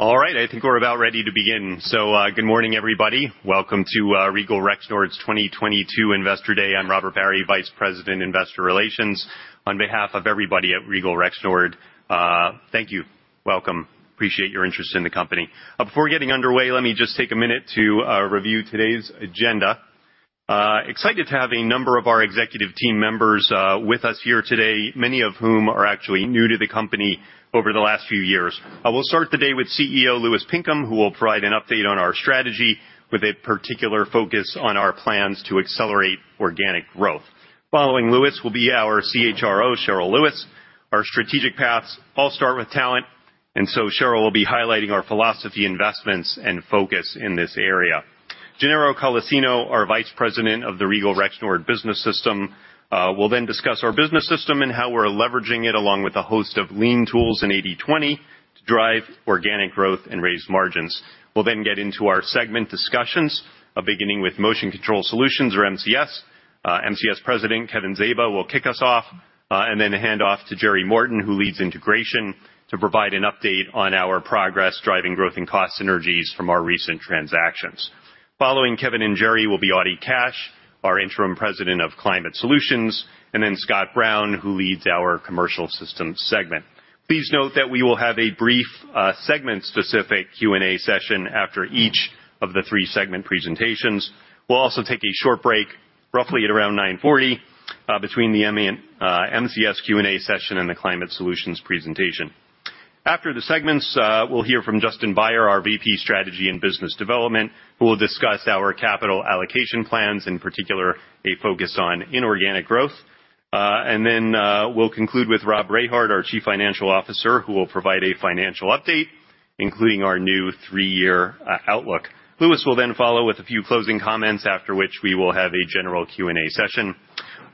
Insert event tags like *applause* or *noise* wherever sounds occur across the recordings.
Ready? All right. I think we're about ready to begin. Good morning, everybody. Welcome to Regal Rexnord's 2022 Investor Day. I'm Robert Barry, Vice President, Investor Relations. On behalf of everybody at Regal Rexnord, thank you. Welcome. Appreciate your interest in the company. Before getting underway, let me just take a minute to review today's agenda. Excited to have a number of our Executive Team members with us here today, many of whom are actually new to the company over the last few years. We'll start the day with CEO Louis Pinkham, who will provide an update on our strategy with a particular focus on our plans to accelerate organic growth. Following Louis will be our CHRO, Cheryl Lewis. Our strategic paths all start with talent, and so Cheryl will be highlighting our philosophy, investments, and focus in this area. Gennaro Colacino, our Vice President of the Regal Rexnord Business System, will then discuss our business system and how we're leveraging it along with a host of lean tools in 80/20 to drive organic growth and raise margins. We'll then get into our segment discussions, beginning with Motion Control Solutions or MCS. MCS President, Kevin Zaba, will kick us off, and then hand off to Jerry Morton, who leads integration, to provide an update on our progress driving growth and cost synergies from our recent transactions. Following Kevin and Jerry will be Audie Cash, our Interim President of Climate Solutions, and then Scott Brown, who leads our Commercial Systems segment. Please note that we will have a brief, segment-specific Q&A session after each of the three segment presentations. We'll also take a short break, roughly around 9:40 A.M. between the ME and MCS Q&A session and the Climate Solutions presentation. After the segments, we'll hear from Justin Baier, our VP, Strategy and Business Development, who will discuss our capital allocation plans, in particular, a focus on inorganic growth. We'll conclude with Rob Rehard, our Chief Financial Officer, who will provide a financial update, including our new three-year outlook. Louis Pinkham will then follow with a few closing comments, after which we will have a general Q&A session.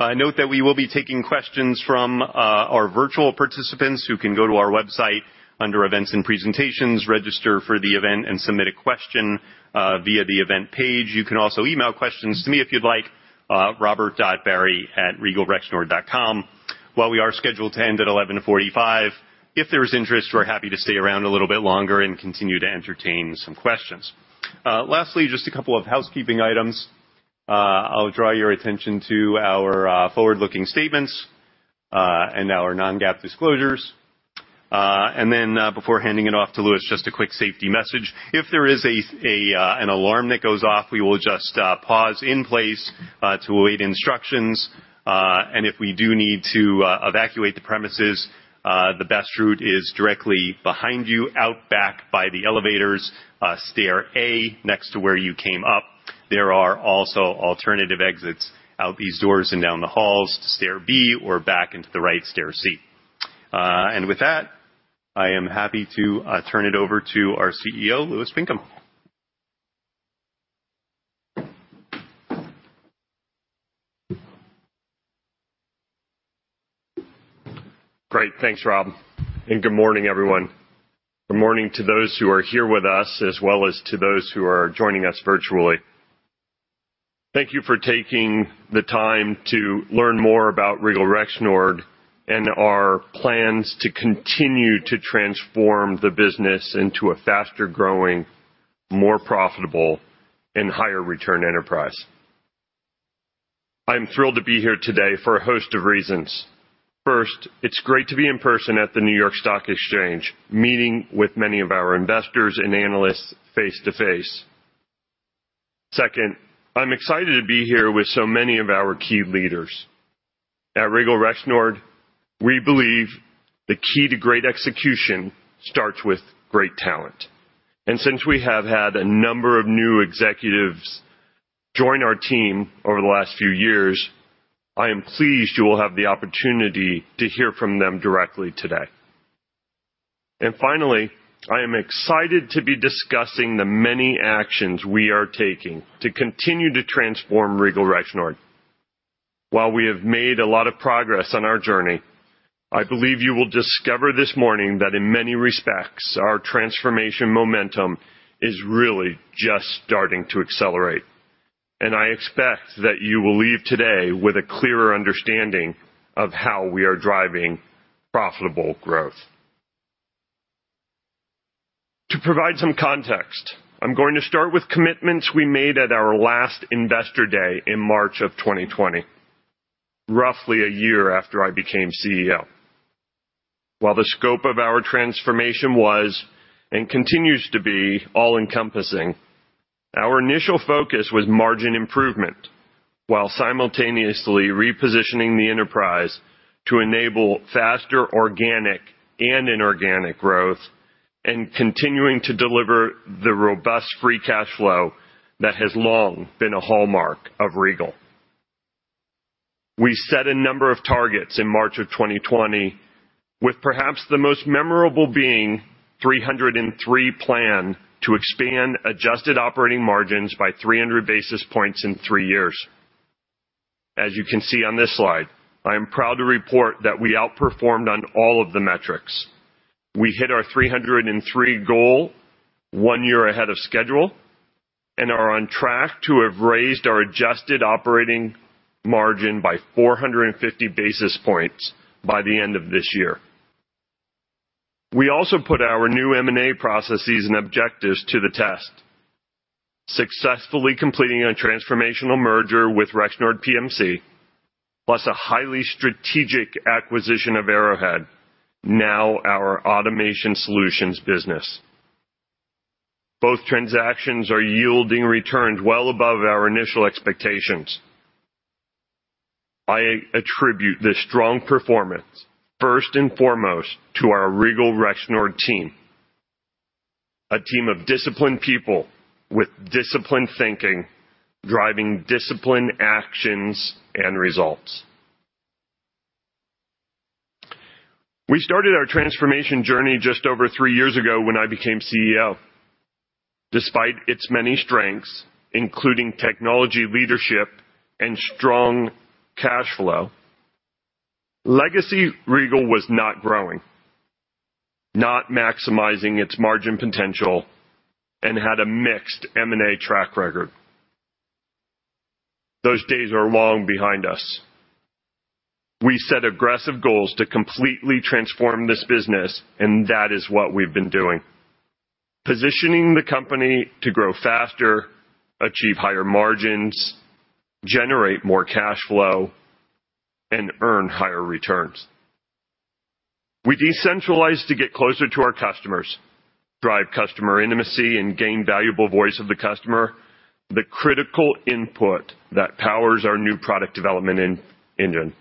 Note that we will be taking questions from our virtual participants who can go to our website under Events and Presentations, register for the event, and submit a question via the event page. You can also email questions to me if you'd like, robert.barry@regalrexnord.com. While we are scheduled to end at 11:45 A.M., if there is interest, we're happy to stay around a little bit longer and continue to entertain some questions. Lastly, just a couple of housekeeping items. I'll draw your attention to our forward-looking statements and our non-GAAP disclosures. Then, before handing it off to Louis, just a quick safety message. If there is an alarm that goes off, we will just pause in place to await instructions. If we do need to evacuate the premises, the best route is directly behind you, out back by the elevators, stair A, next to where you came up. There are also alternative exits out these doors and down the halls to stair B or back to the right, stair C. With that, I am happy to turn it over to our CEO, Louis Pinkham. Great. Thanks, Rob, and good morning, everyone. Good morning to those who are here with us, as well as to those who are joining us virtually. Thank you for taking the time to learn more about Regal Rexnord and our plans to continue to transform the business into a faster growing, more profitable, and higher return enterprise. I'm thrilled to be here today for a host of reasons. First, it's great to be in person at the New York Stock Exchange, meeting with many of our investors and analysts face-to-face. Second, I'm excited to be here with so many of our key leaders. At Regal Rexnord, we believe the key to great execution starts with great talent. Since we have had a number of new executives join our team over the last few years, I am pleased you will have the opportunity to hear from them directly today. Finally, I am excited to be discussing the many actions we are taking to continue to transform Regal Rexnord. While we have made a lot of progress on our journey, I believe you will discover this morning that in many respects, our transformation momentum is really just starting to accelerate, and I expect that you will leave today with a clearer understanding of how we are driving profitable growth. To provide some context, I'm going to start with commitments we made at our last Investor Day in March of 2020, roughly a year after I became CEO. While the scope of our transformation was and continues to be all-encompassing, our initial focus was margin improvement, while simultaneously repositioning the enterprise to enable faster organic and inorganic growth and continuing to deliver the robust free cash flow that has long been a hallmark of Regal. We set a number of targets in March 2020, with perhaps the most memorable being 303 plan to expand adjusted operating margins by 300 basis points in three years. As you can see on this slide, I am proud to report that we outperformed on all of the metrics. We hit our 303 goal one year ahead of schedule and are on track to have raised our adjusted operating margin by 450 basis points by the end of this year. We also put our new M&A processes and objectives to the test, successfully completing a transformational merger with Rexnord PMC, plus a highly strategic acquisition of Arrowhead, now our automation solutions business. Both transactions are yielding returns well above our initial expectations. I attribute this strong performance first and foremost to our Regal Rexnord team. A team of disciplined people with disciplined thinking, driving disciplined actions and results. We started our transformation journey just over three years ago when I became CEO. Despite its many strengths, including technology leadership and strong cash flow, legacy Regal was not growing, not maximizing its margin potential, and had a mixed M&A track record. Those days are long behind us. We set aggressive goals to completely transform this business, and that is what we've been doing. Positioning the company to grow faster, achieve higher margins, generate more cash flow, and earn higher returns. We decentralized to get closer to our customers, drive customer intimacy, and gain valuable voice of the customer, the critical input that powers our new product development engine.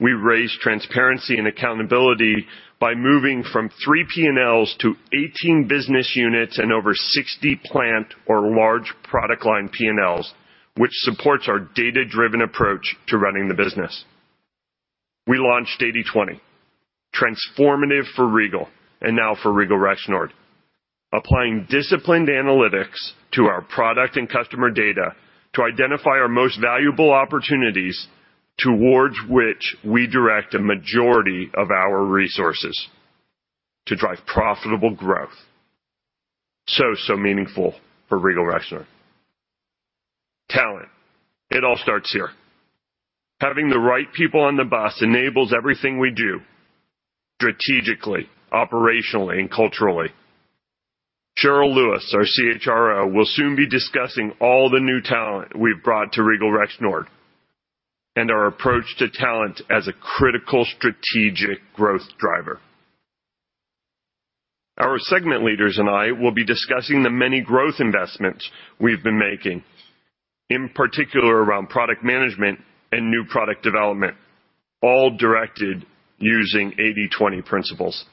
We raised transparency and accountability by moving from three P&Ls to 18 business units and over 60 plant or large product line P&Ls, which supports our data-driven approach to running the business. We launched 80/20, transformative for Regal and now for Regal Rexnord. Applying disciplined analytics to our product and customer data to identify our most valuable opportunities towards which we direct a majority of our resources to drive profitable growth. Meaningful for Regal Rexnord. Talent, it all starts here. Having the right people on the bus enables everything we do strategically, operationally, and culturally. Cheryl Lewis, our CHRO, will soon be discussing all the new talent we've brought to Regal Rexnord and our approach to talent as a critical strategic growth driver. Our segment leaders and I will be discussing the many growth investments we've been making, in particular around product management and new product development, all directed using 80/20 principles.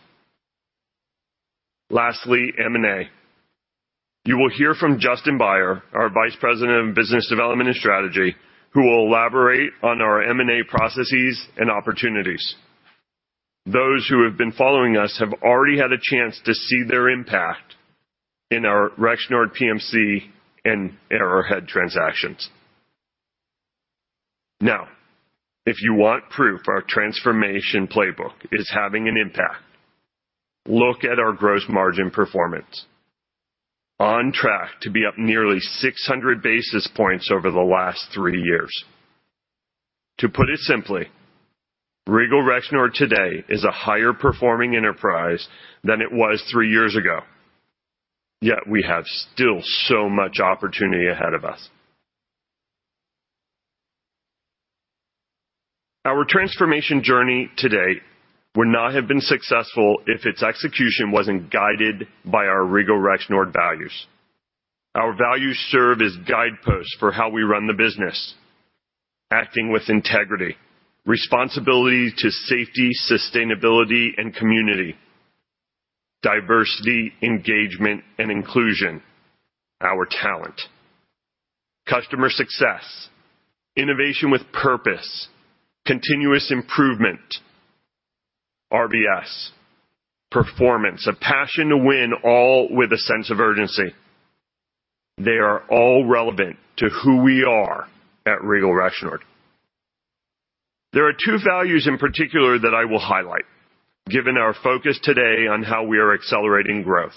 Lastly, M&A. You will hear from Justin Baier, our Vice President of Business Development and Strategy, who will elaborate on our M&A processes and opportunities. Those who have been following us have already had a chance to see their impact in our Rexnord PMC and Arrowhead transactions. Now, if you want proof our transformation playbook is having an impact, look at our gross margin performance. On track to be up nearly 600 basis points over the last three years. To put it simply, Regal Rexnord today is a higher performing enterprise than it was three years ago. Yet we have still so much opportunity ahead of us. Our transformation journey today would not have been successful if its execution wasn't guided by our Regal Rexnord values. Our values serve as guideposts for how we run the business, acting with integrity, responsibility to safety, sustainability, and community, diversity, engagement, and inclusion, our talent. Customer success, innovation with purpose, continuous improvement. RBS, performance, a passion to win, all with a sense of urgency. They are all relevant to who we are at Regal Rexnord. There are two values in particular that I will highlight, given our focus today on how we are accelerating growth,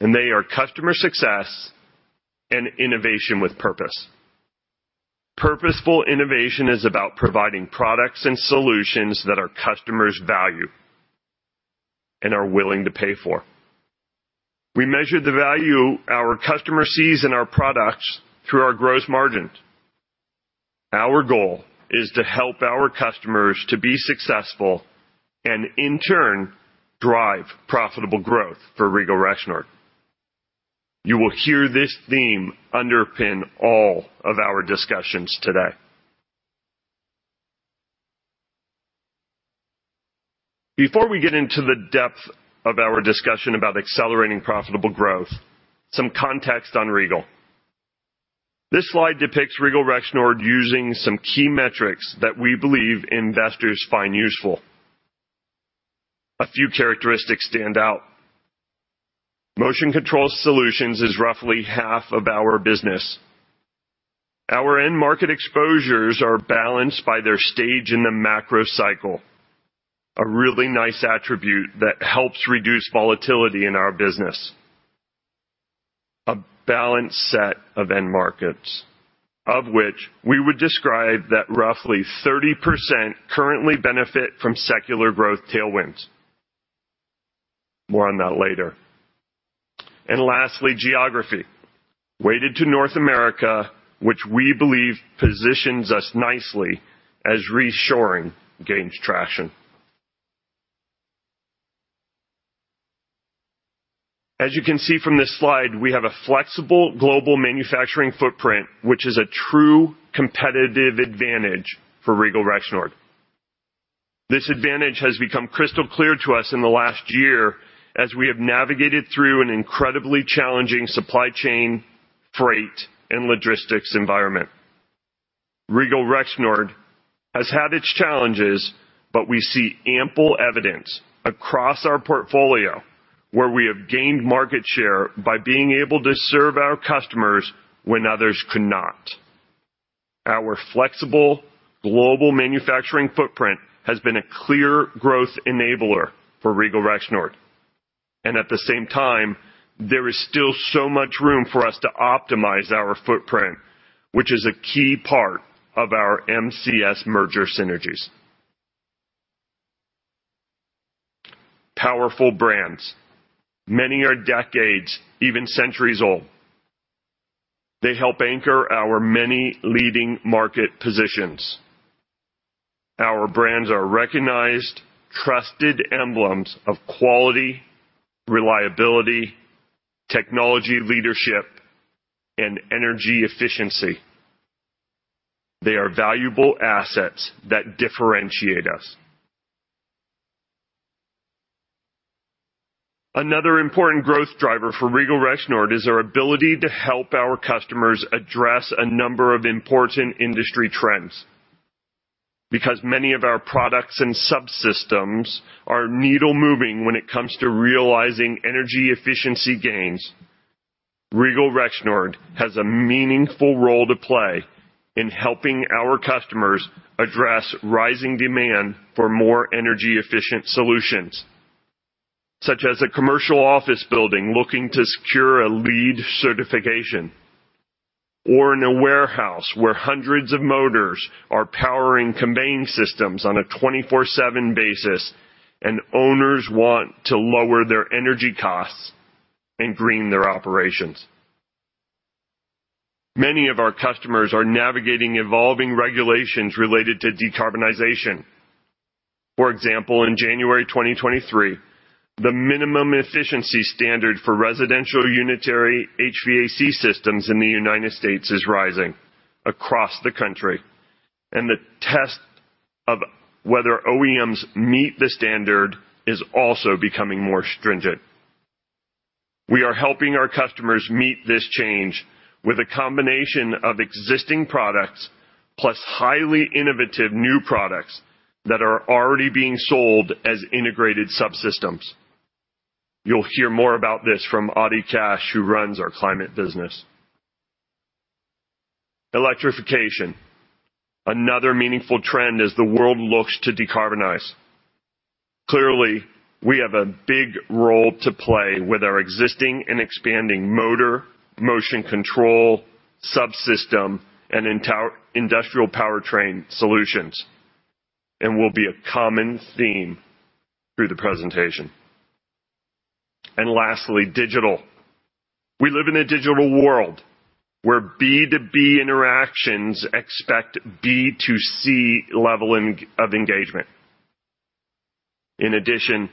and they are customer success and innovation with purpose. Purposeful innovation is about providing products and solutions that our customers value and are willing to pay for. We measure the value our customer sees in our products through our gross margins. Our goal is to help our customers to be successful and in turn, drive profitable growth for Regal Rexnord. You will hear this theme underpin all of our discussions today. Before we get into the depth of our discussion about accelerating profitable growth, some context on Regal. This slide depicts Regal Rexnord using some key metrics that we believe investors find useful. A few characteristics stand out. Motion Control Solutions is roughly half of our business. Our end market exposures are balanced by their stage in the macro cycle, a really nice attribute that helps reduce volatility in our business. A balanced set of end markets, of which we would describe that roughly 30% currently benefit from secular growth tailwinds. More on that later. Lastly, geography. Weighted to North America, which we believe positions us nicely as reshoring gains traction. As you can see from this slide, we have a flexible global manufacturing footprint, which is a true competitive advantage for Regal Rexnord. This advantage has become crystal clear to us in the last year as we have navigated through an incredibly challenging supply chain, freight, and logistics environment. Regal Rexnord has had its challenges, but we see ample evidence across our portfolio where we have gained market share by being able to serve our customers when others could not. Our flexible global manufacturing footprint has been a clear growth enabler for Regal Rexnord. At the same time, there is still so much room for us to optimize our footprint, which is a key part of our MCS merger synergies. Powerful brands. Many are decades, even centuries old. They help anchor our many leading market positions. Our brands are recognized, trusted emblems of quality, reliability, technology leadership, and energy efficiency. They are valuable assets that differentiate us. Another important growth driver for Regal Rexnord is our ability to help our customers address a number of important industry trends. Because many of our products and subsystems are needle moving when it comes to realizing energy efficiency gains, Regal Rexnord has a meaningful role to play in helping our customers address rising demand for more energy efficient solutions, such as a commercial office building looking to secure a LEED certification, or in a warehouse where hundreds of motors are powering conveying systems on a 24/7 basis, and owners want to lower their energy costs and green their operations. Many of our customers are navigating evolving regulations related to decarbonization. For example, in January 2023, the minimum efficiency standard for residential unitary HVAC systems in the United States is rising across the country, and the test of whether OEMs meet the standard is also becoming more stringent. We are helping our customers meet this change with a combination of existing products plus highly innovative new products that are already being sold as integrated subsystems. You'll hear more about this from Audie Cash, who runs our climate business. Electrification. Another meaningful trend as the world looks to decarbonize. Clearly, we have a big role to play with our existing and expanding motor, motion control, subsystem, and entire industrial powertrain solutions, and will be a common theme through the presentation. Lastly, digital. We live in a digital world where B2B interactions expect B to C level of engagement. In addition,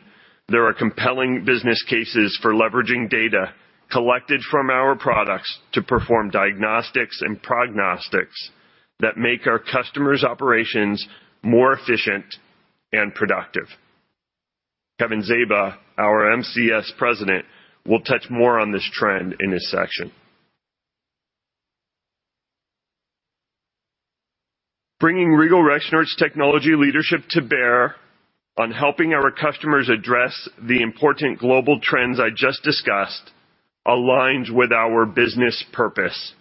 there are compelling business cases for leveraging data collected from our products to perform diagnostics and prognostics that make our customers' operations more efficient and productive. Kevin Zaba, our MCS President, will touch more on this trend in this section. Bringing Regal Rexnord's technology leadership to bear on helping our customers address the important global trends I just discussed aligns with our business purpose.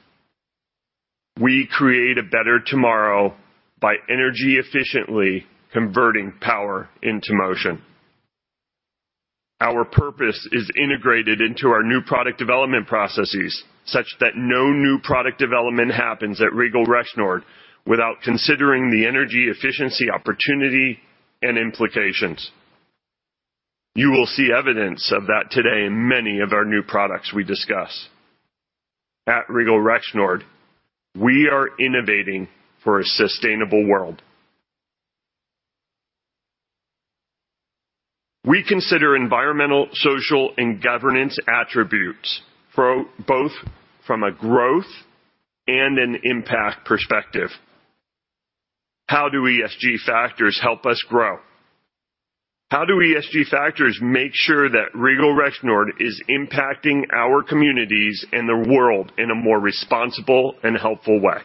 We create a better tomorrow by energy efficiently converting power into motion. Our purpose is integrated into our new product development processes, such that no new product development happens at Regal Rexnord without considering the energy efficiency opportunity and implications. You will see evidence of that today in many of our new products we discuss. At Regal Rexnord, we are innovating for a sustainable world. We consider environmental, social, and governance attributes both from a growth and an impact perspective. How do ESG factors help us grow? How do ESG factors make sure that Regal Rexnord is impacting our communities and the world in a more responsible and helpful way?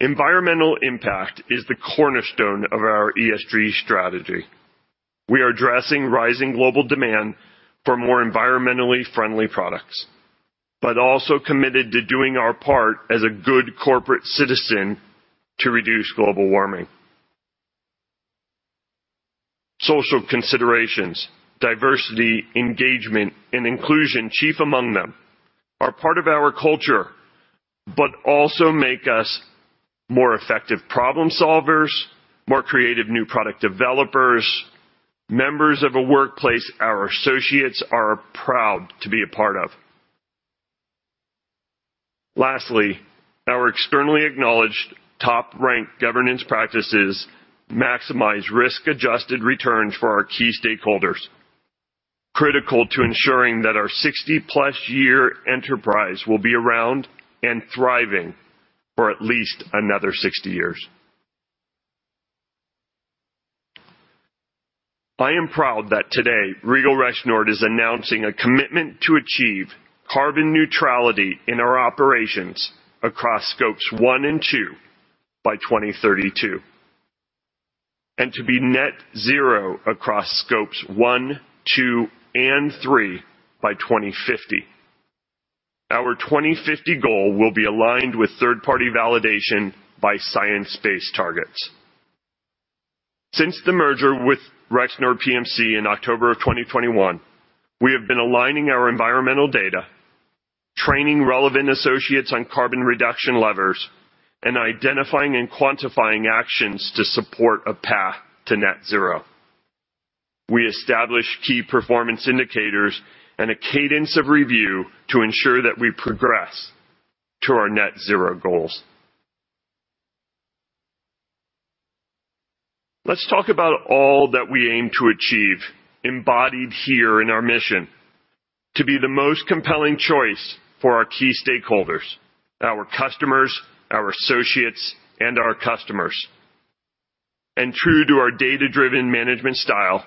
Environmental impact is the cornerstone of our ESG strategy. We are addressing rising global demand for more environmentally friendly products, but also committed to doing our part as a good corporate citizen to reduce global warming. Social considerations, diversity, engagement, and inclusion, chief among them, are part of our culture, but also make us more effective problem solvers, more creative new product developers, members of a workplace our associates are proud to be a part of. Lastly, our externally acknowledged top-ranked governance practices maximize risk-adjusted returns for our key stakeholders, critical to ensuring that our 60-plus year enterprise will be around and thriving for at least another 60 years. I am proud that today, Regal Rexnord is announcing a commitment to achieve carbon neutrality in our operations across scopes 1 and 2 by 2032, and to be net zero across scopes 1, 2, and 3 by 2050. Our 2050 goal will be aligned with third-party validation by Science Based Targets. Since the merger with Rexnord PMC in October of 2021, we have been aligning our environmental data, training relevant associates on carbon reduction levers, and identifying and quantifying actions to support a path to net zero. We establish key performance indicators and a cadence of review to ensure that we progress to our net zero goals. Let's talk about all that we aim to achieve, embodied here in our mission to be the most compelling choice for our key stakeholders, our customers, our associates, and our customers. True to our data-driven management style,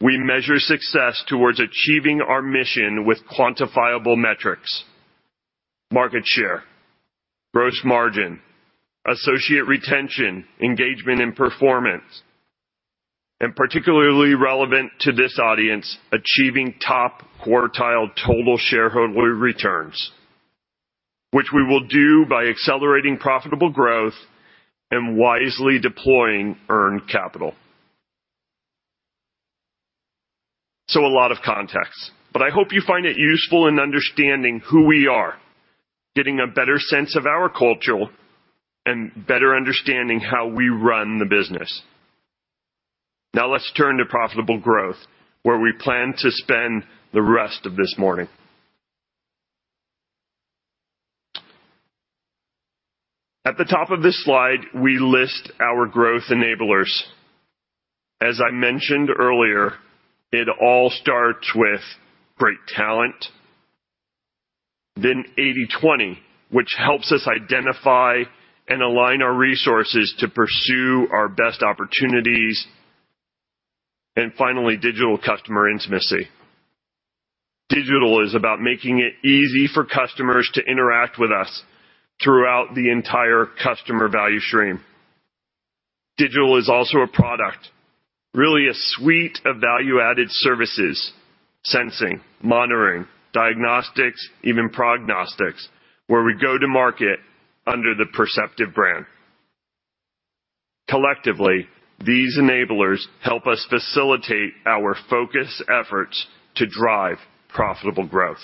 we measure success towards achieving our mission with quantifiable metrics: market share, gross margin, associate retention, engagement, and performance, and particularly relevant to this audience, achieving top quartile total shareholder returns, which we will do by accelerating profitable growth and wisely deploying earned capital. A lot of context, but I hope you find it useful in understanding who we are, getting a better sense of our culture, and better understanding how we run the business. Now let's turn to profitable growth, where we plan to spend the rest of this morning. At the top of this slide, we list our growth enablers. As I mentioned earlier, it all starts with great talent. 80/20, which helps us identify and align our resources to pursue our best opportunities. Finally, digital customer intimacy. Digital is about making it easy for customers to interact with us throughout the entire customer value stream. Digital is also a product, really a suite of value-added services, sensing, monitoring, diagnostics, even prognostics, where we go to market under the Perceptiv brand. Collectively, these enablers help us facilitate our focus efforts to drive profitable growth.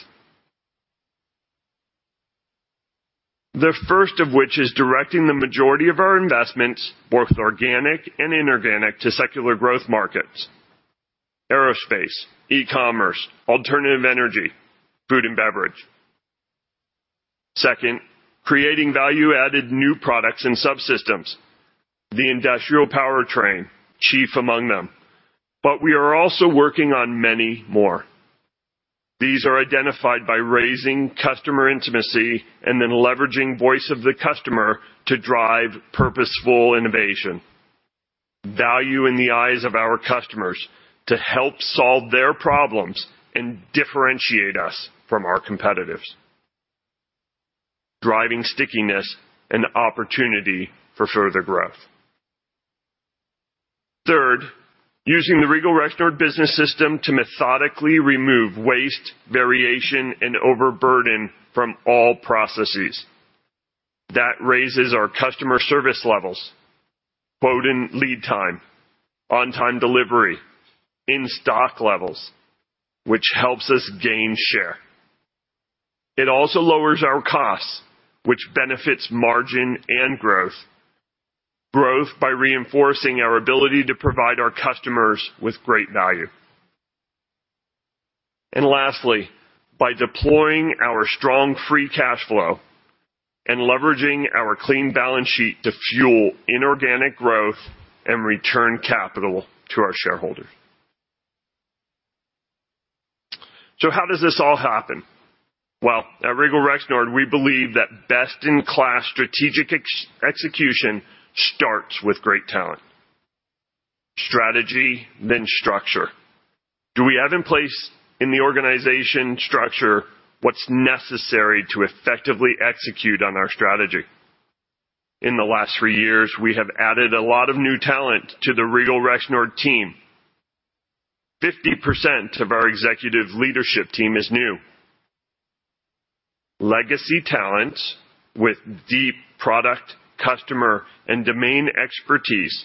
The first of which is directing the majority of our investments, both organic and inorganic, to secular growth markets, aerospace, e-commerce, alternative energy, food and beverage. Second, creating value-added new products and subsystems. The industrial powertrain, chief among them. We are also working on many more. These are identified by raising customer intimacy and then leveraging voice of the customer to drive purposeful innovation. Value in the eyes of our customers, to help solve their problems and differentiate us from our competitors, driving stickiness and opportunity for further growth. Third, using the Regal Rexnord Business System to methodically remove waste, variation, and overburden from all processes. That raises our customer service levels, quality and lead time, on-time delivery, in-stock levels, which helps us gain share. It also lowers our costs, which benefits margin and growth. Growth by reinforcing our ability to provide our customers with great value. Lastly, by deploying our strong free cash flow and leveraging our clean balance sheet to fuel inorganic growth and return capital to our shareholders. How does this all happen? Well, at Regal Rexnord, we believe that best-in-class strategic execution starts with great talent. Strategy then structure. Do we have in place the organizational structure what's necessary to effectively execute on our strategy? In the last three years, we have added a lot of new talent to the Regal Rexnord team. 50% of our executive leadership team is new. Legacy talents with deep product, customer, and domain expertise,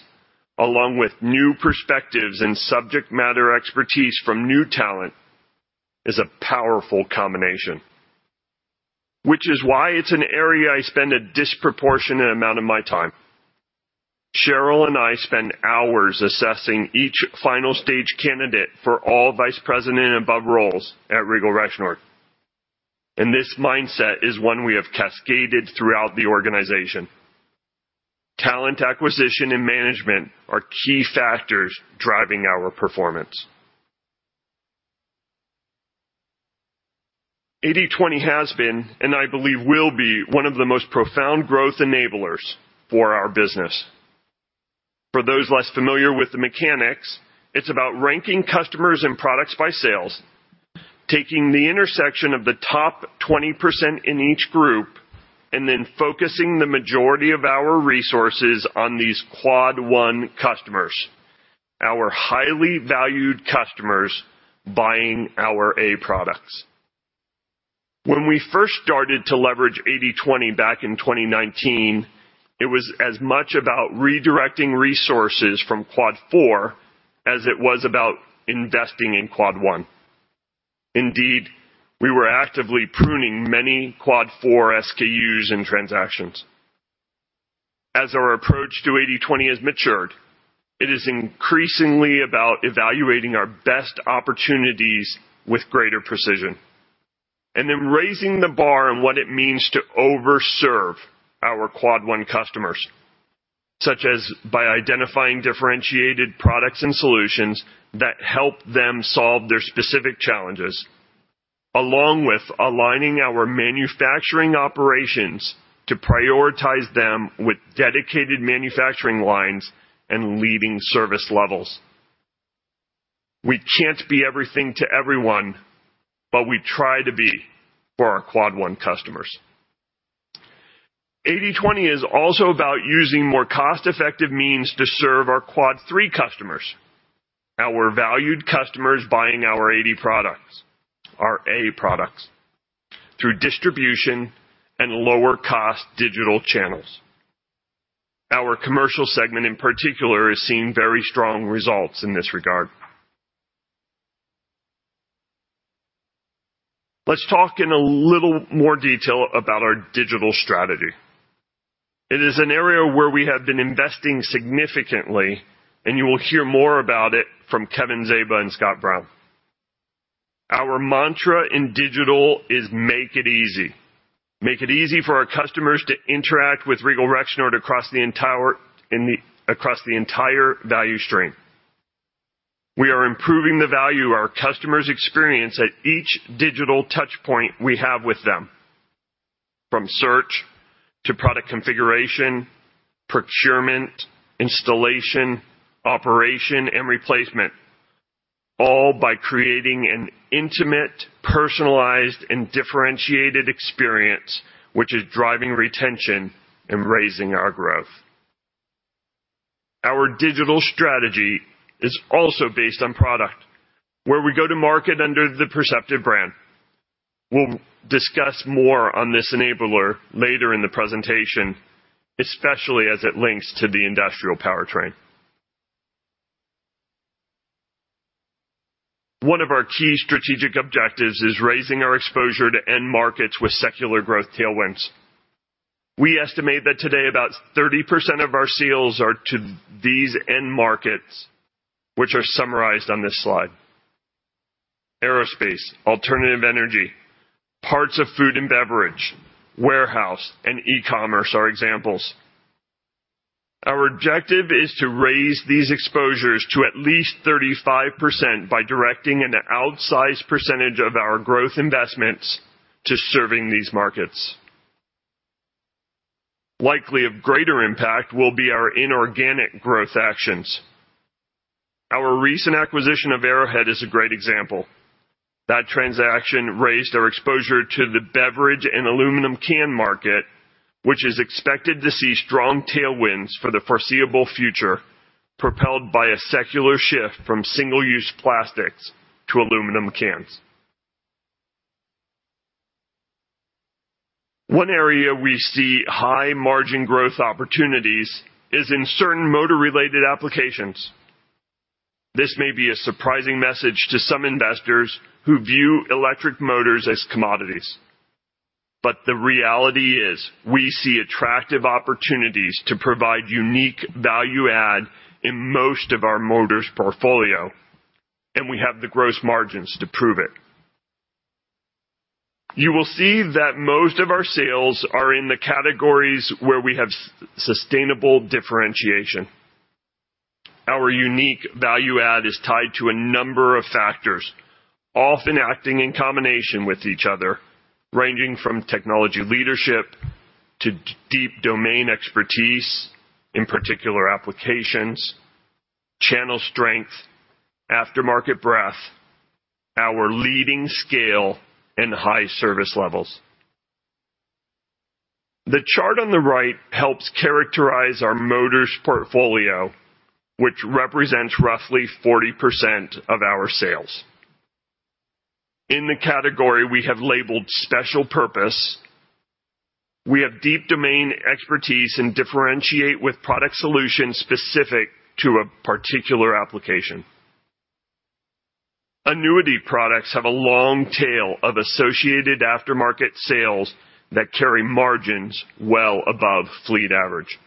along with new perspectives and subject matter expertise from new talent is a powerful combination. Which is why it's an area I spend a disproportionate amount of my time. Cheryl and I spend hours assessing each final stage candidate for all vice president above roles at Regal Rexnord. This mindset is one we have cascaded throughout the organization. Talent acquisition and management are key factors driving our performance. 80/20 has been, and I believe will be one of the most profound growth enablers for our business. For those less familiar with the mechanics, it's about ranking customers and products by sales, taking the intersection of the top 20% in each group, and then focusing the majority of our resources on these Quad 1 customers, our highly valued customers buying our A products. When we first started to leverage 80/20 back in 2019, it was as much about redirecting resources from Quad 4 as it was about investing in Quad 1. Indeed, we were actively pruning many Quad 4 SKUs and transactions. As our approach to 80/20 has matured, it is increasingly about evaluating our best opportunities with greater precision, and then raising the bar on what it means to over-serve our Quad 1 customers, such as by identifying differentiated products and solutions that help them solve their specific challenges, along with aligning our manufacturing operations to prioritize them with dedicated manufacturing lines and leading service levels. We can't be everything to everyone, but we try to be for our Quad 1 customers. 80/20 is also about using more cost-effective means to serve our Quad 3 customers. Our valued customers buying our AC products, our HVAC products through distribution and lower cost digital channels. Our Commercial segment in particular is seeing very strong results in this regard. Let's talk in a little more detail about our digital strategy. It is an area where we have been investing significantly, and you will hear more about it from Kevin Zaba and Scott Brown. Our mantra in digital is make it easy. Make it easy for our customers to interact with Regal Rexnord across the entire value stream. We are improving the value our customers experience at each digital touch point we have with them, from search to product configuration, procurement, installation, operation, and replacement, all by creating an intimate, personalized, and differentiated experience, which is driving retention and raising our growth. Our digital strategy is also based on product, where we go to market under the Perceptiv brand. We'll discuss more on this enabler later in the presentation, especially as it links to the industrial powertrain. One of our key strategic objectives is raising our exposure to end markets with secular growth tailwinds. We estimate that today about 30% of our sales are to these end markets, which are summarized on this slide. Aerospace, alternative energy, parts of food and beverage, warehouse, and e-commerce are examples. Our objective is to raise these exposures to at least 35% by directing an outsized percentage of our growth investments to serving these markets. Likely of greater impact will be our inorganic growth actions. Our recent acquisition of Arrowhead is a great example. That transaction raised our exposure to the beverage and aluminum can market, which is expected to see strong tailwinds for the foreseeable future, propelled by a secular shift from single-use plastics to aluminum cans. One area we see high margin growth opportunities is in certain motor-related applications. This may be a surprising message to some investors who view electric motors as commodities. The reality is, we see attractive opportunities to provide unique value add in most of our motors portfolio, and we have the gross margins to prove it. You will see that most of our sales are in the categories where we have sustainable differentiation. Our unique value add is tied to a number of factors. Often acting in combination with each other, ranging from technology leadership to deep domain expertise in particular applications, channel strength, aftermarket breadth, our leading scale and high service levels. The chart on the right helps characterize our motors portfolio, which represents roughly 40% of our sales. In the category we have labeled special purpose, we have deep domain expertise and differentiate with product solutions specific to a particular application. Annuity products have a long tail of associated aftermarket sales that carry margins well above fleet average.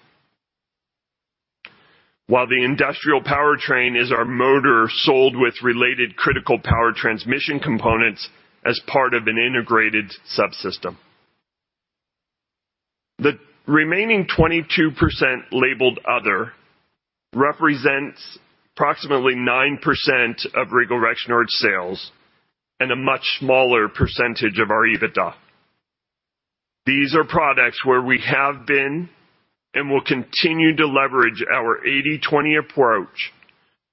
While the industrial powertrain is our motor sold with related critical power transmission components as part of an integrated subsystem. The remaining 22% labeled Other represents approximately 9% of Regal Rexnord sales and a much smaller percentage of our EBITDA. These are products where we have been and will continue to leverage our 80/20 approach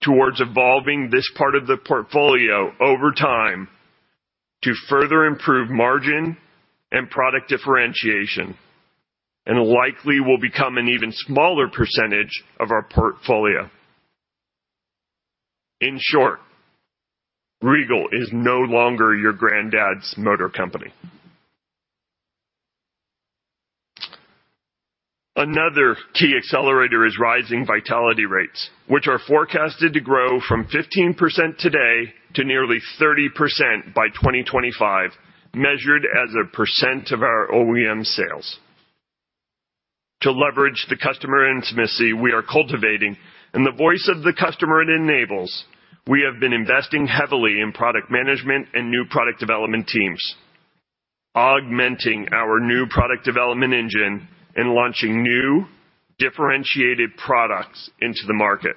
towards evolving this part of the portfolio over time to further improve margin and product differentiation, and likely will become an even smaller percentage of our portfolio. In short, Regal is no longer your granddad's motor company. Another key accelerator is rising vitality rates, which are forecasted to grow from 15% today to nearly 30% by 2025, measured as a % of our OEM sales. To leverage the customer intimacy we are cultivating, and the voice of the customer it enables, we have been investing heavily in product management and new product development teams, augmenting our new product development engine and launching new differentiated products into the market.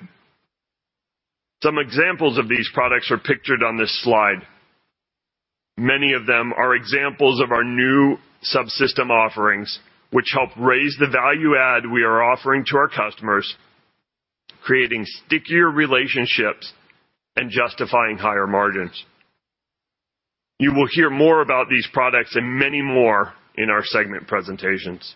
Some examples of these products are pictured on this slide. Many of them are examples of our new subsystem offerings, which help raise the value add we are offering to our customers, creating stickier relationships and justifying higher margins. You will hear more about these products and many more in our segment presentations.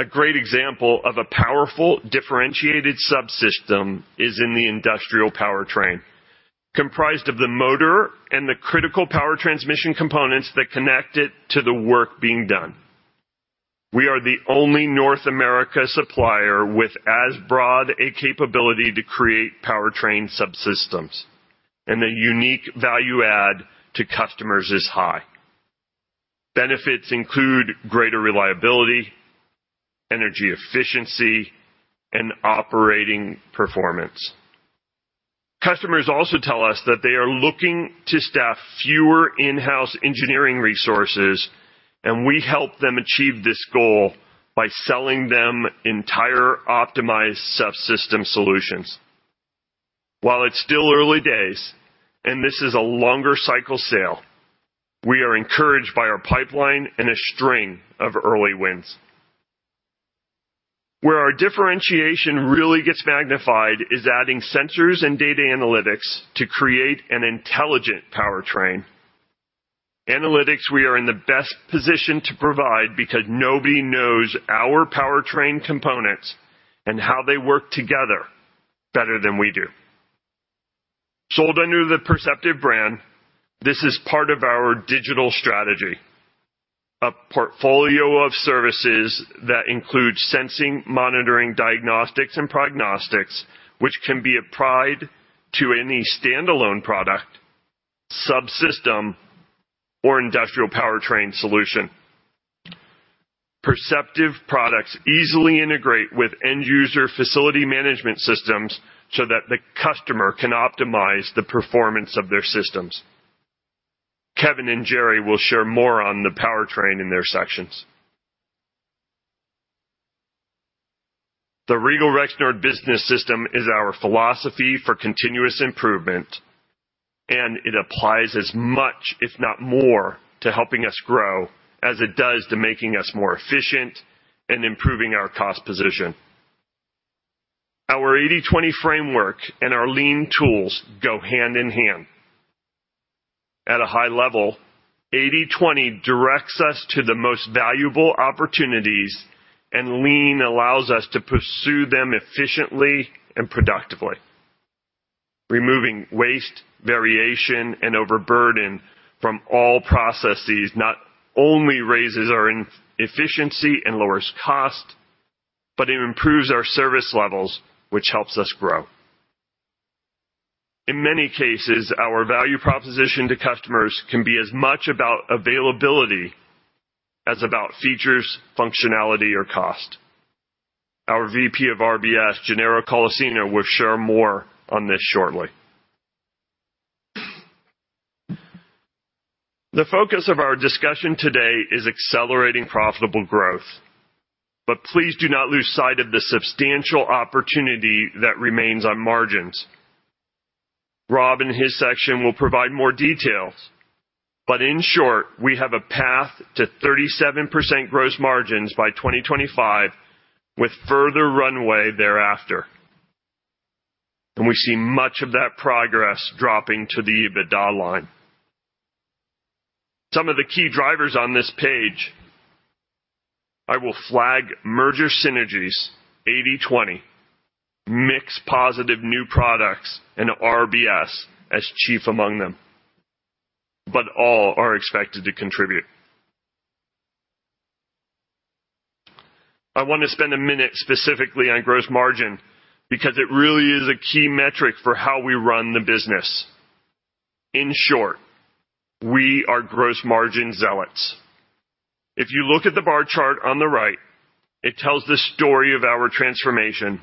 A great example of a powerful differentiated subsystem is in the industrial powertrain, comprised of the motor and the critical power transmission components that connect it to the work being done. We are the only North America supplier with as broad a capability to create powertrain subsystems, and the unique value add to customers is high. Benefits include greater reliability, energy efficiency, and operating performance. Customers also tell us that they are looking to staff fewer in-house engineering resources, and we help them achieve this goal by selling them entire optimized subsystem solutions. While it's still early days, and this is a longer cycle sale, we are encouraged by our pipeline and a string of early wins. Where our differentiation really gets magnified is adding sensors and data analytics to create an intelligent powertrain. Analytics, we are in the best position to provide because nobody knows our powertrain components and how they work together better than we do. Sold under the Perceptiv brand, this is part of our digital strategy, a portfolio of services that includes sensing, monitoring, diagnostics, and prognostics, which can be applied to any standalone product, subsystem, or industrial powertrain solution. Perceptiv products easily integrate with end user facility management systems so that the customer can optimize the performance of their systems. Kevin and Jerry will share more on the powertrain in their sections. The Regal Rexnord Business System is our philosophy for continuous improvement, and it applies as much, if not more, to helping us grow as it does to making us more efficient and improving our cost position. Our 80/20 framework and our lean tools go hand in hand. At a high level, 80/20 directs us to the most valuable opportunities, and lean allows us to pursue them efficiently and productively. Removing waste, variation, and overburden from all processes not only raises our inefficiency and lowers cost, but it improves our service levels, which helps us grow. In many cases, our value proposition to customers can be as much about availability as about features, functionality, or cost. Our VP of RBS, Gennaro Colacino, will share more on this shortly. The focus of our discussion today is accelerating profitable growth. Please do not lose sight of the substantial opportunity that remains on margins. Rob, in his section, will provide more details. In short, we have a path to 37% gross margins by 2025, with further runway thereafter. We see much of that progress dropping to the EBITDA line. Some of the key drivers on this page, I will flag merger synergies, 80/20, mixed positive new products, and RBS as chief among them. All are expected to contribute. I want to spend a minute specifically on gross margin because it really is a key metric for how we run the business. In short, we are gross margin zealots. If you look at the bar chart on the right, it tells the story of our transformation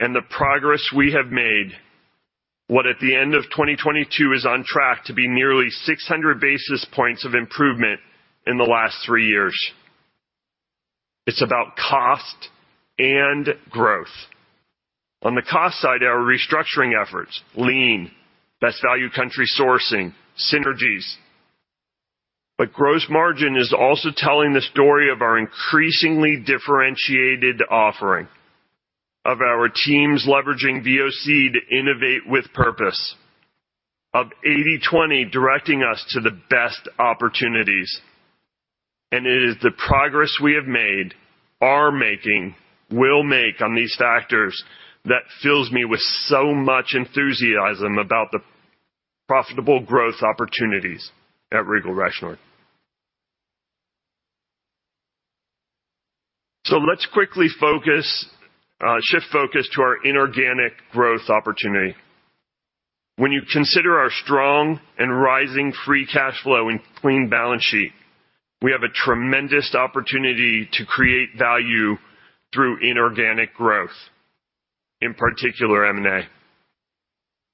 and the progress we have made. What at the end of 2022 is on track to be nearly 600 basis points of improvement in the last three years. It's about cost and growth. On the cost side, our restructuring efforts, lean, best value country sourcing, synergies. Gross margin is also telling the story of our increasingly differentiated offering of our teams leveraging VoC to innovate with purpose, of 80/20 directing us to the best opportunities. It is the progress we have made, are making, will make on these factors that fills me with so much enthusiasm about the profitable growth opportunities at Regal Rexnord. Let's quickly focus, shift focus to our inorganic growth opportunity. When you consider our strong and rising free cash flow and clean balance sheet, we have a tremendous opportunity to create value through inorganic growth, in particular M&A.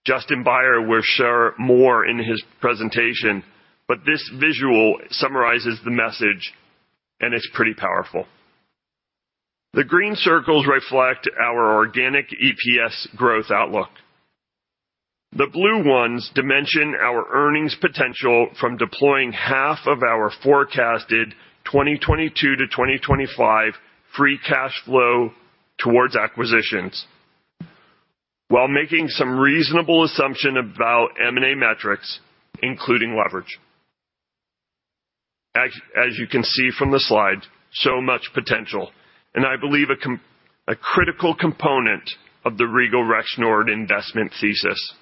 Justin Baier will share more in his presentation, but this visual summarizes the message, and it's pretty powerful. The green circles reflect our organic EPS growth outlook. The blue ones dimension our earnings potential from deploying half of our forecasted 2022-2025 free cash flow towards acquisitions while making some reasonable assumption about M&A metrics, including leverage. As you can see from the slide, so much potential, and I believe a critical component of the Regal Rexnord investment thesis.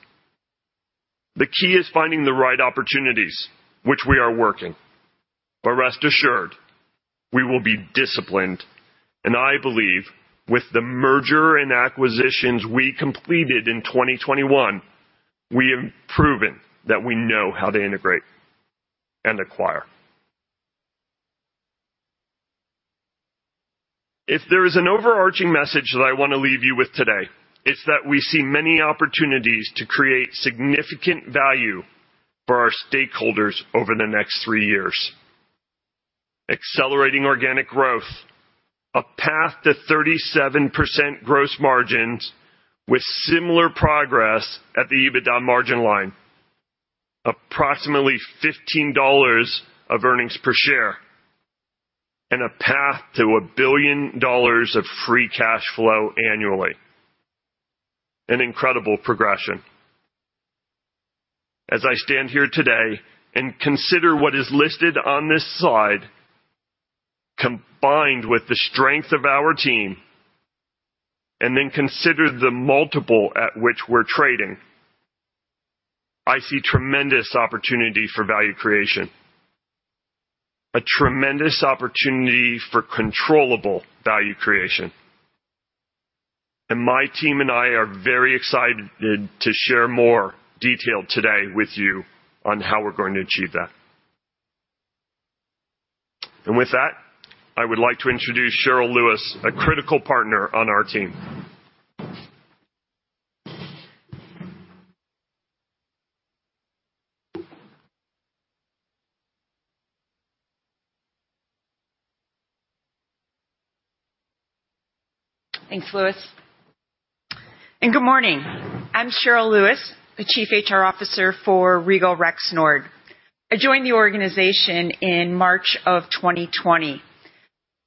The key is finding the right opportunities which we are working, but rest assured, we will be disciplined. I believe with the merger and acquisitions we completed in 2021, we have proven that we know how to integrate and acquire. If there is an overarching message that I wanna leave you with today, it's that we see many opportunities to create significant value for our stakeholders over the next three years. Accelerating organic growth, a path to 37% gross margins with similar progress at the EBITDA margin line. Approximately $15 of earnings per share and a path to $1 billion of free cash flow annually. An incredible progression. As I stand here today and consider what is listed on this slide, combined with the strength of our team, and then consider the multiple at which we're trading, I see tremendous opportunity for value creation. A tremendous opportunity for controllable value creation. My team and I are very excited to share more detail today with you on how we're going to achieve that. With that, I would like to introduce Cheryl Lewis, a critical partner on our team. Thanks, Louis. Good morning. I'm Cheryl Lewis, the Chief HR Officer for Regal Rexnord. I joined the organization in March of 2020.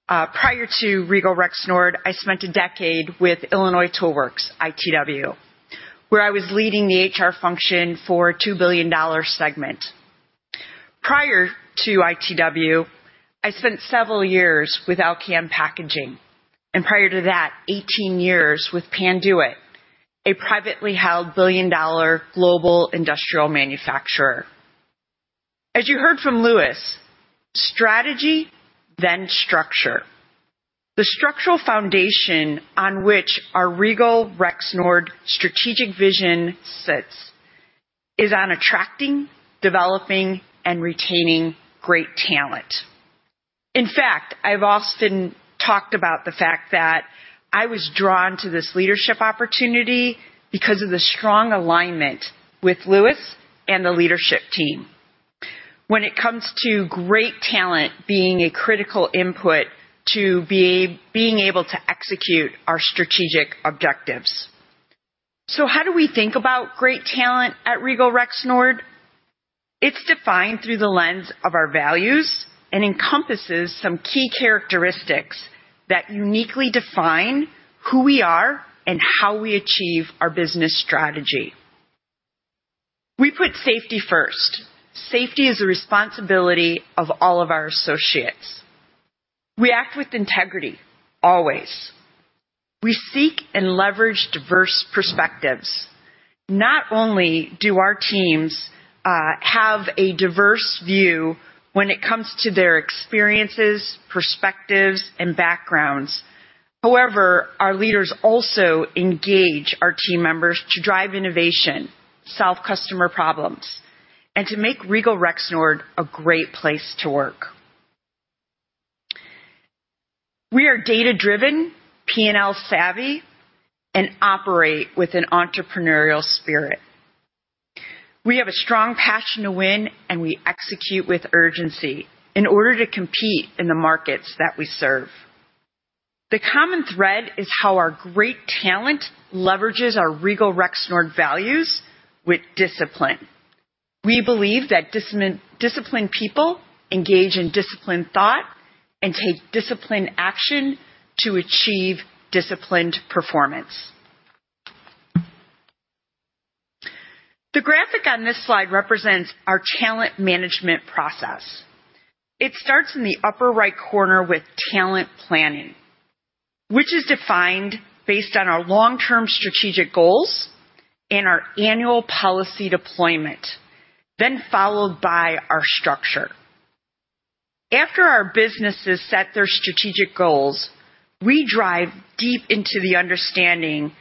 Prior to Regal Rexnord, I spent a decade with Illinois Tool Works, ITW, where I was leading the HR function for a $2 billion segment. Prior to ITW, I spent several years with Alcan Packaging, and prior to that, 18 years with Panduit, a privately held billion-dollar global industrial manufacturer. As you heard from Louis, strategy, then structure. The structural foundation on which our Regal Rexnord strategic vision sits is on attracting, developing, and retaining great talent. In fact, I've often talked about the fact that I was drawn to this leadership opportunity because of the strong alignment with Lewis and the leadership team when it comes to great talent being a critical input to being able to execute our strategic objectives. How do we think about great talent at Regal Rexnord? It's defined through the lens of our values and encompasses some key characteristics that uniquely define who we are and how we achieve our business strategy. We put safety first. Safety is a responsibility of all of our associates. We act with integrity, always. We seek and leverage diverse perspectives. Not only do our teams have a diverse view when it comes to their experiences, perspectives, and backgrounds, however, our leaders also engage our team members to drive innovation, solve customer problems, and to make Regal Rexnord a great place to work. We are data-driven, P&L savvy, and operate with an entrepreneurial spirit. We have a strong passion to win, and we execute with urgency in order to compete in the markets that we serve. The common thread is how our great talent leverages our Regal Rexnord values with discipline. We believe that disciplined people engage in disciplined thought and take disciplined action to achieve disciplined performance. The graphic on this slide represents our talent management process. It starts in the upper right corner with talent planning, which is defined based on our long-term strategic goals and our annual policy deployment, then followed by our structure. After our businesses set their strategic goals, we drive deep into the understanding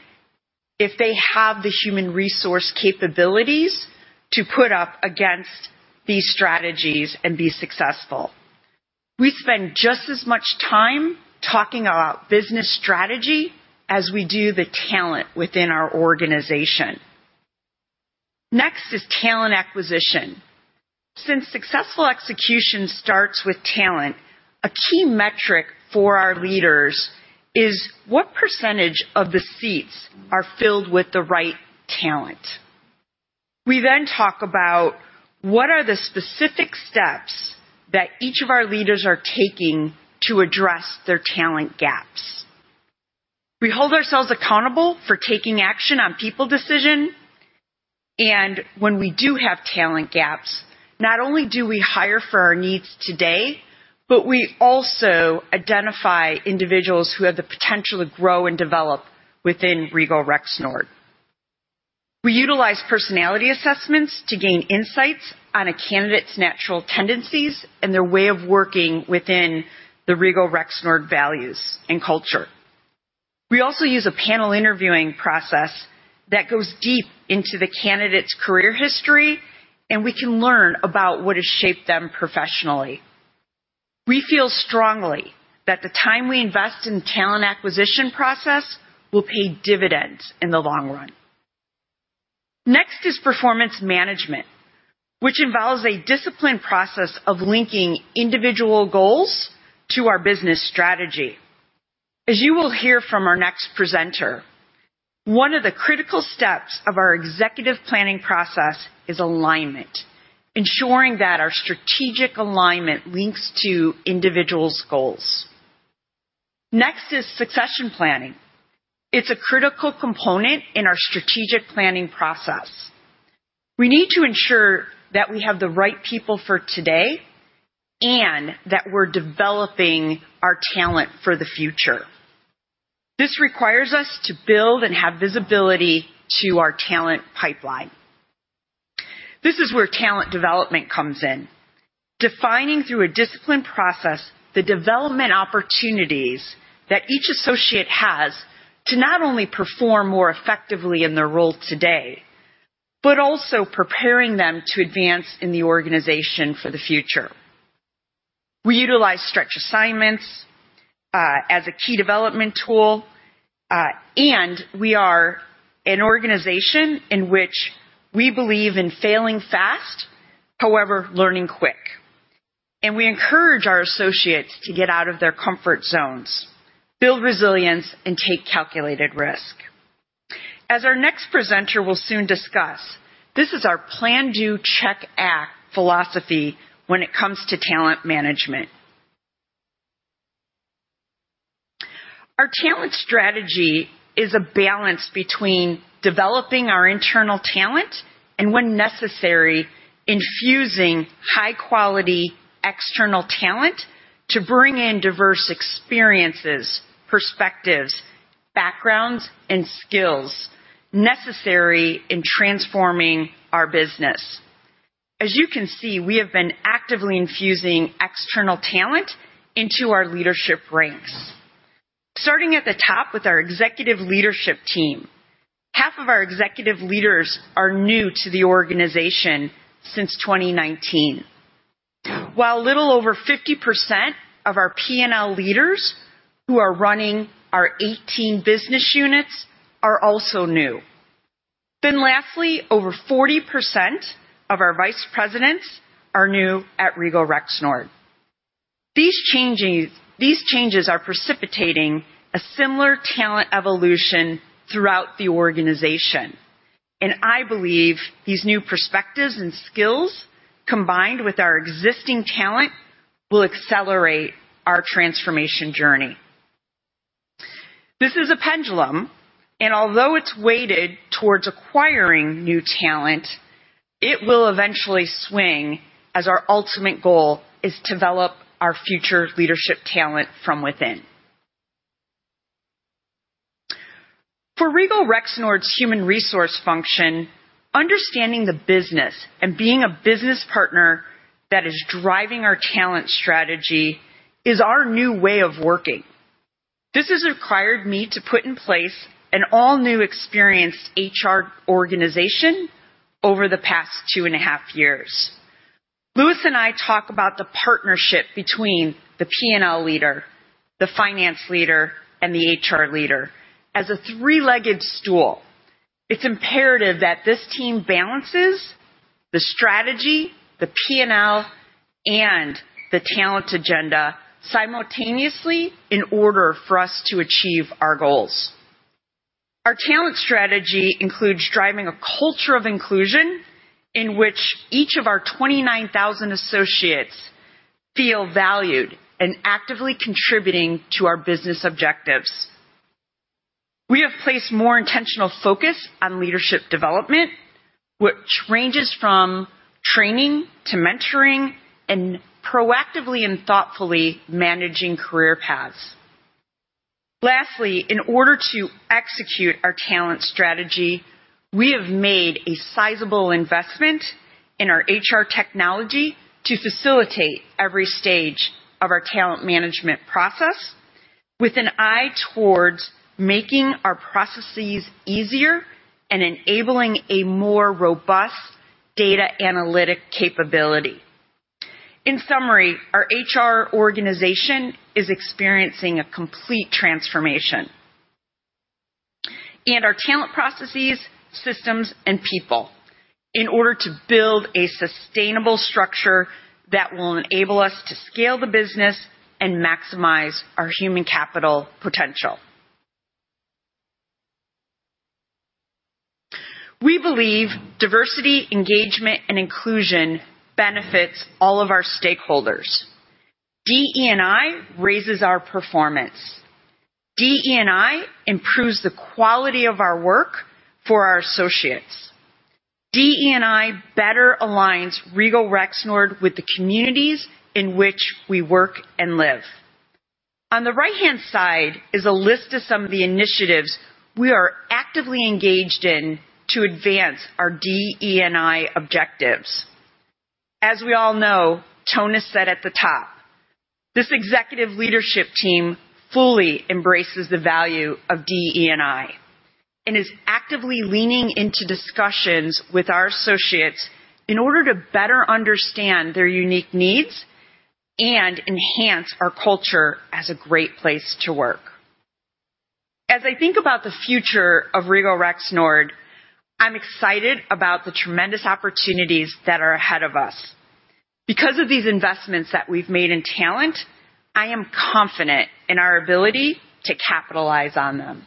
if they have the human resource capabilities to put up against these strategies and be successful. We spend just as much time talking about business strategy as we do the talent within our organization. Next is talent acquisition. Since successful execution starts with talent, a key metric for our leaders is what percentage of the seats are filled with the right talent. We talk about what are the specific steps that each of our leaders are taking to address their talent gaps. We hold ourselves accountable for taking action on people decision. When we do have talent gaps, not only do we hire for our needs today, but we also identify individuals who have the potential to grow and develop within Regal Rexnord. We utilize personality assessments to gain insights on a candidate's natural tendencies and their way of working within the Regal Rexnord values and culture. We also use a panel interviewing process that goes deep into the candidate's career history, and we can learn about what has shaped them professionally. We feel strongly that the time we invest in talent acquisition process will pay dividends in the long run. Next is performance management, which involves a disciplined process of linking individual goals to our business strategy. As you will hear from our next presenter, one of the critical steps of our executive planning process is alignment, ensuring that our strategic alignment links to individuals' goals. Next is succession planning. It's a critical component in our strategic planning process. We need to ensure that we have the right people for today and that we're developing our talent for the future. This requires us to build and have visibility to our talent pipeline. This is where talent development comes in. Defining through a disciplined process the development opportunities that each associate has to not only perform more effectively in their role today, but also preparing them to advance in the organization for the future. We utilize stretch assignments as a key development tool, and we are an organization in which we believe in failing fast, however, learning quick. We encourage our associates to get out of their comfort zones, build resilience, and take calculated risk. As our next presenter will soon discuss, this is our plan-do-check-act philosophy when it comes to talent management. Our talent strategy is a balance between developing our internal talent and, when necessary, infusing high-quality external talent to bring in diverse experiences, perspectives, backgrounds, and skills necessary in transforming our business. As you can see, we have been actively infusing external talent into our leadership ranks. Starting at the top with our executive leadership team, half of our executive leaders are new to the organization since 2019, while a little over 50% of our P&L leaders who are running our 18 business units are also new. Lastly, over 40% of our vice presidents are new at Regal Rexnord. These changes are precipitating a similar talent evolution throughout the organization, and I believe these new perspectives and skills, combined with our existing talent, will accelerate our transformation journey. This is a pendulum, and although it's weighted towards acquiring new talent, it will eventually swing as our ultimate goal is to develop our future leadership talent from within. For Regal Rexnord's human resources function, understanding the business and being a business partner that is driving our talent strategy is our new way of working. This has required me to put in place an all-new experienced HR organization over the past two and a half years. Louis and I talk about the partnership between the P&L leader, the Finance leader, and the HR leader as a three-legged stool. It's imperative that this team balances the strategy, the P&L, and the talent agenda simultaneously in order for us to achieve our goals. Our talent strategy includes driving a culture of inclusion in which each of our 29,000 associates feel valued and actively contributing to our business objectives. We have placed more intentional focus on leadership development, which ranges from training to mentoring and proactively and thoughtfully managing career paths. Lastly, in order to execute our talent strategy, we have made a sizable investment in our HR technology to facilitate every stage of our talent management process with an eye towards making our processes easier and enabling a more robust data analytic capability. In summary, our HR organization is experiencing a complete transformation in our talent processes, systems, and people in order to build a sustainable structure that will enable us to scale the business and maximize our human capital potential. We believe diversity, engagement, and inclusion benefits all of our stakeholders. DE&I raises our performance. DE&I improves the quality of our work for our associates. DE&I better aligns Regal Rexnord with the communities in which we work and live. On the right-hand side is a list of some of the initiatives we are actively engaged in to advance our DE&I objectives. As we all know, tone is set at the top. This executive leadership team fully embraces the value of DE&I and is actively leaning into discussions with our associates in order to better understand their unique needs and enhance our culture as a great place to work. As I think about the future of Regal Rexnord, I'm excited about the tremendous opportunities that are ahead of us. Because of these investments that we've made in talent, I am confident in our ability to capitalize on them.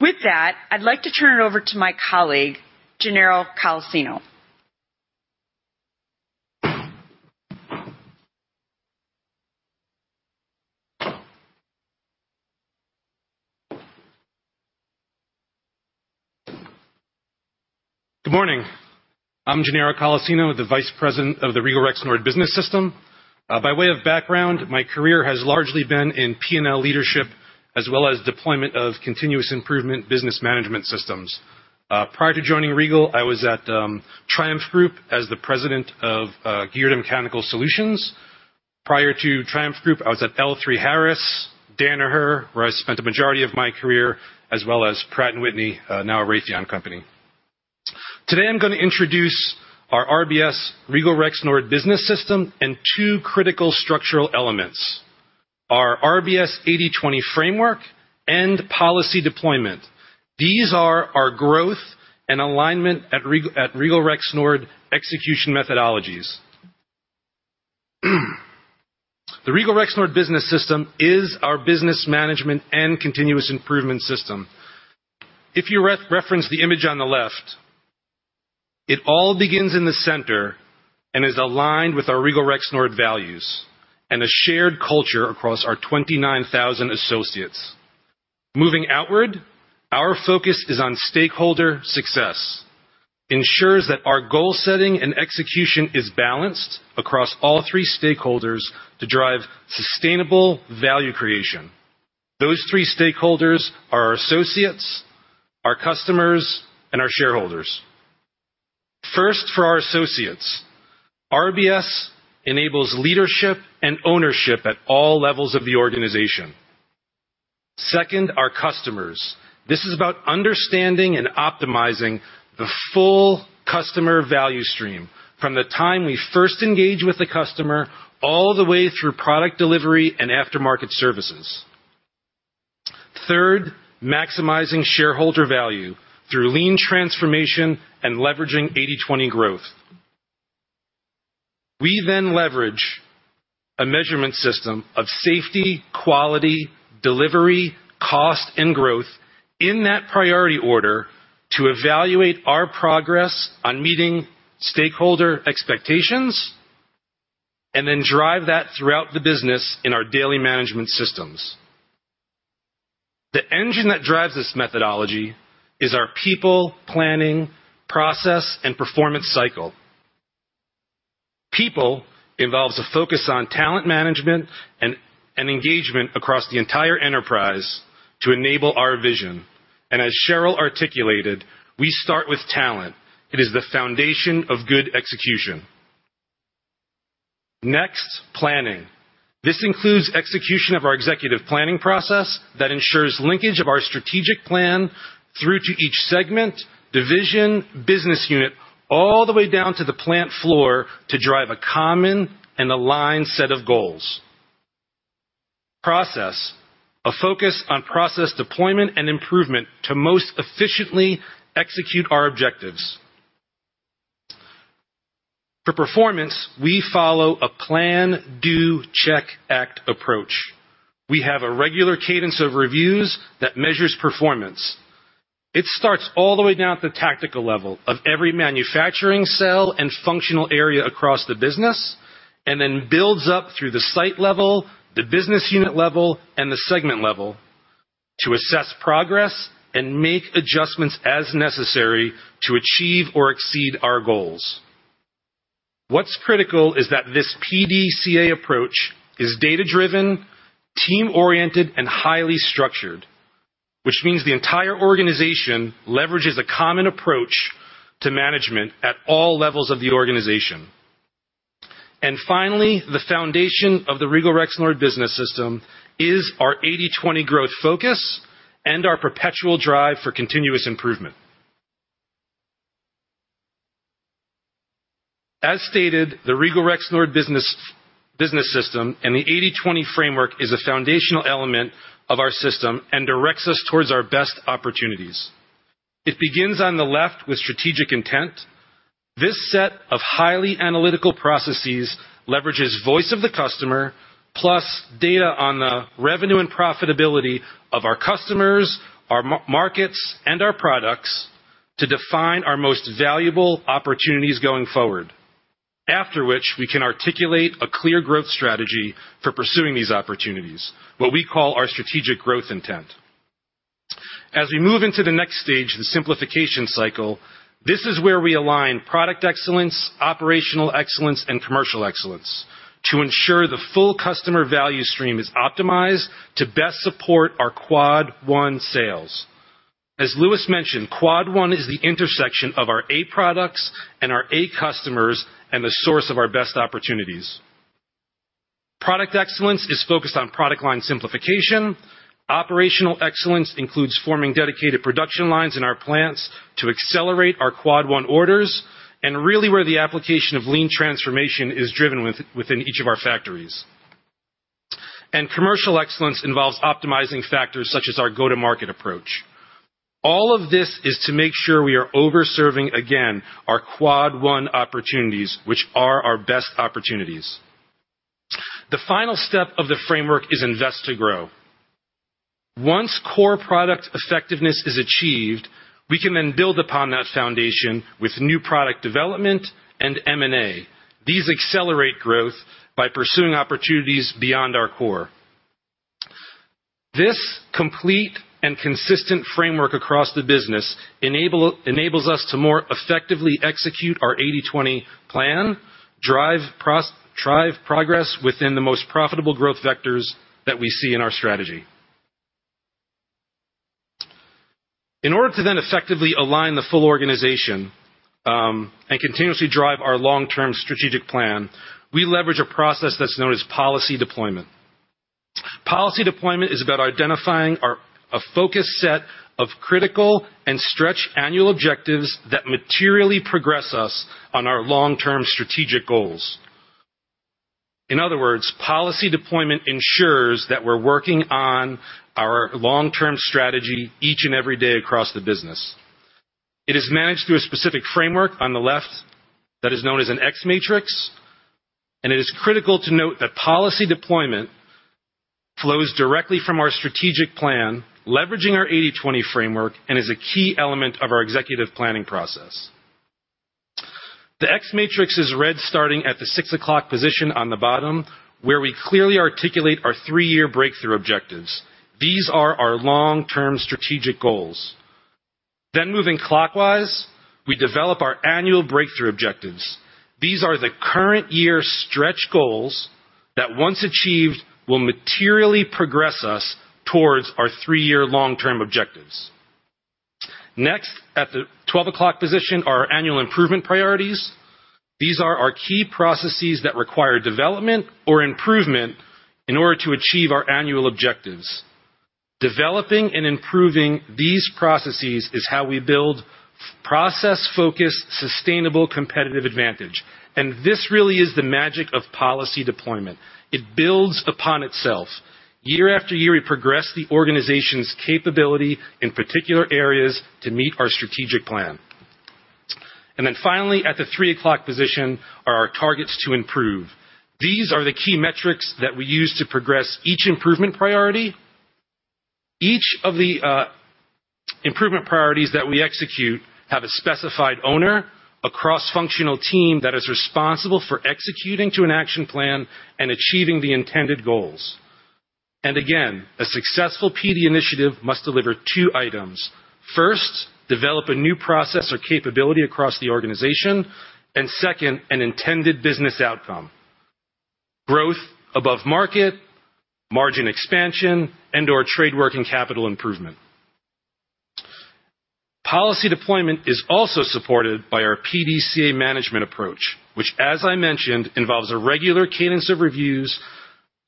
With that, I'd like to turn it over to my colleague, Gennaro Colacino. Good morning. I'm Gennaro Colacino, the Vice President of the Regal Rexnord Business System. By way of background, my career has largely been in P&L leadership as well as deployment of continuous improvement business management systems. Prior to joining Regal, I was at Triumph Group as the President of Geared and Mechanical Solutions. Prior to Triumph Group, I was at L3Harris, Danaher, where I spent the majority of my career, as well as Pratt & Whitney, now a Raytheon Technologies company. Today I'm gonna introduce our RBS Regal Rexnord business system and two critical structural elements, our RBS 80/20 framework and policy deployment. These are our growth and alignment at Regal Rexnord execution methodologies. The Regal Rexnord business system is our business management and continuous improvement system. If you reference the image on the left, it all begins in the center and is aligned with our Regal Rexnord values and a shared culture across our 29,000 associates. Moving outward, our focus is on stakeholder success, ensures that our goal setting and execution is balanced across all three stakeholders to drive sustainable value creation. Those three stakeholders are our associates, our customers, and our shareholders. First, for our associates. RBS enables leadership and ownership at all levels of the organization. Second, our customers. This is about understanding and optimizing the full customer value stream from the time we first engage with the customer all the way through product delivery and aftermarket services. Third, maximizing shareholder value through lean transformation and leveraging 80/20 growth. We then leverage a measurement system of safety, quality, delivery, cost, and growth in that priority order to evaluate our progress on meeting stakeholder expectations and then drive that throughout the business in our daily management systems. The engine that drives this methodology is our people, planning, process, and performance cycle. People involves a focus on talent management and engagement across the entire enterprise to enable our vision. As Cheryl articulated, we start with talent. It is the foundation of good execution. Next, planning. This includes execution of our executive planning process that ensures linkage of our strategic plan through to each segment, division, business unit, all the way down to the plant floor to drive a common and aligned set of goals. Process. A focus on process deployment and improvement to most efficiently execute our objectives. For performance, we follow a Plan-Do-Check-Act approach. We have a regular cadence of reviews that measures performance. It starts all the way down at the tactical level of every manufacturing cell and functional area across the business, and then builds up through the site level, the business unit level, and the segment level to assess progress and make adjustments as necessary to achieve or exceed our goals. What's critical is that this PDCA approach is data-driven, team-oriented, and highly structured, which means the entire organization leverages a common approach to management at all levels of the organization. Finally, the foundation of the Regal Rexnord Business System is our 80/20 growth focus and our perpetual drive for continuous improvement. As stated, the Regal Rexnord Business System and the 80/20 framework is a foundational element of our system and directs us towards our best opportunities. It begins on the left with strategic intent. This set of highly analytical processes leverages voice of the customer, plus data on the revenue and profitability of our customers, our markets, and our products to define our most valuable opportunities going forward. After which, we can articulate a clear growth strategy for pursuing these opportunities, what we call our strategic growth intent. As we move into the next stage, the simplification cycle, this is where we align product excellence, operational excellence, and commercial excellence to ensure the full customer value stream is optimized to best support our Quad 1 sales. As Louis mentioned, Quad 1 is the intersection of our A products and our A customers and the source of our best opportunities. Product excellence is focused on product line simplification. Operational excellence includes forming dedicated production lines in our plants to accelerate our Quad 1 orders and really where the application of lean transformation is driven within each of our factories. Commercial excellence involves optimizing factors such as our go-to-market approach. All of this is to make sure we are overserving again our Quad 1 opportunities, which are our best opportunities. The final step of the framework is invest to grow. Once core product effectiveness is achieved, we can then build upon that foundation with new product development and M&A. These accelerate growth by pursuing opportunities beyond our core. This complete and consistent framework across the business enables us to more effectively execute our 80/20 plan, drive progress within the most profitable growth vectors that we see in our strategy. In order to then effectively align the full organization and continuously drive our long-term strategic plan, we leverage a process that's known as policy deployment. Policy deployment is about identifying a focused set of critical and stretch annual objectives that materially progress us on our long-term strategic goals. In other words, policy deployment ensures that we're working on our long-term strategy each and every day across the business. It is managed through a specific framework on the left that is known as an X-Matrix, and it is critical to note that policy deployment flows directly from our strategic plan, leveraging our 80/20 framework, and is a key element of our executive planning process. The X-Matrix is read starting at the six o'clock position on the bottom, where we clearly articulate our three-year breakthrough objectives. These are our long-term strategic goals. Moving clockwise, we develop our annual breakthrough objectives. These are the current year stretch goals that once achieved will materially progress us towards our three-year long-term objectives. Next, at the 12:00 position, are our annual improvement priorities. These are our key processes that require development or improvement in order to achieve our annual objectives. Developing and improving these processes is how we build process-focused, sustainable competitive advantage. This really is the magic of policy deployment. It builds upon itself. Year after year, we progress the organization's capability in particular areas to meet our strategic plan. Finally, at the 3:00 position are our targets to improve. These are the key metrics that we use to progress each improvement priority. Each of the improvement priorities that we execute have a specified owner, a cross-functional team that is responsible for executing to an action plan and achieving the intended goals. Again, a successful PD initiative must deliver two items. First, develop a new process or capability across the organization. Second, an intended business outcome. Growth above market, margin expansion, and/or trade working capital improvement. Policy deployment is also supported by our PDCA management approach, which, as I mentioned, involves a regular cadence of reviews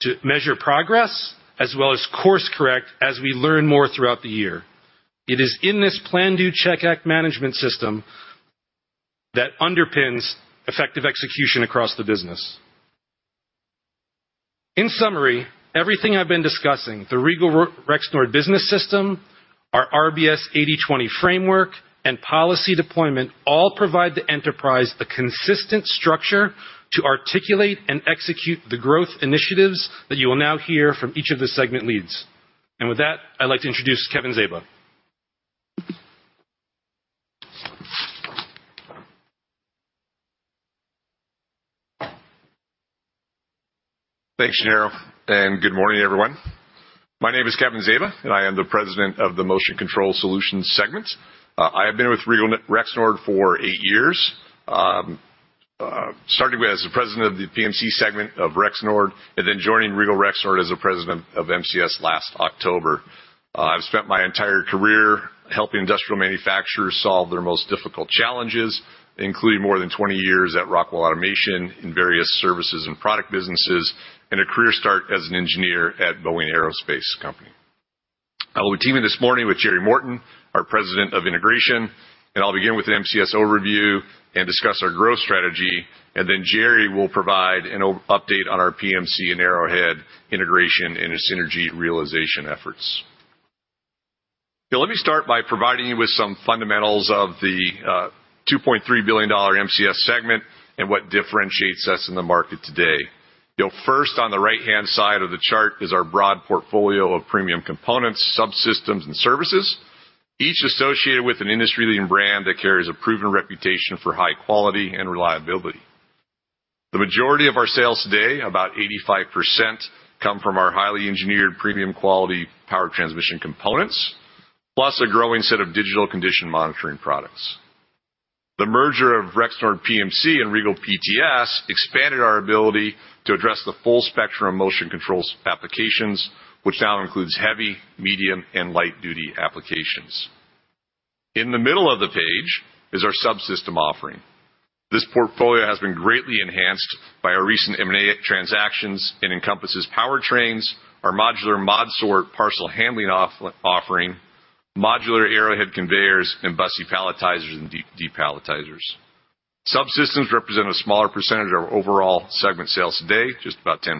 to measure progress as well as course correct as we learn more throughout the year. It is in this Plan-Do-Check-Act management system that underpins effective execution across the business. In summary, everything I've been discussing, the Regal Rexnord Business System, our RBS 80/20 framework, and policy deployment all provide the enterprise a consistent structure to articulate and execute the growth initiatives that you will now hear from each of the segment leads. With that, I'd like to introduce Kevin Zaba. Thanks, Gennaro, and good morning, everyone. My name is Kevin Zaba, and I am the President of the Motion Control Solutions segment. I have been with Regal Rexnord for eight years, starting as the President of the PMC segment of Rexnord and then joining Regal Rexnord as the President of MCS last October. I've spent my entire career helping industrial manufacturers solve their most difficult challenges, including more than 20 years at Rockwell Automation in various services and product businesses and a career start as an engineer at The Boeing Company. I will be teaming this morning with Jerry Morton, our President of Integration, and I'll begin with an MCS overview and discuss our growth strategy. Jerry will provide an update on our PMC and Arrowhead integration and its synergy realization efforts. Let me start by providing you with some fundamentals of the $2.3 billion MCS segment and what differentiates us in the market today. First, on the right-hand side of the chart is our broad portfolio of premium components, subsystems, and services, each associated with an industry-leading brand that carries a proven reputation for high quality and reliability. The majority of our sales today, about 85%, come from our highly engineered premium quality power transmission components, plus a growing set of digital condition monitoring products. The merger of Rexnord PMC and Regal PTS expanded our ability to address the full spectrum of motion control applications, which now includes heavy, medium, and light duty applications. In the middle of the page is our subsystem offering. This portfolio has been greatly enhanced by our recent M&A transactions and encompasses powertrains, our modular ModSort parcel handling offering, modular Arrowhead conveyors, and Busse palletizers and depalletizers. Subsystems represent a smaller percentage of our overall segment sales today, just about 10%,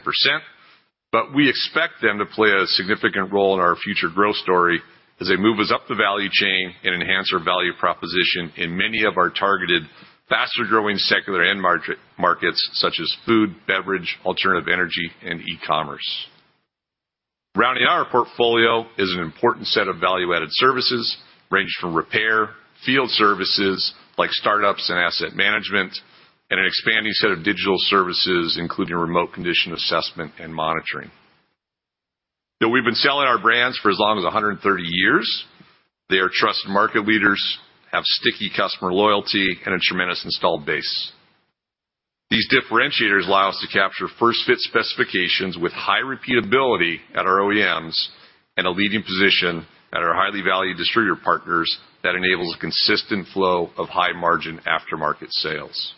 but we expect them to play a significant role in our future growth story as they move us up the value chain and enhance our value proposition in many of our targeted, faster-growing secular end markets such as food, beverage, alternative energy, and e-commerce. Rounding our portfolio is an important set of value-added services, ranging from repair, field services like startups and asset management, and an expanding set of digital services, including remote condition assessment and monitoring. We've been selling our brands for as long as 130 years. They are trusted market leaders, have sticky customer loyalty, and a tremendous installed base. These differentiators allow us to capture first-fit specifications with high repeatability at our OEMs and a leading position at our highly valued distributor partners that enables a consistent flow of high-margin aftermarket sales.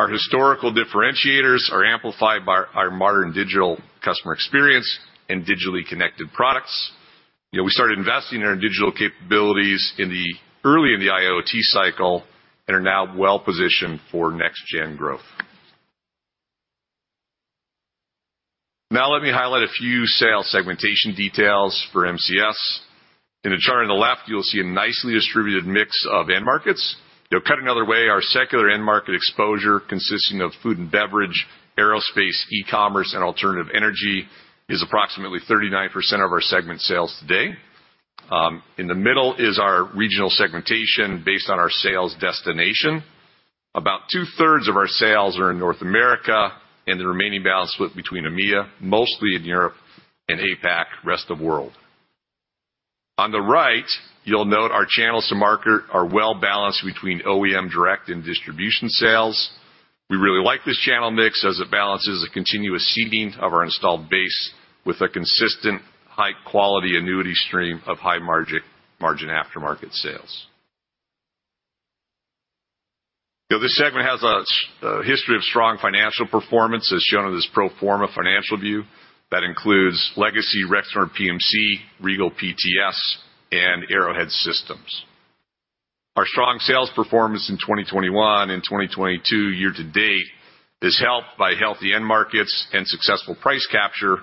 Our historical differentiators are amplified by our modern digital customer experience and digitally connected products. You know, we started investing in our digital capabilities in the early in the IoT cycle and are now well-positioned for NextGen growth. Now let me highlight a few sales segmentation details for MCS. In the chart on the left, you'll see a nicely distributed mix of end markets. Cut another way, our secular end market exposure, consisting of food and beverage, aerospace, e-commerce, and alternative energy, is approximately 39% of our segment sales today. In the middle is our regional segmentation based on our sales destination. About two-thirds of our sales are in North America, and the remaining balance split between EMEA, mostly in Europe, and APAC, rest of world. On the right, you'll note our channels to market are well-balanced between OEM direct and distribution sales. We really like this channel mix as it balances a continuous seeding of our installed base with a consistent high-quality annuity stream of high margin aftermarket sales. Though this segment has a history of strong financial performance, as shown in this pro forma financial view, that includes legacy Rexnord PMC, Regal PTS, and Arrowhead Systems. Our strong sales performance in 2021 and 2022 year to date is helped by healthy end markets and successful price capture.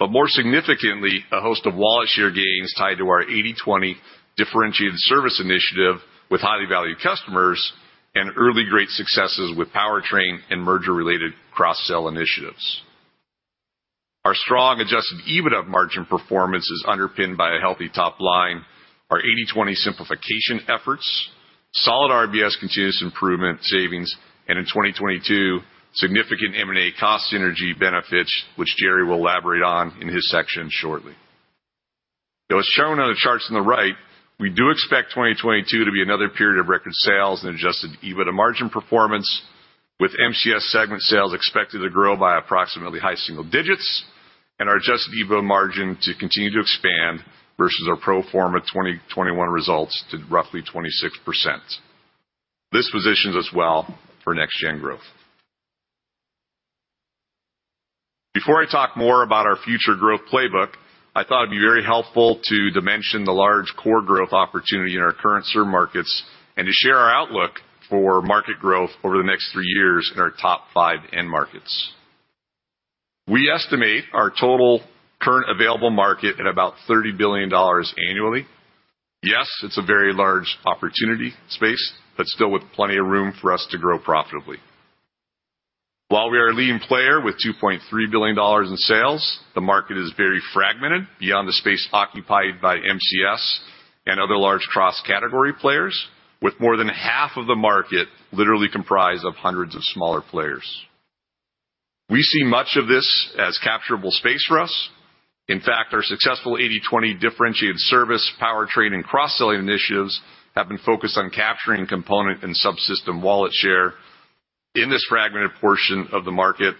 more significantly, a host of wallet share gains tied to our 80/20 differentiated service initiative with highly valued customers and early great successes with powertrain and merger-related cross-sell initiatives. Our strong adjusted EBITDA margin performance is underpinned by a healthy top line, our 80/20 simplification efforts, solid RBS continuous improvement savings, and in 2022, significant M&A cost synergy benefits, which Jerry will elaborate on in his section shortly. Though as shown on the charts on the right, we do expect 2022 to be another period of record sales and adjusted EBITDA margin performance, with MCS segment sales expected to grow by approximately high single digits% and our adjusted EBITDA margin to continue to expand versus our pro forma 2021 results to roughly 26%. This positions us well for next gen growth. Before I talk more about our future growth playbook, I thought it'd be very helpful to dimension the large core growth opportunity in our current served markets and to share our outlook for market growth over the next three years in our top five end markets. We estimate our total current available market at about $30 billion annually. Yes, it's a very large opportunity space, but still with plenty of room for us to grow profitably. While we are a leading player with $2.3 billion in sales, the market is very fragmented beyond the space occupied by MCS and other large cross-category players, with more than half of the market literally comprised of hundreds of smaller players. We see much of this as capturable space for us. In fact, our successful 80/20 differentiated service powertrain and cross-selling initiatives have been focused on capturing component and subsystem wallet share in this fragmented portion of the market.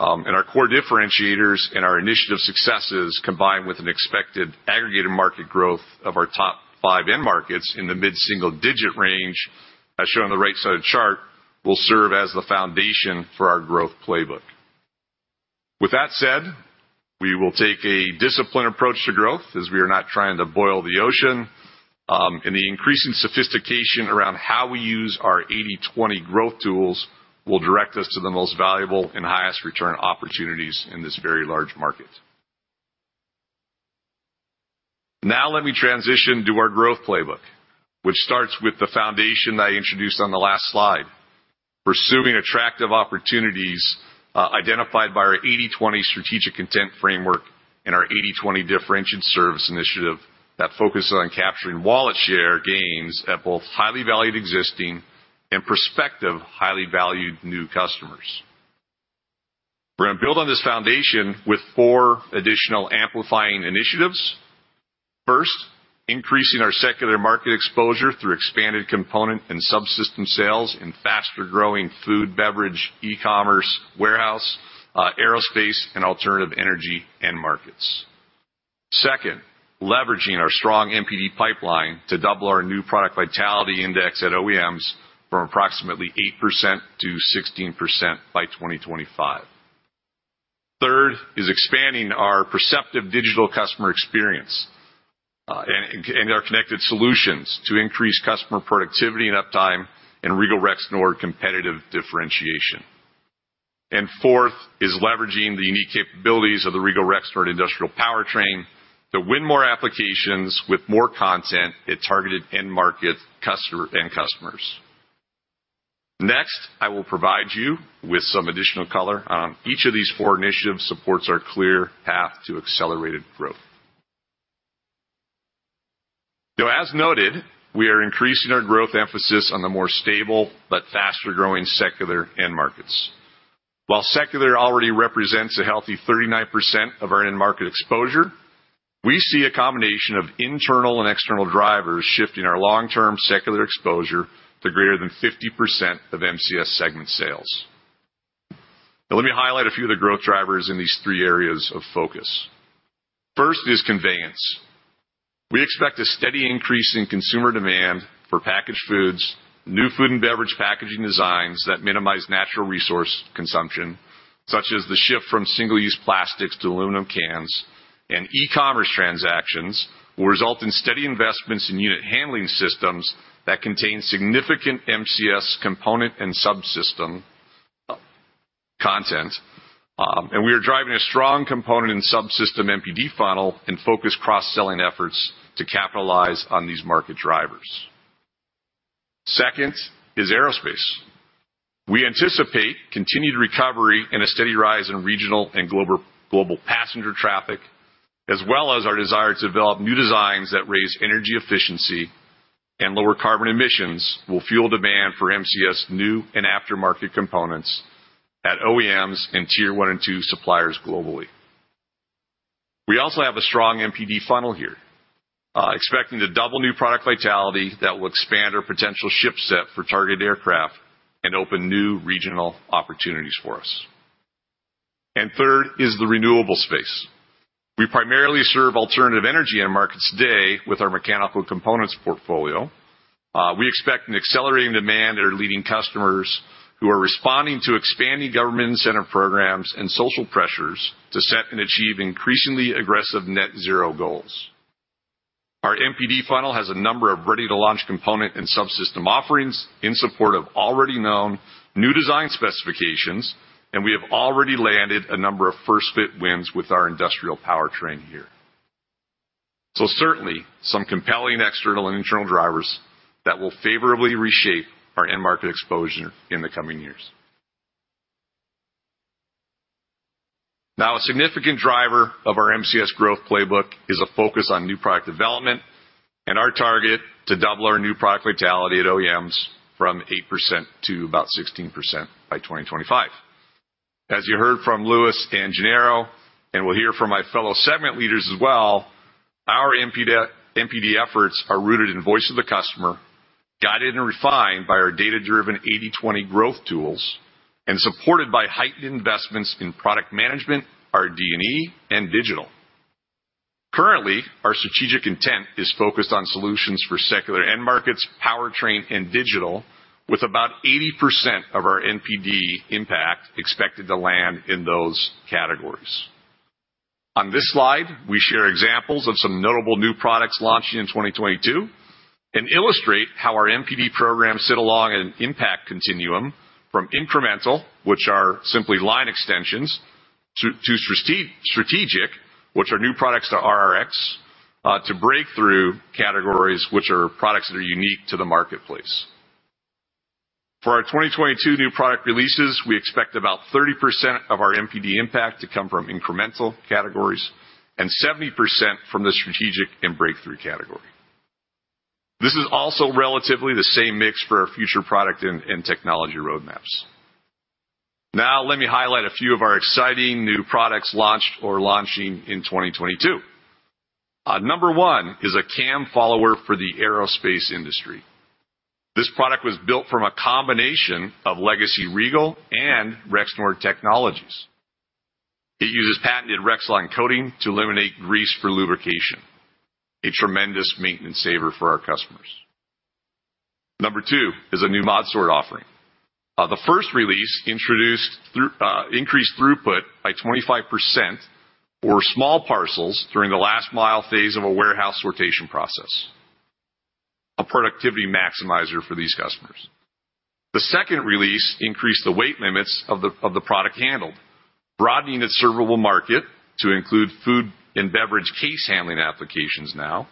Our core differentiators and our initiative successes, combined with an expected aggregated market growth of our top 5 end markets in the mid-single-digit range, as shown on the right side of the chart, will serve as the foundation for our growth playbook. With that said, we will take a disciplined approach to growth as we are not trying to boil the ocean, the increasing sophistication around how we use our 80/20 growth tools will direct us to the most valuable and highest return opportunities in this very large market. Now let me transition to our growth playbook, which starts with the foundation that I introduced on the last slide. Pursuing attractive opportunities identified by our 80/20 strategic content framework and our 80/20 differentiated service initiative that focuses on capturing wallet share gains at both highly valued existing and prospective highly valued new customers. We're gonna build on this foundation with four additional amplifying initiatives. First, increasing our secular market exposure through expanded component and subsystem sales in faster-growing food, beverage, e-commerce, warehouse, aerospace, and alternative energy end markets. Second, leveraging our strong NPD pipeline to double our new product vitality index at OEMs from approximately 8%-16% by 2025. Third is expanding our Perceptiv Digital experience and our connected solutions to increase customer productivity and uptime in Regal Rexnord competitive differentiation. Fourth is leveraging the unique capabilities of the Regal Rexnord industrial powertrain to win more applications with more content at targeted end-market customer, end customers. Next, I will provide you with some additional color on each of these four initiatives supports our clear path to accelerated growth. Though as noted, we are increasing our growth emphasis on the more stable but faster-growing secular end markets. While secular already represents a healthy 39% of our end market exposure, we see a combination of internal and external drivers shifting our long-term secular exposure to greater than 50% of MCS segment sales. Now, let me highlight a few of the growth drivers in these three areas of focus. First is conveyance. We expect a steady increase in consumer demand for packaged foods, new food and beverage packaging designs that minimize natural resource consumption, such as the shift from single-use plastics to aluminum cans, and e-commerce transactions will result in steady investments in unit handling systems that contain significant MCS component and subsystem content. We are driving a strong component and subsystem NPD funnel and focused cross-selling efforts to capitalize on these market drivers. Second is aerospace. We anticipate continued recovery and a steady rise in regional and global passenger traffic, as well as our desire to develop new designs that raise energy efficiency and lower carbon emissions will fuel demand for MCS new and aftermarket components at OEMs and Tier 1 and 2 suppliers globally. We also have a strong NPD funnel here, expecting to double new product vitality that will expand our potential ship set for targeted aircraft and open new regional opportunities for us. Third is the renewable space. We primarily serve alternative energy end markets today with our mechanical components portfolio. We expect an accelerating demand at our leading customers who are responding to expanding government incentive programs and social pressures to set and achieve increasingly aggressive net zero goals. Our NPD funnel has a number of ready-to-launch component and subsystem offerings in support of already known new design specifications, and we have already landed a number of first-fit wins with our industrial powertrain here. Certainly, some compelling external and internal drivers that will favorably reshape our end market exposure in the coming years. Now, a significant driver of our MCS growth playbook is a focus on new product development and our target to double our new product vitality at OEMs from 8% to about 16% by 2025. As you heard from Louis and Gennaro, and we'll hear from my fellow segment leaders as well, our NPD efforts are rooted in voice of the customer, guided and refined by our data-driven 80/20 growth tools, and supported by heightened investments in product management, RD&E, and digital. Currently, our strategic intent is focused on solutions for secular end markets, powertrain, and digital, with about 80% of our NPD impact expected to land in those categories. On this slide, we share examples of some notable new products launching in 2022 and illustrate how our NPD programs sit along an impact continuum from incremental, which are simply line extensions, to strategic, which are new products to RRX, to breakthrough categories, which are products that are unique to the marketplace. For our 2022 new product releases, we expect about 30% of our NPD impact to come from incremental categories and 70% from the strategic and breakthrough category. This is also relatively the same mix for our future product and technology roadmaps. Now let me highlight a few of our exciting new products launched or launching in 2022. Number one is a cam follower for the aerospace industry. This product was built from a combination of legacy Regal and Rexnord technologies. It uses patented Rexline coating to eliminate grease for lubrication, a tremendous maintenance saver for our customers. Number two is a new ModSort offering. The first release introduced increased throughput by 25% for small parcels during the last mile phase of a warehouse sortation process, a productivity maximizer for these customers. The second release increased the weight limits of the product handled, broadening its servable market to include food and beverage case handling applications now,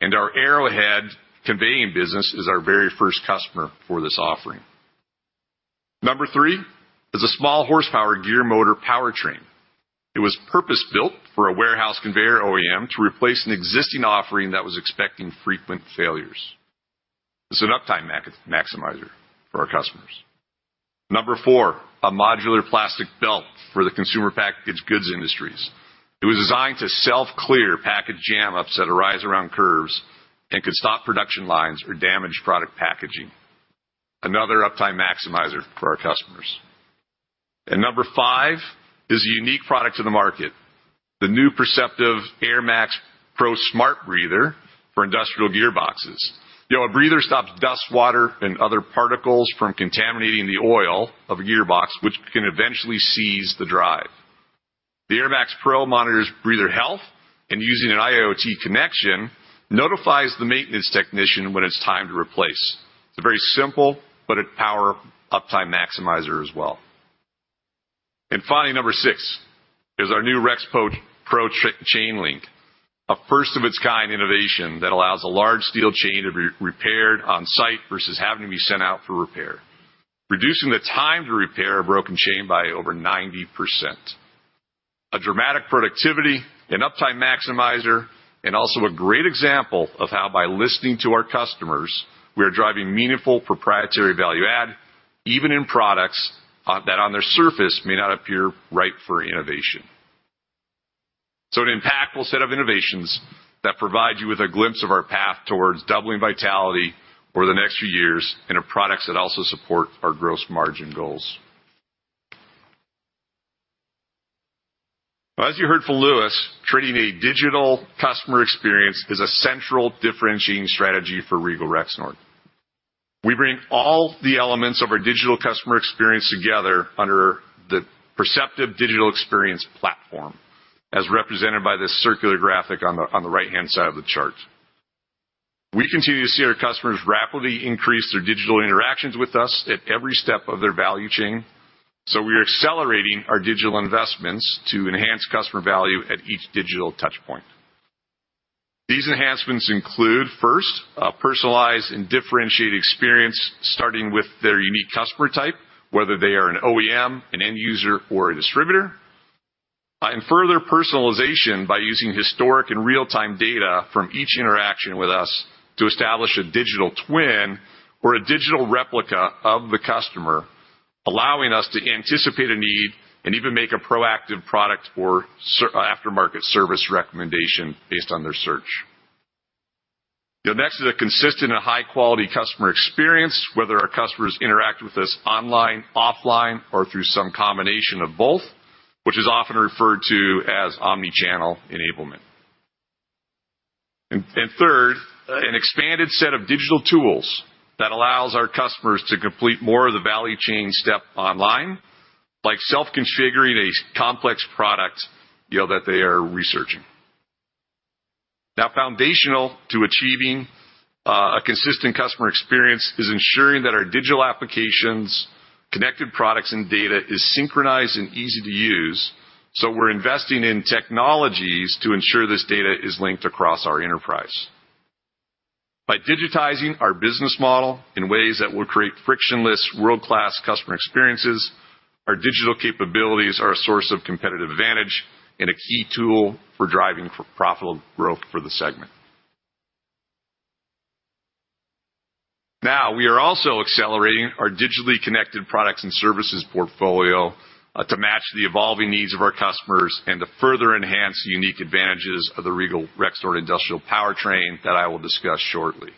and our Arrowhead Conveyor business is our very first customer for this offering. Number three is a small horsepower gear motor powertrain. It was purpose-built for a warehouse conveyor OEM to replace an existing offering that was expecting frequent failures. It's an uptime maximizer for our customers. Number four, a modular plastic belt for the consumer packaged goods industries. It was designed to self-clear package jam-ups that arise around curves and could stop production lines or damage product packaging. Another uptime maximizer for our customers. Number five is a unique product to the market, the new Perceptiv Airmax Pro Smart Breather for industrial gearboxes. You know, a breather stops dust, water, and other particles from contaminating the oil of a gearbox, which can eventually seize the drive. The Airmax Pro monitors breather health, and using an IoT connection, notifies the maintenance technician when it's time to replace. It's a very simple but a powerful uptime maximizer as well. Finally, number six is our new Rex Pro Chain Link, a first-of-its-kind innovation that allows a large steel chain to be repaired on-site versus having to be sent out for repair, reducing the time to repair a broken chain by over 90%. A dramatic productivity and uptime maximizer, and also a great example of how by listening to our customers, we are driving meaningful proprietary value add, even in products that on their surface may not appear ripe for innovation. An impactful set of innovations that provide you with a glimpse of our path towards doubling vitality over the next few years into products that also support our gross margin goals. Well, as you heard from Louis, creating a digital customer experience is a central differentiating strategy for Regal Rexnord. We bring all the elements of our digital customer experience together under the Perceptiv Digital Experience platform, as represented by this circular graphic on the right-hand side of the chart. We continue to see our customers rapidly increase their digital interactions with us at every step of their value chain, so we are accelerating our digital investments to enhance customer value at each digital touch point. These enhancements include, first, a personalized and differentiated experience, starting with their unique customer type, whether they are an OEM, an end user, or a distributor. Further personalization by using historic and real-time data from each interaction with us to establish a digital twin or a digital replica of the customer, allowing us to anticipate a need and even make a proactive product or aftermarket service recommendation based on their search. The next is a consistent and high-quality customer experience, whether our customers interact with us online, offline, or through some combination of both, which is often referred to as omnichannel enablement. Third, an expanded set of digital tools that allows our customers to complete more of the value chain step online, like self-configuring a complex product, you know, that they are researching. Now, foundational to achieving a consistent customer experience is ensuring that our digital applications, connected products and data is synchronized and easy to use, so we're investing in technologies to ensure this data is linked across our enterprise. By digitizing our business model in ways that will create frictionless world-class customer experiences, our digital capabilities are a source of competitive advantage and a key tool for driving profitable growth for the segment. Now, we are also accelerating our digitally connected products and services portfolio to match the evolving needs of our customers and to further enhance the unique advantages of the Regal Rexnord industrial powertrain that I will discuss shortly.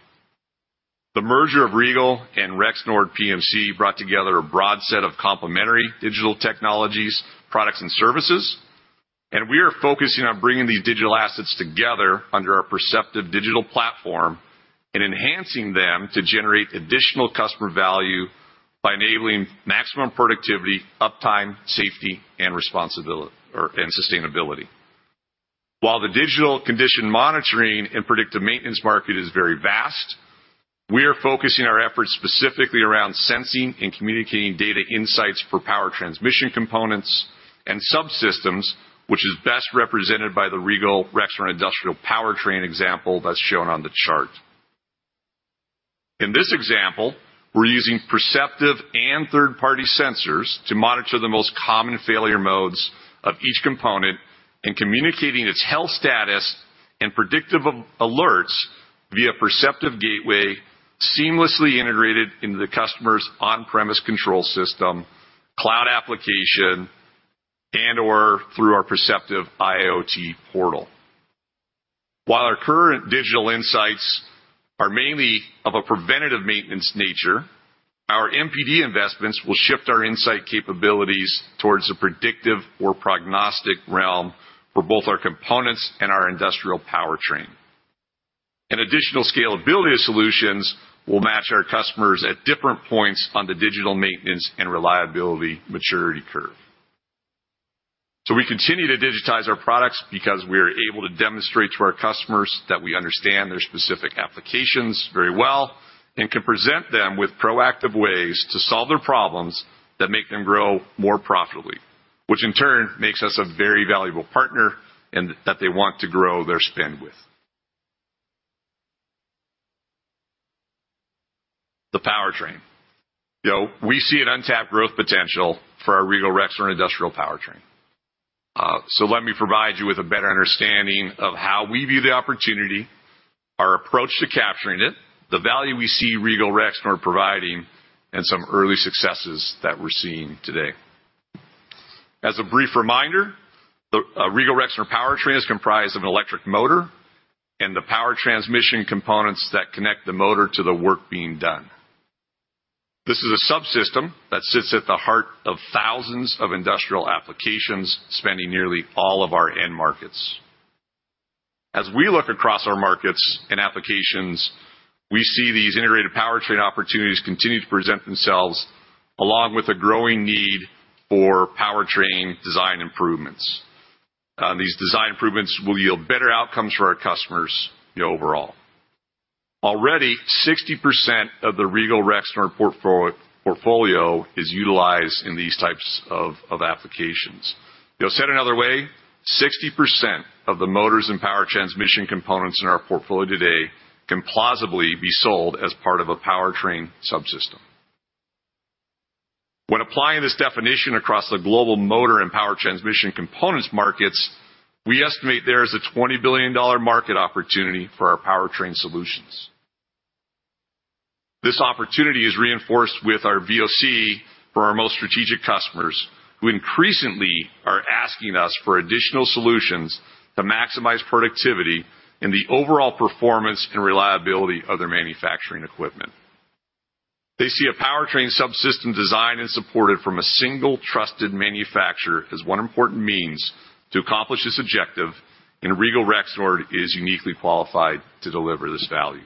The merger of Regal and Rexnord PMC brought together a broad set of complementary digital technologies, products and services. We are focusing on bringing these digital assets together under our Perceptiv digital platform and enhancing them to generate additional customer value by enabling maximum productivity, uptime, safety, responsibility, and sustainability. While the digital condition monitoring and predictive maintenance market is very vast, we are focusing our efforts specifically around sensing and communicating data insights for power transmission components and subsystems, which is best represented by the Regal Rexnord industrial powertrain example that's shown on the chart. In this example, we're using Perceptiv and third-party sensors to monitor the most common failure modes of each component and communicating its health status and predictive alerts via Perceptiv Gateway seamlessly integrated into the customer's on-premise control system, cloud application, and/or through our Perceptiv IoT portal. While our current digital insights are mainly of a preventative maintenance nature, our NPD investments will shift our insight capabilities towards the predictive or prognostic realm for both our components and our industrial powertrain. An additional scalability of solutions will match our customers at different points on the digital maintenance and reliability maturity curve. We continue to digitize our products because we're able to demonstrate to our customers that we understand their specific applications very well and can present them with proactive ways to solve their problems that make them grow more profitably, which in turn makes us a very valuable partner and that they want to grow their spend with. The powertrain, you know, we see an untapped growth potential for our Regal Rexnord industrial powertrain. Let me provide you with a better understanding of how we view the opportunity, our approach to capturing it, the value we see Regal Rexnord providing, and some early successes that we're seeing today. As a brief reminder, the Regal Rexnord powertrain is comprised of an electric motor and the power transmission components that connect the motor to the work being done. This is a subsystem that sits at the heart of thousands of industrial applications, spanning nearly all of our end markets. As we look across our markets and applications, we see these integrated powertrain opportunities continue to present themselves, along with a growing need for powertrain design improvements. These design improvements will yield better outcomes for our customers, you know, overall. Already, 60% of the Regal Rexnord portfolio is utilized in these types of applications. You know, said another way, 60% of the motors and power transmission components in our portfolio today can plausibly be sold as part of a powertrain subsystem. When applying this definition across the global motor and power transmission components markets, we estimate there is a $20 billion market opportunity for our powertrain solutions. This opportunity is reinforced with our VoC for our most strategic customers, who increasingly are asking us for additional solutions to maximize productivity and the overall performance and reliability of their manufacturing equipment. They see a powertrain subsystem designed and supported from a single trusted manufacturer as one important means to accomplish this objective, and Regal Rexnord is uniquely qualified to deliver this value.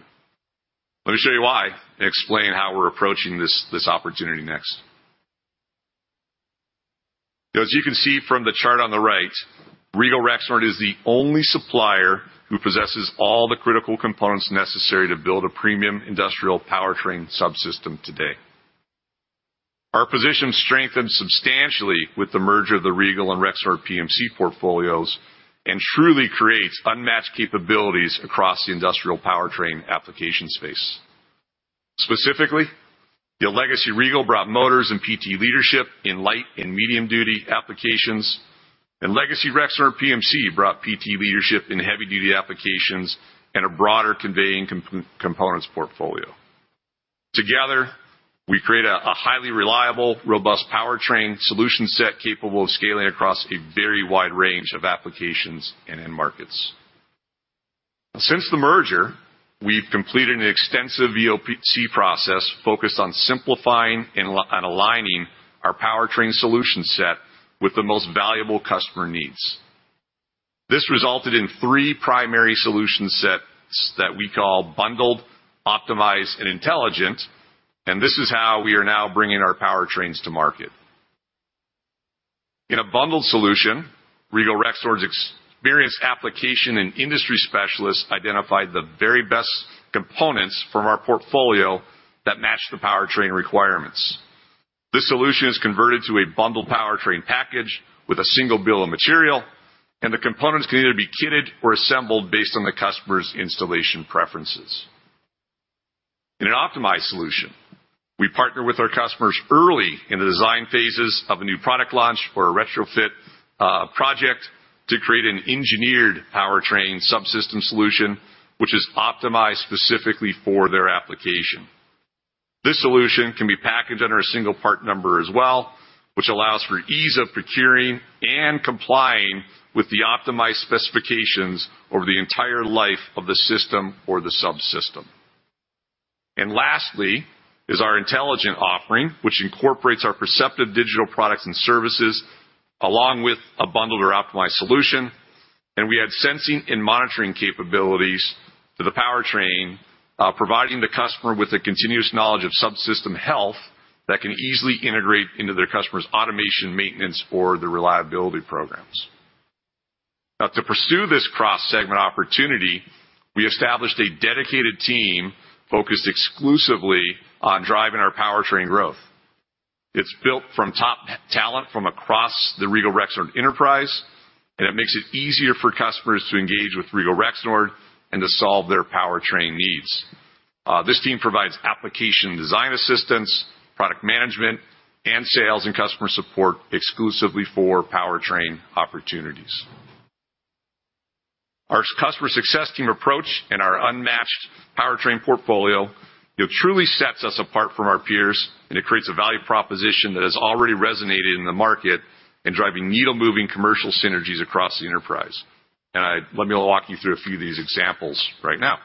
Let me show you why and explain how we're approaching this opportunity next. As you can see from the chart on the right, Regal Rexnord is the only supplier who possesses all the critical components necessary to build a premium industrial powertrain subsystem today. Our position strengthened substantially with the merger of the Regal and Rexnord PMC portfolios and truly creates unmatched capabilities across the industrial powertrain application space. Specifically, the legacy Regal brought motors and PT leadership in light and medium duty applications, and legacy Rexnord PMC brought PT leadership in heavy duty applications and a broader conveying components portfolio. Together, we create a highly reliable, robust powertrain solution set capable of scaling across a very wide range of applications and end markets. Since the merger, we've completed an extensive EOPC process focused on simplifying and aligning our powertrain solution set with the most valuable customer needs. This resulted in three primary solution sets that we call bundled, optimized, and intelligent, and this is how we are now bringing our powertrains to market. In a bundled solution, Regal Rexnord's experienced application and industry specialists identified the very best components from our portfolio that match the powertrain requirements. This solution is converted to a bundled powertrain package with a single bill of material, and the components can either be kitted or assembled based on the customer's installation preferences. In an optimized solution, we partner with our customers early in the design phases of a new product launch or a retrofit project to create an engineered powertrain subsystem solution which is optimized specifically for their application. This solution can be packaged under a single part number as well, which allows for ease of procuring and complying with the optimized specifications over the entire life of the system or the subsystem. Lastly is our intelligent offering, which incorporates our Perceptiv Digital products and services along with a bundled or optimized solution, and we add sensing and monitoring capabilities to the powertrain, providing the customer with a continuous knowledge of subsystem health that can easily integrate into their customer's automation maintenance or their reliability programs. Now to pursue this cross-segment opportunity, we established a dedicated team focused exclusively on driving our powertrain growth. It's built from top talent from across the Regal Rexnord enterprise, and it makes it easier for customers to engage with Regal Rexnord and to solve their powertrain needs. This team provides application design assistance, product management, and sales and customer support exclusively for powertrain opportunities. Our customer success team approach and our unmatched powertrain portfolio, you know, truly sets us apart from our peers, and it creates a value proposition that has already resonated in the market in driving needle-moving commercial synergies across the enterprise. Let me walk you through a few of these examples right now.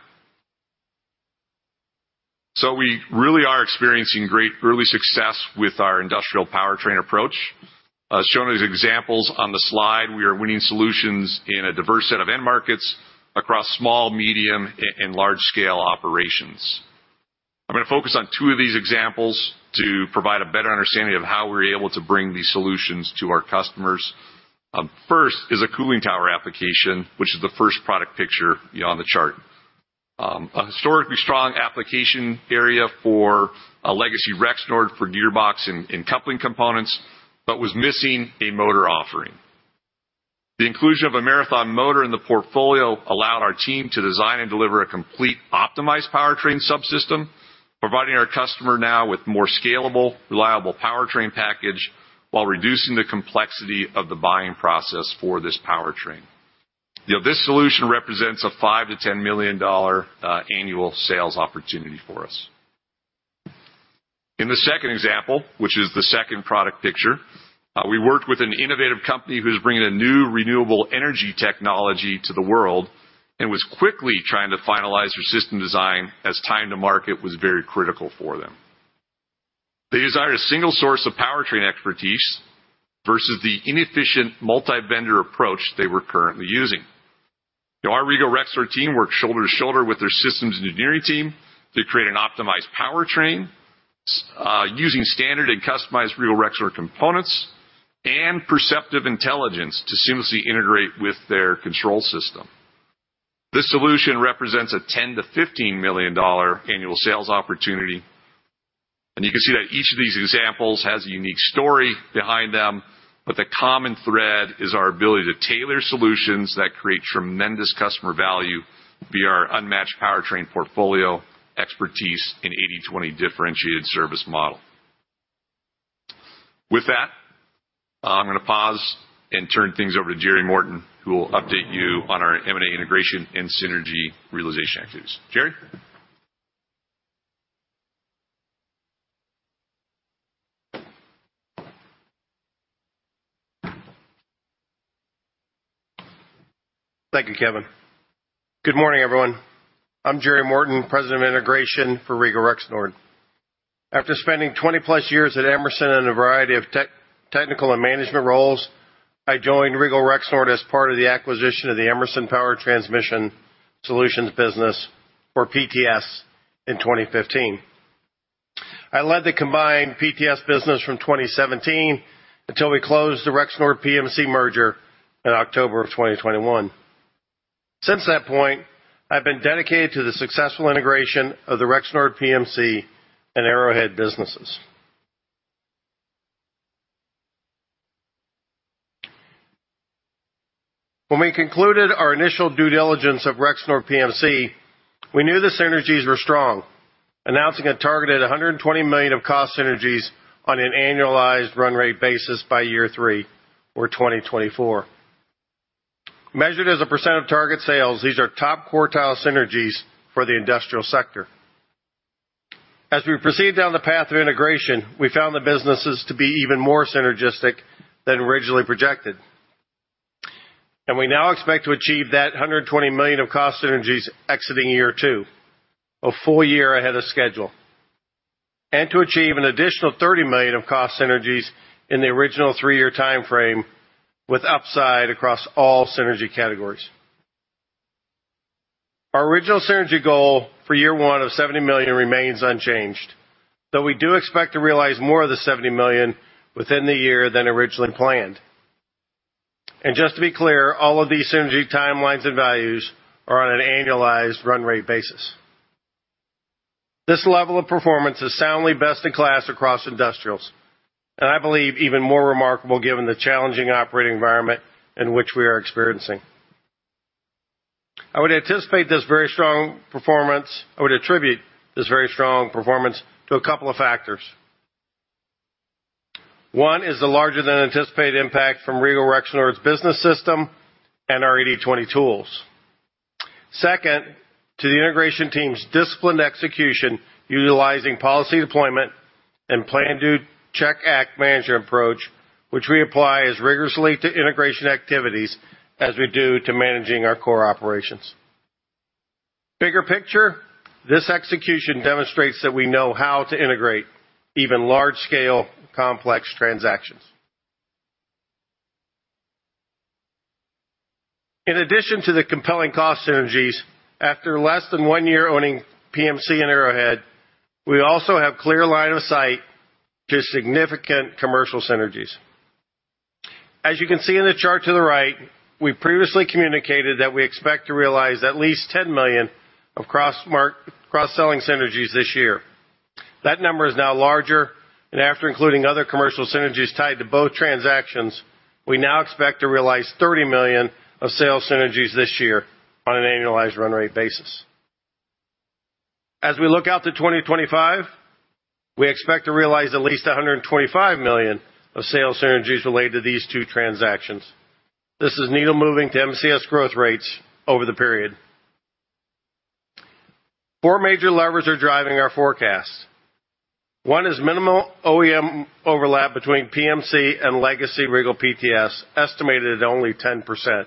We really are experiencing great early success with our industrial powertrain approach. As shown as examples on the slide, we are winning solutions in a diverse set of end markets across small, medium, and large scale operations. I'm gonna focus on two of these examples to provide a better understanding of how we're able to bring these solutions to our customers. First is a cooling tower application, which is the first product picture, you know, on the chart. A historically strong application area for a legacy Rexnord for gearbox and coupling components, but was missing a motor offering. The inclusion of a Marathon motor in the portfolio allowed our team to design and deliver a complete optimized powertrain subsystem, providing our customer now with more scalable, reliable powertrain package while reducing the complexity of the buying process for this powertrain. You know, this solution represents a $5 million-$10 million annual sales opportunity for us. In the second example, which is the second product picture, we worked with an innovative company who's bringing a new renewable energy technology to the world and was quickly trying to finalize their system design as time to market was very critical for them. They desired a single source of powertrain expertise versus the inefficient multi-vendor approach they were currently using. You know, our Regal Rexnord team worked shoulder to shoulder with their systems engineering team to create an optimized powertrain using standard and customized Regal Rexnord components and Perceptiv intelligence to seamlessly integrate with their control system. This solution represents a $10 million-$15 million annual sales opportunity. You can see that each of these examples has a unique story behind them, but the common thread is our ability to tailor solutions that create tremendous customer value via our unmatched powertrain portfolio, expertise, and eighty/twenty differentiated service model. With that, I'm gonna pause and turn things over to Jerry Morton, who will update you on our M&A integration and synergy realization activities. Jerry? Thank you, Kevin. Good morning, everyone. I'm Jerry Morton, President of Integration for Regal Rexnord. After spending 20+ years at Emerson in a variety of technical and management roles, I joined Regal Rexnord as part of the acquisition of the Emerson Power Transmission Solutions business, or PTS, in 2015. I led the combined PTS business from 2017 until we closed the Rexnord PMC merger in October 2021. Since that point, I've been dedicated to the successful integration of the Rexnord PMC and Arrowhead businesses. When we concluded our initial due diligence of Rexnord PMC, we knew the synergies were strong, announcing a targeted $120 million of cost synergies on an annualized run rate basis by year three or 2024. Measured as a % of target sales, these are top-quartile synergies for the industrial sector. As we proceed down the path of integration, we found the businesses to be even more synergistic than originally projected. We now expect to achieve that $120 million of cost synergies exiting year two, a full year ahead of schedule, and to achieve an additional $30 million of cost synergies in the original three-year timeframe with upside across all synergy categories. Our original synergy goal for year one of $70 million remains unchanged, though we do expect to realize more of the $70 million within the year than originally planned. Just to be clear, all of these synergy timelines and values are on an annualized run rate basis. This level of performance is soundly best in class across industrials, and I believe even more remarkable given the challenging operating environment in which we are experiencing. I would attribute this very strong performance to a couple of factors. One is the larger than anticipated impact from Regal Rexnord's business system and our 80/20 tools. Second, to the integration team's disciplined execution utilizing policy deployment and plan do check act management approach, which we apply as rigorously to integration activities as we do to managing our core operations. Bigger picture, this execution demonstrates that we know how to integrate even large scale complex transactions. In addition to the compelling cost synergies, after less than one year owning PMC and Arrowhead, we also have clear line of sight to significant commercial synergies. As you can see in the chart to the right, we previously communicated that we expect to realize at least $10 million of cross-selling synergies this year. That number is now larger. After including other commercial synergies tied to both transactions, we now expect to realize $30 million of sales synergies this year on an annualized run rate basis. As we look out to 2025, we expect to realize at least $125 million of sales synergies related to these two transactions. This is needle-moving to MCS growth rates over the period. Four major levers are driving our forecast. One is minimal OEM overlap between PMC and legacy Regal PTS, estimated at only 10%,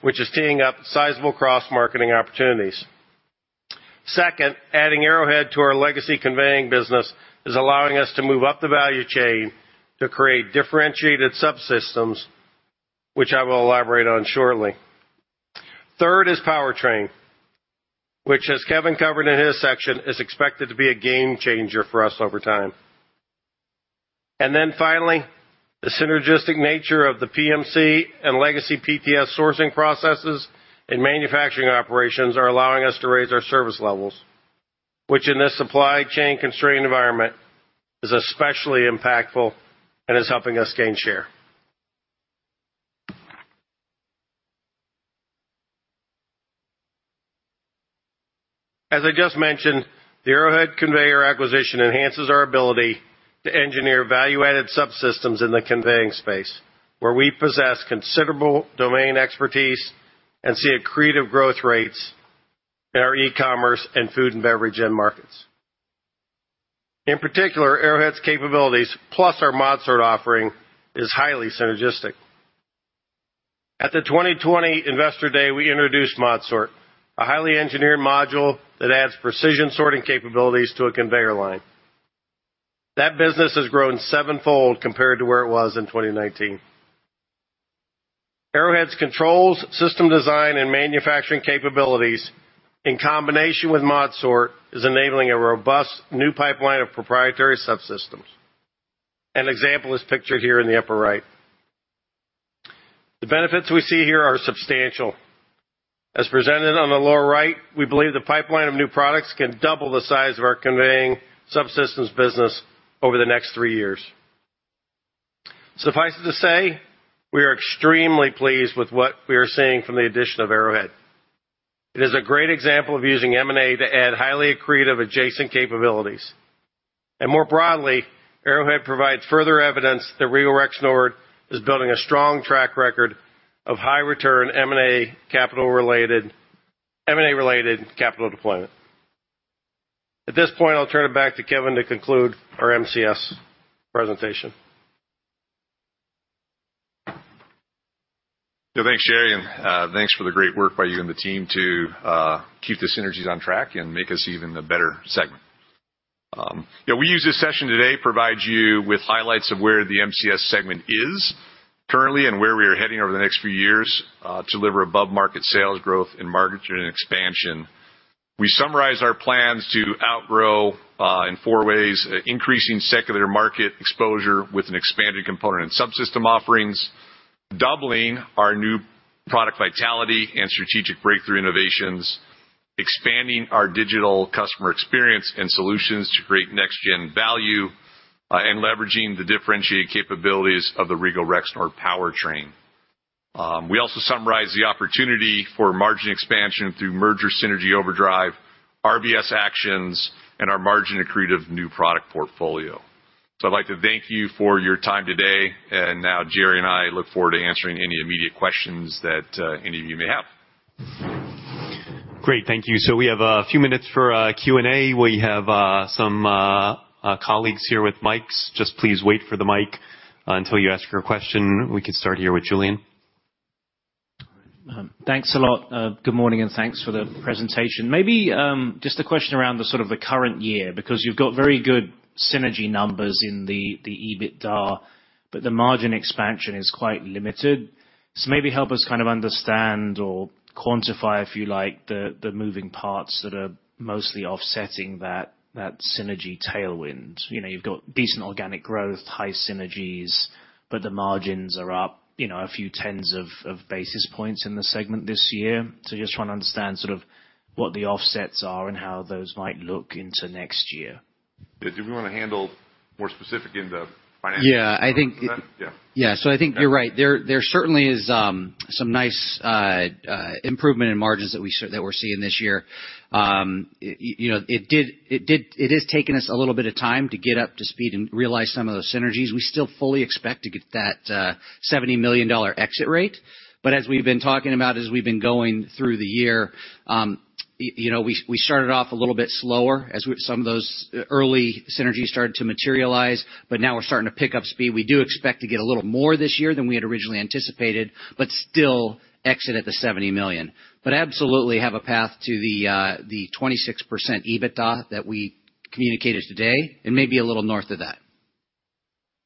which is teeing up sizable cross-marketing opportunities. Second, adding Arrowhead to our legacy conveying business is allowing us to move up the value chain to create differentiated subsystems, which I will elaborate on shortly. Third is powertrain, which, as Kevin covered in his section, is expected to be a game changer for us over time. Finally, the synergistic nature of the PMC and legacy PTS sourcing processes and manufacturing operations are allowing us to raise our service levels, which in this supply chain constrained environment is especially impactful and is helping us gain share. As I just mentioned, the Arrowhead conveyor acquisition enhances our ability to engineer value-added subsystems in the conveying space, where we possess considerable domain expertise and see accretive growth rates in our e-commerce and food and beverage end markets. In particular, Arrowhead's capabilities, plus our ModSort offering, is highly synergistic. At the 2020 Investor Day, we introduced ModSort, a highly engineered module that adds precision sorting capabilities to a conveyor line. That business has grown sevenfold compared to where it was in 2019. Arrowhead's controls, system design, and manufacturing capabilities, in combination with ModSort, is enabling a robust new pipeline of proprietary subsystems. An example is pictured here in the upper right. The benefits we see here are substantial. As presented on the lower right, we believe the pipeline of new products can double the size of our conveying subsystems business over the next three years. Suffice it to say, we are extremely pleased with what we are seeing from the addition of Arrowhead. It is a great example of using M&A to add highly accretive adjacent capabilities. More broadly, Arrowhead provides further evidence that Regal Rexnord is building a strong track record of high return M&A related capital deployment. At this point, I'll turn it back to Kevin to conclude our MCS presentation. Yeah. Thanks, Jerry, and thanks for the great work by you and the team to keep the synergies on track and make us even a better segment. Yeah, we use this session today to provide you with highlights of where the MCS segment is currently and where we are heading over the next few years to deliver above-market sales growth and margin expansion. We summarize our plans to outgrow in four ways, increasing secular market exposure with an expanded component and subsystem offerings, doubling our new product vitality and strategic breakthrough innovations, expanding our digital customer experience and solutions to create next gen value, and leveraging the differentiated capabilities of the Regal Rexnord powertrain. We also summarize the opportunity for margin expansion through merger synergy overdrive, RBS actions, and our margin-accretive new product portfolio. I'd like to thank you for your time today, and now Jerry and I look forward to answering any immediate questions that any of you may have. Great. Thank you. We have a few minutes for Q&A. We have some colleagues here with mics. Just please wait for the mic until you ask your question. We can start here with Julian. All right. Thanks a lot. Good morning, and thanks for the presentation. Maybe just a question around the sort of the current year, because you've got very good synergy numbers in the EBITDA, but the margin expansion is quite limited. Help us kind of understand or quantify, if you like, the moving parts that are mostly offsetting that synergy tailwind. You know, you've got decent organic growth, high synergies, but the margins are up, you know, a few tens of basis points in the segment this year. Just trying to understand sort of what the offsets are and how those might look into next year. Do we wanna handle more specific in the financial? Yeah, I think. Yeah. Yeah. I think you're right. There certainly is some nice improvement in margins that we're seeing this year. You know, it has taken us a little bit of time to get up to speed and realize some of those synergies. We still fully expect to get that $70 million exit rate, but as we've been talking about, as we've been going through the year, you know, we started off a little bit slower as some of those early synergies started to materialize, but now we're starting to pick up speed. We do expect to get a little more this year than we had originally anticipated, but still exit at the $70 million. Absolutely have a path to the 26% EBITDA that we communicated today and maybe a little north of that.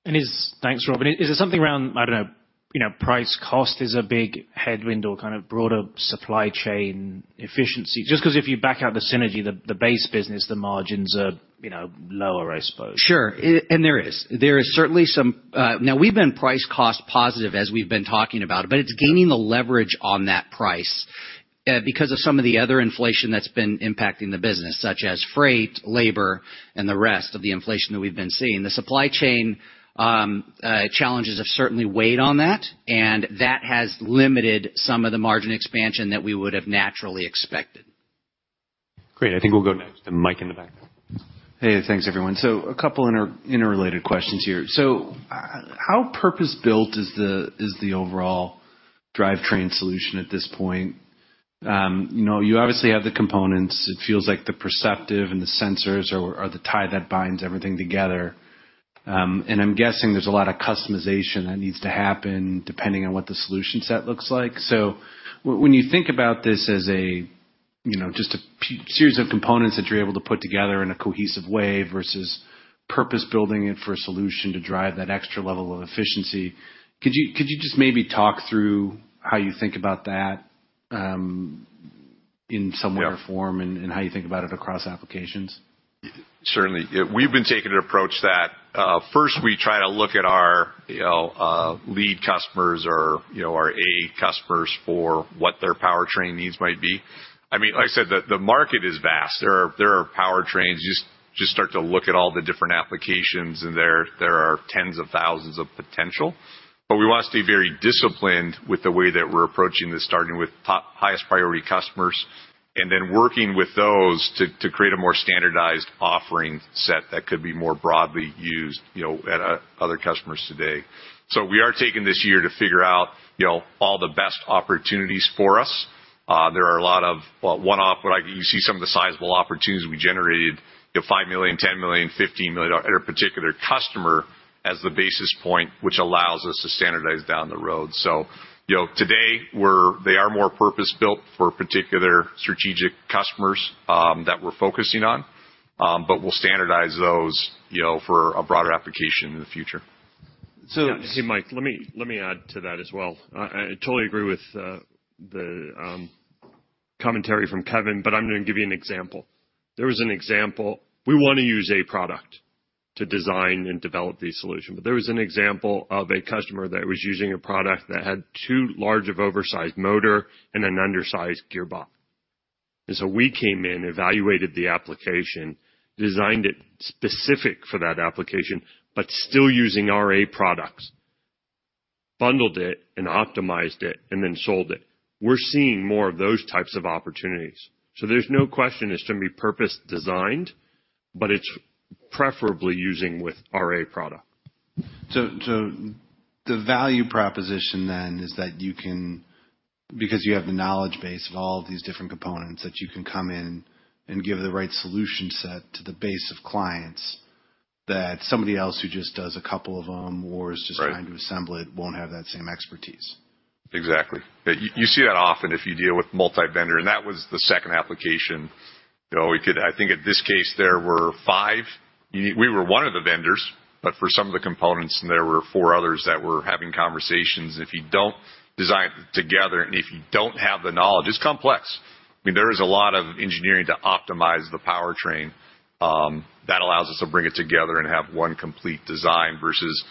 Thanks, Rob. Is it something around, I don't know, you know, price cost is a big headwind or kind of broader supply chain efficiency? Just 'cause if you back out the synergy, the base business, the margins are, you know, lower, I suppose. Sure. There is certainly some. Now, we've been price cost positive as we've been talking about, but it's gaining the leverage on that price because of some of the other inflation that's been impacting the business, such as freight, labor, and the rest of the inflation that we've been seeing. The supply chain challenges have certainly weighed on that, and that has limited some of the margin expansion that we would have naturally expected. Great. I think we'll go next to Mike in the back there. Hey, thanks everyone. A couple interrelated questions here. How purpose-built is the overall powertrain solution at this point? You know, you obviously have the components. It feels like the Perceptiv and the sensors are the tie that binds everything together. I'm guessing there's a lot of customization that needs to happen depending on what the solution set looks like. When you think about this as, you know, just a series of components that you're able to put together in a cohesive way versus purpose-building it for a solution to drive that extra level of efficiency, could you just maybe talk through how you think about that in some way or form, and how you think about it across applications? Certainly. We've been taking an approach that, first, we try to look at our, you know, lead customers or, you know, our A customers for what their powertrain needs might be. I mean, like I said, the market is vast. There are powertrains. You just start to look at all the different applications, and there are tens of thousands of potential. We want to stay very disciplined with the way that we're approaching this, starting with top highest priority customers, and then working with those to create a more standardized offering set that could be more broadly used, you know, at other customers today. We are taking this year to figure out, you know, all the best opportunities for us. There are a lot of one-off, but you see some of the sizable opportunities we generated, you know, $5 million, $10 million, $15 million at a particular customer as the basis point, which allows us to standardize down the road. You know, today, they are more purpose-built for particular strategic customers that we're focusing on, but we'll standardize those, you know, for a broader application in the future. So- Hey, Mike, let me add to that as well. I totally agree with the commentary from Kevin, but I'm gonna give you an example. There was an example of a customer that was using a product that had too large of oversized motor and an undersized gearbox. We came in, evaluated the application, designed it specific for that application, but still using our A products, bundled it and optimized it, and then sold it. We're seeing more of those types of opportunities. There's no question it's gonna be purpose-designed, but it's preferably using with our A product. The value proposition then is that you can, because you have the knowledge base of all of these different components, that you can come in and give the right solution set to the base of clients, that somebody else who just does a couple of them or is just- Right. Trying to assemble it won't have that same expertise. Exactly. You see that often if you deal with multi-vendor, that was the second application. You know, I think in this case there were five. We were one of the vendors, but for some of the components, there were four others that we're having conversations. If you don't design together and if you don't have the knowledge, it's complex. I mean, there is a lot of engineering to optimize the powertrain that allows us to bring it together and have one complete design versus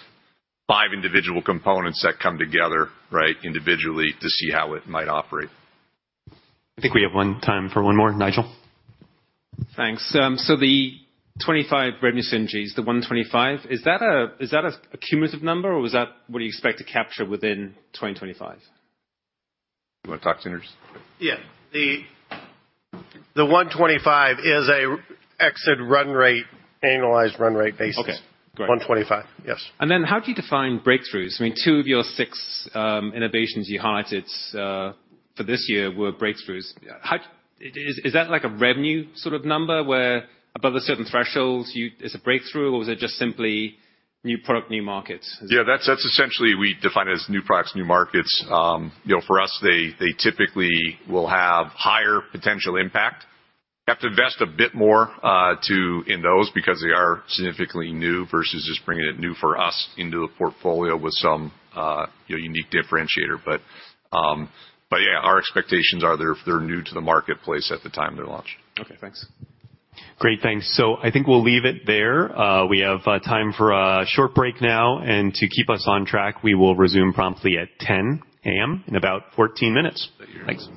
five individual components that come together, right, individually to see how it might operate. I think we have one time for one more. Nigel? Thanks. The 25 revenue synergies, the 125, is that a cumulative number or was that what you expect to capture within 2025? You wanna talk? *audio distortion* Yeah. The 125 is an exit run rate, annualized run rate basis. Okay, great. 125. Yes. How do you define breakthroughs? I mean, two of your six innovations you highlighted for this year were breakthroughs. How is that like a revenue sort of number where above a certain thresholds you it's a breakthrough or is it just simply new product, new markets? Yeah, that's essentially we define it as new products, new markets. You know, for us, they typically will have higher potential impact. Have to invest a bit more in those because they are significantly new versus just bringing it new for us into a portfolio with some you know, unique differentiator. Yeah, our expectations are they're new to the marketplace at the time they're launched. Okay, thanks. Great. Thanks. I think we'll leave it there. We have time for a short break now. To keep us on track, we will resume promptly at 10:00 A.M., in about 14 minutes. Thanks.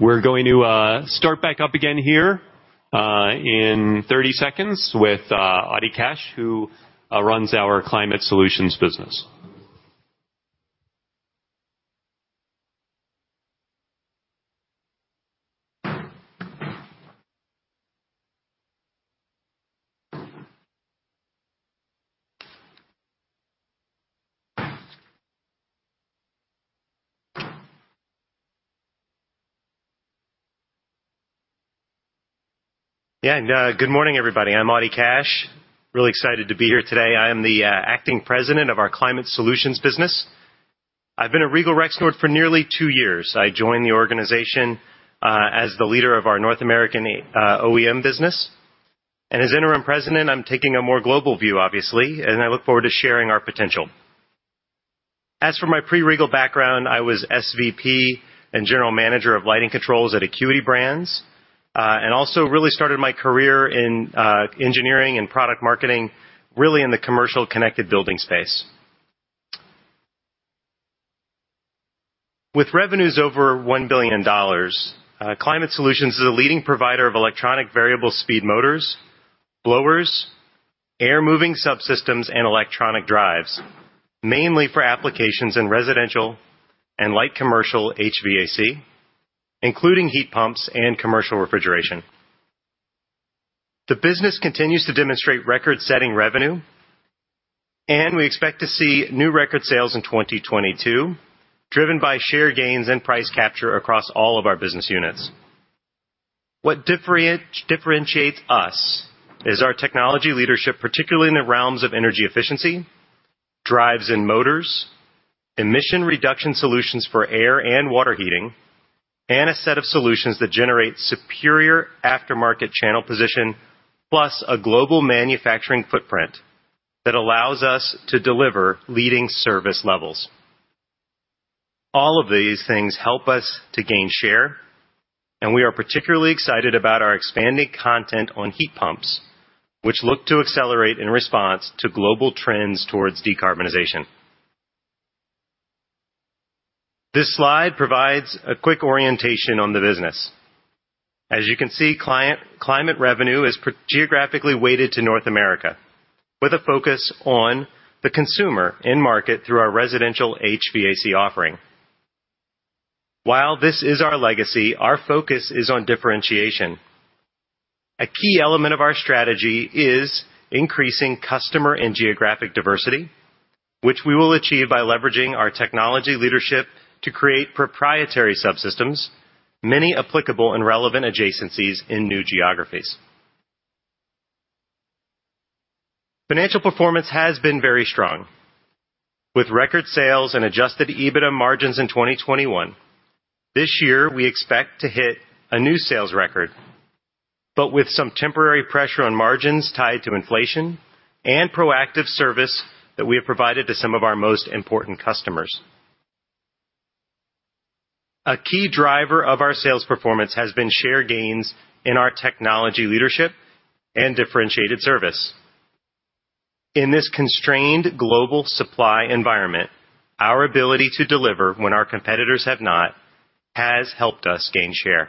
We're going to start back up again here in 30 seconds with Audie Cash, who runs our Climate Solutions business. Yeah. Good morning, everybody. I'm Audie Cash. Really excited to be here today. I am the acting President of our Climate Solutions business. I've been at Regal Rexnord for nearly two years. I joined the organization as the leader of our North American OEM business. As interim President, I'm taking a more global view, obviously, and I look forward to sharing our potential. As for my pre-Regal background, I was SVP and general manager of lighting controls at Acuity Brands, and also really started my career in engineering and product marketing, really in the commercial connected building space. With revenues over $1 billion, Climate Solutions is a leading provider of electronic variable speed motors, blowers, air moving subsystems, and electronic drives, mainly for applications in residential and light commercial HVAC, including heat pumps and commercial refrigeration. The business continues to demonstrate record-setting revenue, and we expect to see new record sales in 2022, driven by share gains and price capture across all of our business units. What differentiates us is our technology leadership, particularly in the realms of energy efficiency, drives and motors, emission reduction solutions for air and water heating, and a set of solutions that generate superior aftermarket channel position, plus a global manufacturing footprint that allows us to deliver leading service levels. All of these things help us to gain share, and we are particularly excited about our expanding content on heat pumps, which look to accelerate in response to global trends towards decarbonization. This slide provides a quick orientation on the business. As you can see, Climate revenue is primarily geographically weighted to North America with a focus on the consumer end market through our residential HVAC offering. While this is our legacy, our focus is on differentiation. A key element of our strategy is increasing customer and geographic diversity, which we will achieve by leveraging our technology leadership to create proprietary subsystems, many applicable and relevant adjacencies in new geographies. Financial performance has been very strong. With record sales and adjusted EBITDA margins in 2021, this year we expect to hit a new sales record, but with some temporary pressure on margins tied to inflation and proactive service that we have provided to some of our most important customers. A key driver of our sales performance has been share gains in our technology leadership and differentiated service. In this constrained global supply environment, our ability to deliver when our competitors have not, has helped us gain share.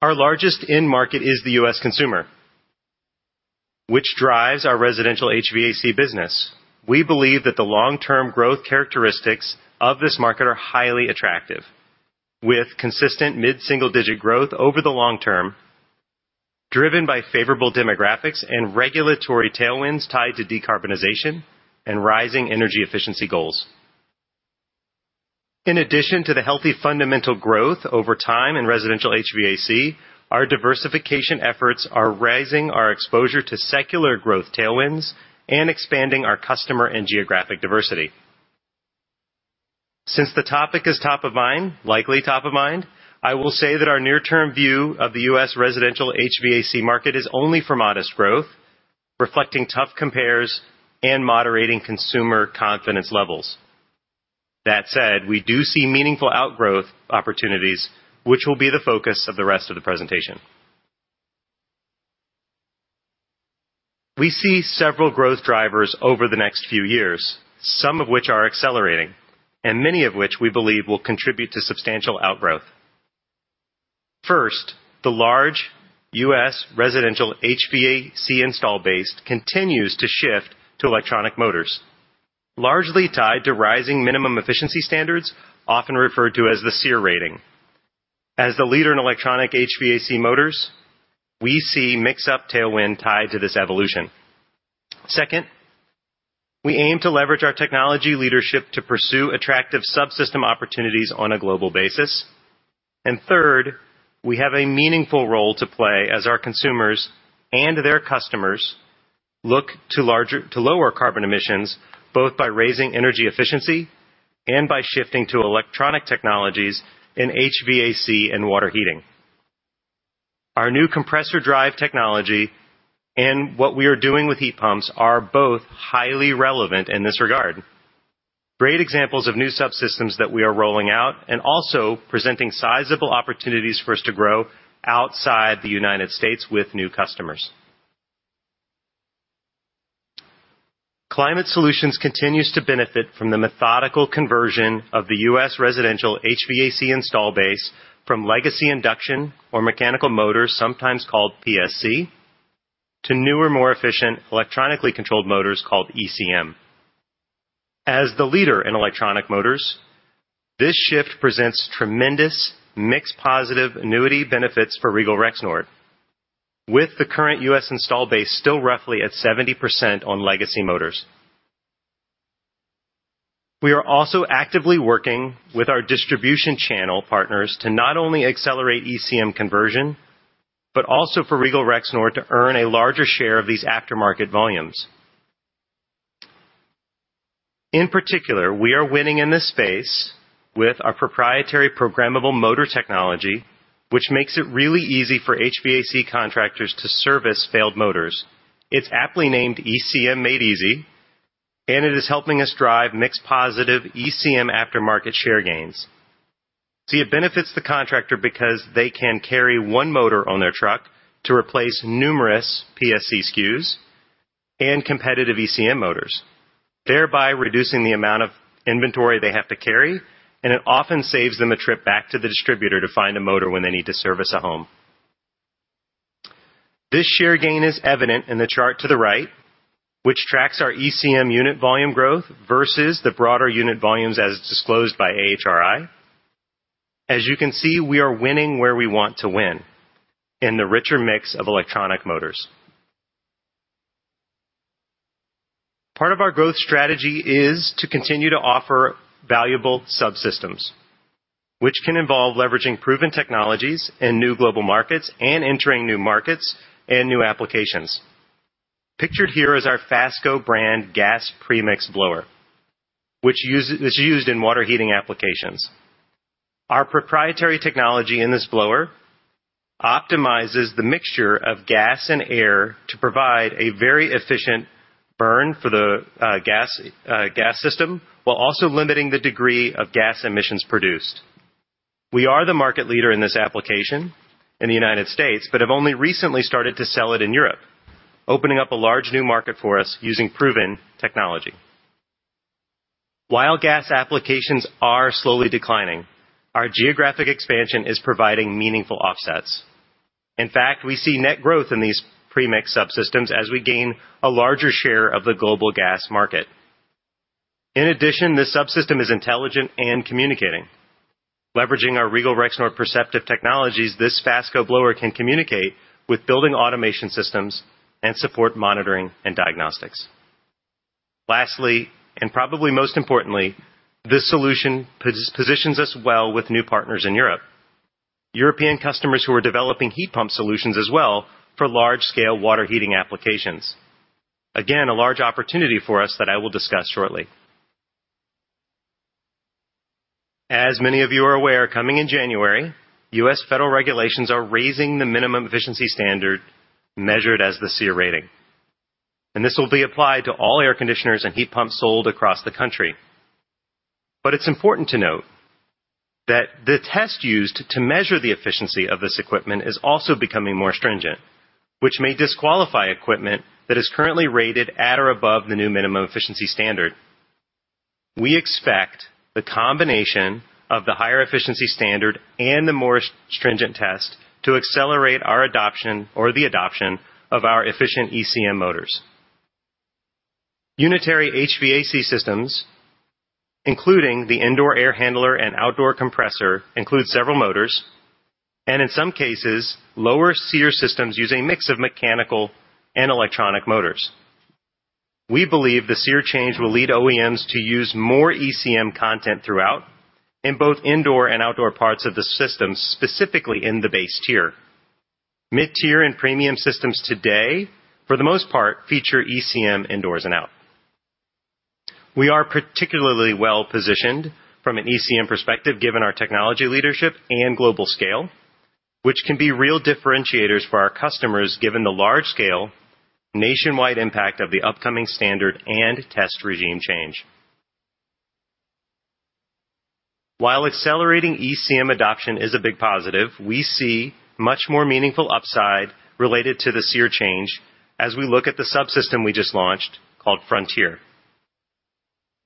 Our largest end market is the U.S. consumer, which drives our residential HVAC business. We believe that the long-term growth characteristics of this market are highly attractive, with consistent mid-single digit growth over the long term, driven by favorable demographics and regulatory tailwinds tied to decarbonization and rising energy efficiency goals. In addition to the healthy fundamental growth over time in residential HVAC, our diversification efforts are raising our exposure to secular growth tailwinds and expanding our customer and geographic diversity. Since the topic is top of mind, likely top of mind, I will say that our near-term view of the U.S. residential HVAC market is only for modest growth, reflecting tough compares and moderating consumer confidence levels. That said, we do see meaningful outgrowth opportunities, which will be the focus of the rest of the presentation. We see several growth drivers over the next few years, some of which are accelerating, and many of which we believe will contribute to substantial outgrowth. First, the large U.S. residential HVAC installed base continues to shift to electronic motors, largely tied to rising minimum efficiency standards, often referred to as the SEER rating. As the leader in electronic HVAC motors, we see mix tailwind tied to this evolution. Second, we aim to leverage our technology leadership to pursue attractive subsystem opportunities on a global basis. Third, we have a meaningful role to play as our consumers and their customers look to lower carbon emissions, both by raising energy efficiency and by shifting to electronic technologies in HVAC and water heating. Our new compressor drive technology and what we are doing with heat pumps are both highly relevant in this regard. Great examples of new subsystems that we are rolling out and also presenting sizable opportunities for us to grow outside the United States with new customers. Climate Solutions continues to benefit from the methodical conversion of the U.S. residential HVAC installed base from legacy induction or mechanical motors, sometimes called PSC, to newer, more efficient electronically controlled motors called ECM. As the leader in electronic motors, this shift presents tremendous mix positive annuity benefits for Regal Rexnord, with the current U.S. installed base still roughly at 70% on legacy motors. We are also actively working with our distribution channel partners to not only accelerate ECM conversion, but also for Regal Rexnord to earn a larger share of these aftermarket volumes. In particular, we are winning in this space with our proprietary programmable motor technology, which makes it really easy for HVAC contractors to service failed motors. It's aptly named ECM Made Easy, and it is helping us drive mix positive ECM aftermarket share gains. See, it benefits the contractor because they can carry one motor on their truck to replace numerous PSC SKUs and competitive ECM motors, thereby reducing the amount of inventory they have to carry, and it often saves them a trip back to the distributor to find a motor when they need to service a home. This share gain is evident in the chart to the right, which tracks our ECM unit volume growth versus the broader unit volumes as disclosed by AHRI. As you can see, we are winning where we want to win, in the richer mix of electronic motors. Part of our growth strategy is to continue to offer valuable subsystems, which can involve leveraging proven technologies in new global markets and entering new markets and new applications. Pictured here is our FASCO brand gas pre-mix blower, which is used in water heating applications. Our proprietary technology in this blower optimizes the mixture of gas and air to provide a very efficient burn for the gas system, while also limiting the degree of gas emissions produced. We are the market leader in this application in the United States, but have only recently started to sell it in Europe, opening up a large new market for us using proven technology. While gas applications are slowly declining, our geographic expansion is providing meaningful offsets. In fact, we see net growth in these premix subsystems as we gain a larger share of the global gas market. In addition, this subsystem is intelligent and communicating. Leveraging our Regal Rexnord Perceptiv technologies, this FASCO blower can communicate with building automation systems and support monitoring and diagnostics. Lastly, and probably most importantly, this solution positions us well with new partners in Europe. European customers who are developing heat pump solutions as well for large scale water heating applications. Again, a large opportunity for us that I will discuss shortly. As many of you are aware, coming in January, U.S. federal regulations are raising the minimum efficiency standard measured as the SEER rating, and this will be applied to all air conditioners and heat pumps sold across the country. It's important to note that the test used to measure the efficiency of this equipment is also becoming more stringent, which may disqualify equipment that is currently rated at or above the new minimum efficiency standard. We expect the combination of the higher efficiency standard and the more stringent test to accelerate our adoption or the adoption of our efficient ECM motors. Unitary HVAC systems, including the indoor air handler and outdoor compressor, include several motors, and in some cases, lower SEER systems use a mix of mechanical and electronic motors. We believe the SEER change will lead OEMs to use more ECM content throughout in both indoor and outdoor parts of the system, specifically in the base tier. Mid-tier and premium systems today, for the most part, feature ECM indoors and out. We are particularly well-positioned from an ECM perspective given our technology leadership and global scale, which can be real differentiators for our customers given the large scale nationwide impact of the upcoming standard and test regime change. While accelerating ECM adoption is a big positive, we see much more meaningful upside related to the SEER change as we look at the subsystem we just launched, called Frontier.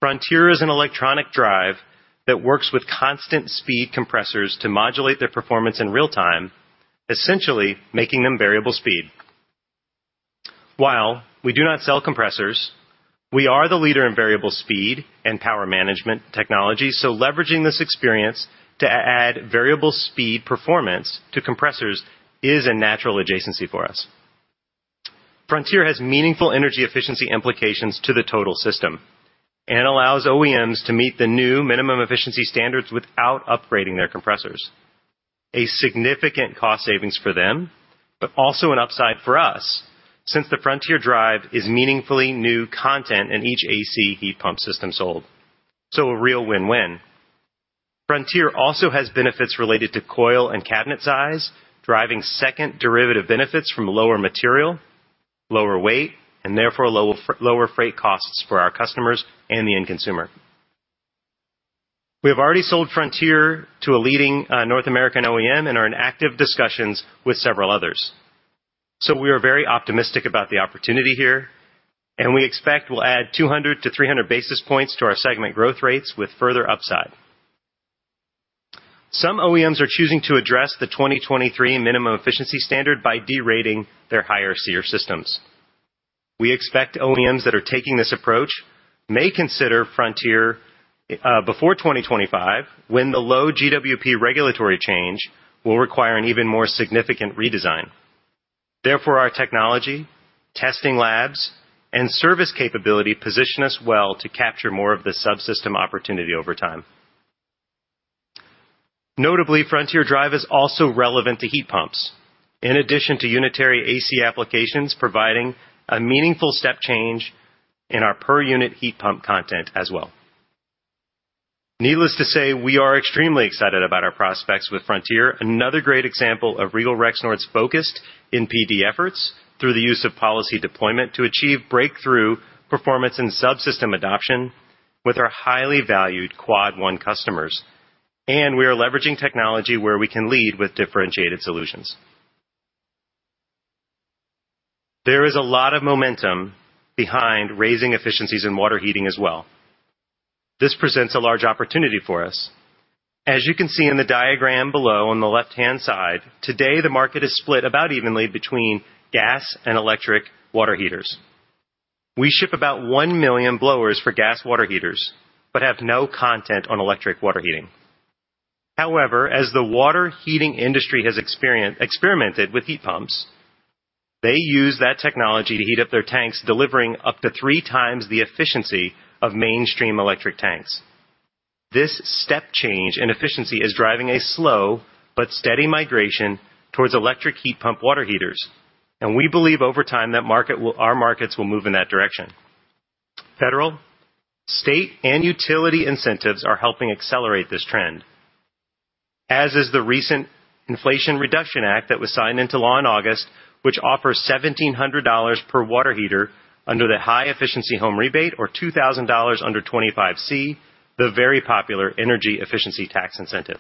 Frontier is an electronic drive that works with constant speed compressors to modulate their performance in real time, essentially making them variable speed. While we do not sell compressors, we are the leader in variable speed and power management technology, so leveraging this experience to add variable speed performance to compressors is a natural adjacency for us. Frontier has meaningful energy efficiency implications to the total system and allows OEMs to meet the new minimum efficiency standards without upgrading their compressors. A significant cost savings for them, but also an upside for us since the Frontier drive is meaningfully new content in each AC heat pump system sold. A real win-win. Frontier also has benefits related to coil and cabinet size, driving second derivative benefits from lower material, lower weight, and therefore lower freight costs for our customers and the end consumer. We have already sold Frontier to a leading, North American OEM and are in active discussions with several others. We are very optimistic about the opportunity here, and we expect we'll add 200-300 basis points to our segment growth rates with further upside. Some OEMs are choosing to address the 2023 minimum efficiency standard by derating their higher SEER systems. We expect OEMs that are taking this approach may consider Frontier before 2025, when the low GWP regulatory change will require an even more significant redesign. Therefore, our technology, testing labs, and service capability position us well to capture more of the subsystem opportunity over time. Notably, Frontier Drive is also relevant to heat pumps. In addition to unitary AC applications providing a meaningful step change in our per unit heat pump content as well. Needless to say, we are extremely excited about our prospects with Frontier. Another great example of Regal Rexnord's focused NPD efforts through the use of policy deployment to achieve breakthrough performance and subsystem adoption with our highly valued Quad 1 customers. We are leveraging technology where we can lead with differentiated solutions. There is a lot of momentum behind raising efficiencies in water heating as well. This presents a large opportunity for us. As you can see in the diagram below on the left-hand side, today the market is split about evenly between gas and electric water heaters. We ship about 1 million blowers for gas water heaters, but have no content on electric water heating. However, as the water heating industry has experimented with heat pumps, they use that technology to heat up their tanks, delivering up to three times the efficiency of mainstream electric tanks. This step change in efficiency is driving a slow but steady migration towards electric heat pump water heaters, and we believe over time our markets will move in that direction. Federal, state, and utility incentives are helping accelerate this trend. As is the recent Inflation Reduction Act that was signed into law in August, which offers $1,700 per water heater under the high efficiency home rebate or $2,000 under 25C, the very popular energy efficiency tax incentive.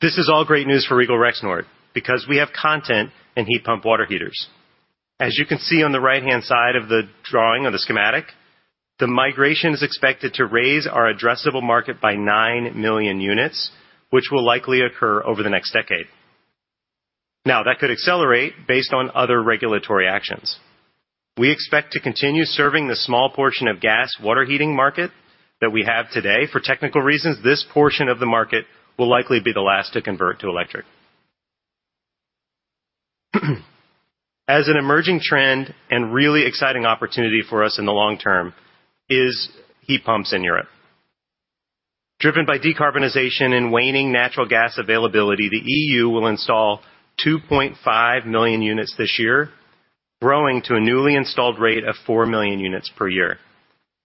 This is all great news for Regal Rexnord because we have content in heat pump water heaters. As you can see on the right-hand side of the drawing of the schematic, the migration is expected to raise our addressable market by 9 million units, which will likely occur over the next decade. Now, that could accelerate based on other regulatory actions. We expect to continue serving the small portion of gas water heating market that we have today. For technical reasons, this portion of the market will likely be the last to convert to electric. As an emerging trend and really exciting opportunity for us in the long term is heat pumps in Europe. Driven by decarbonization and waning natural gas availability, the EU will install 2.5 million units this year, growing to a newly installed rate of 4 million units per year.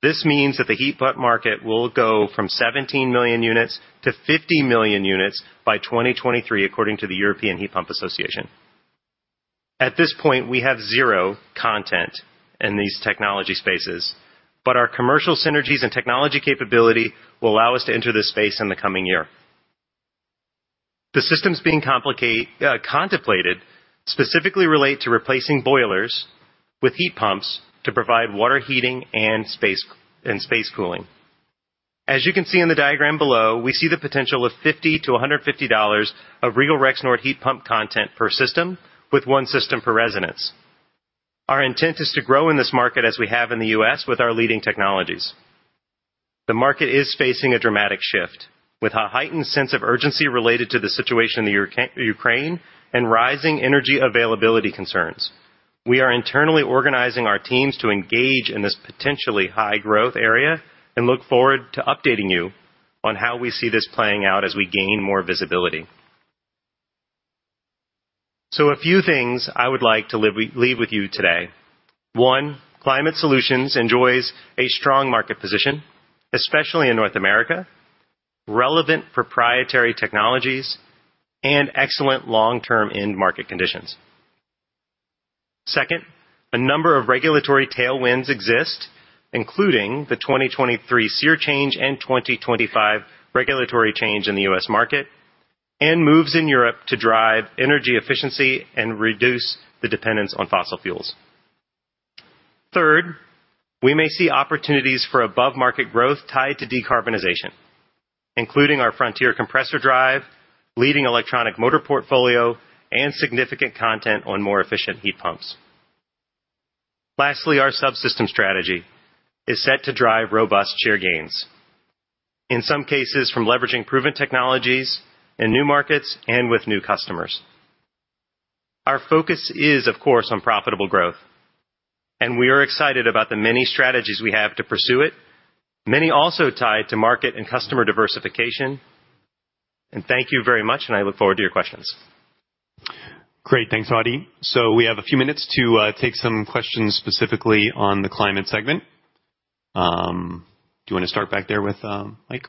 This means that the heat pump market will go from 17 million units to 50 million units by 2023, according to the European Heat Pump Association. At this point, we have zero content in these technology spaces, but our commercial synergies and technology capability will allow us to enter this space in the coming year. The systems being contemplated specifically relate to replacing boilers with heat pumps to provide water heating and space cooling. As you can see in the diagram below, we see the potential of $50-$150 of Regal Rexnord heat pump content per system with one system per residence. Our intent is to grow in this market as we have in the U.S. with our leading technologies. The market is facing a dramatic shift with a heightened sense of urgency related to the situation in the Ukraine and rising energy availability concerns. We are internally organizing our teams to engage in this potentially high growth area and look forward to updating you on how we see this playing out as we gain more visibility. A few things I would like to leave with you today. One, Climate Solutions enjoys a strong market position, especially in North America, relevant proprietary technologies, and excellent long-term end market conditions. Second, a number of regulatory tailwinds exist, including the 2023 SEER change and 2025 regulatory change in the U.S. market, and moves in Europe to drive energy efficiency and reduce the dependence on fossil fuels. Third, we may see opportunities for above-market growth tied to decarbonization, including our Frontier compressor drive, leading electronic motor portfolio, and significant content on more efficient heat pumps. Lastly, our subsystem strategy is set to drive robust share gains, in some cases from leveraging proven technologies in new markets and with new customers. Our focus is, of course, on profitable growth, and we are excited about the many strategies we have to pursue it, many also tied to market and customer diversification. Thank you very much, and I look forward to your questions. Great. Thanks, Audie. We have a few minutes to take some questions specifically on the climate segment. Do you wanna start back there with Mike?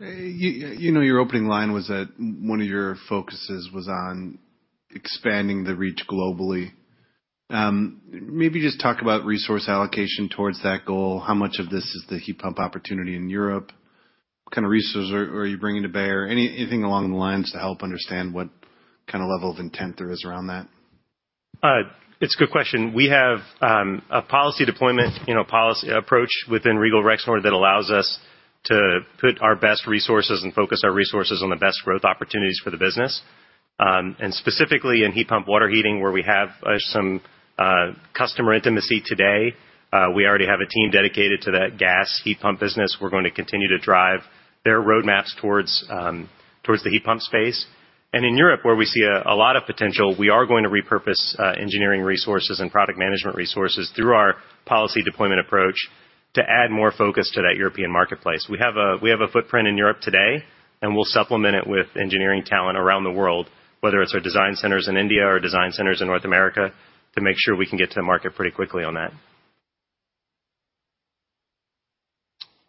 You know, your opening line was that one of your focuses was on expanding the reach globally. Maybe just talk about resource allocation towards that goal. How much of this is the heat pump opportunity in Europe? What kind of resources are you bringing to bear? Anything along the lines to help understand what kind of level of intent there is around that. It's a good question. We have a policy deployment, you know, policy approach within Regal Rexnord that allows us to put our best resources and focus our resources on the best growth opportunities for the business. Specifically in heat pump water heating, where we have some customer intimacy today, we already have a team dedicated to that gas heat pump business. We're gonna continue to drive their roadmaps towards the heat pump space. In Europe, where we see a lot of potential, we are going to repurpose engineering resources and product management resources through our policy deployment approach to add more focus to that European marketplace. We have a footprint in Europe today, and we'll supplement it with engineering talent around the world, whether it's our design centers in India or design centers in North America, to make sure we can get to the market pretty quickly on that.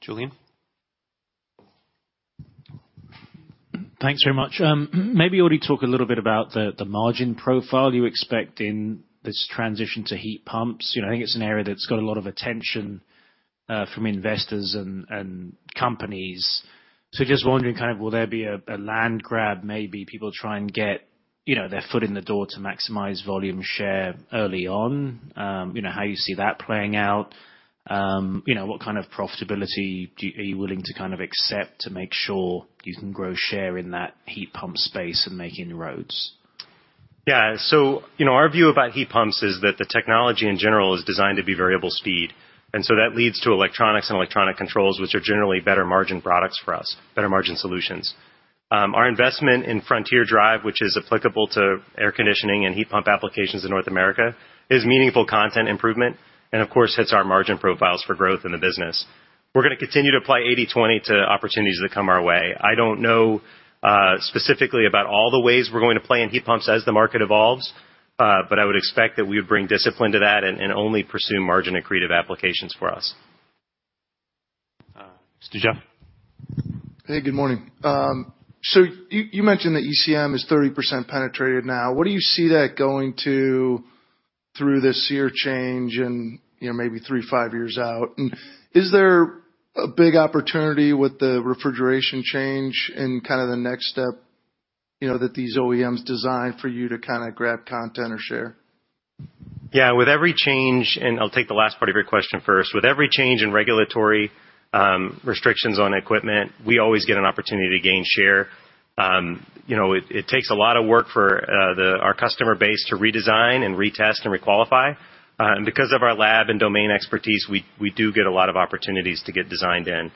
Julian. Thanks very much. Maybe already talk a little bit about the margin profile you expect in this transition to heat pumps. You know, I think it's an area that's got a lot of attention from investors and companies. Just wondering kind of will there be a land grab, maybe people try and get, you know, their foot in the door to maximize volume share early on, you know, how you see that playing out? You know, what kind of profitability are you willing to kind of accept to make sure you can grow share in that heat pump space and make inroads? Yeah. You know, our view about heat pumps is that the technology in general is designed to be variable speed. That leads to electronics and electronic controls, which are generally better margin products for us, better margin solutions. Our investment in Frontier Drive, which is applicable to air conditioning and heat pump applications in North America, is meaningful content improvement, and of course, hits our margin profiles for growth in the business. We're gonna continue to apply 80/20 to opportunities that come our way. I don't know, specifically about all the ways we're going to play in heat pumps as the market evolves, but I would expect that we would bring discipline to that and only pursue margin-accretive applications for us. Mr. Joe. Hey, good morning. You mentioned that ECM is 30% penetrated now. What do you see that going to through this year change in, you know, maybe three, five years out? Is there a big opportunity with the refrigeration change and kind of the next step, you know, that these OEMs design for you to kinda grab content or share? Yeah. With every change, I'll take the last part of your question first. With every change in regulatory restrictions on equipment, we always get an opportunity to gain share. You know, it takes a lot of work for our customer base to redesign and retest and requalify. And because of our lab and domain expertise, we do get a lot of opportunities to get designed in.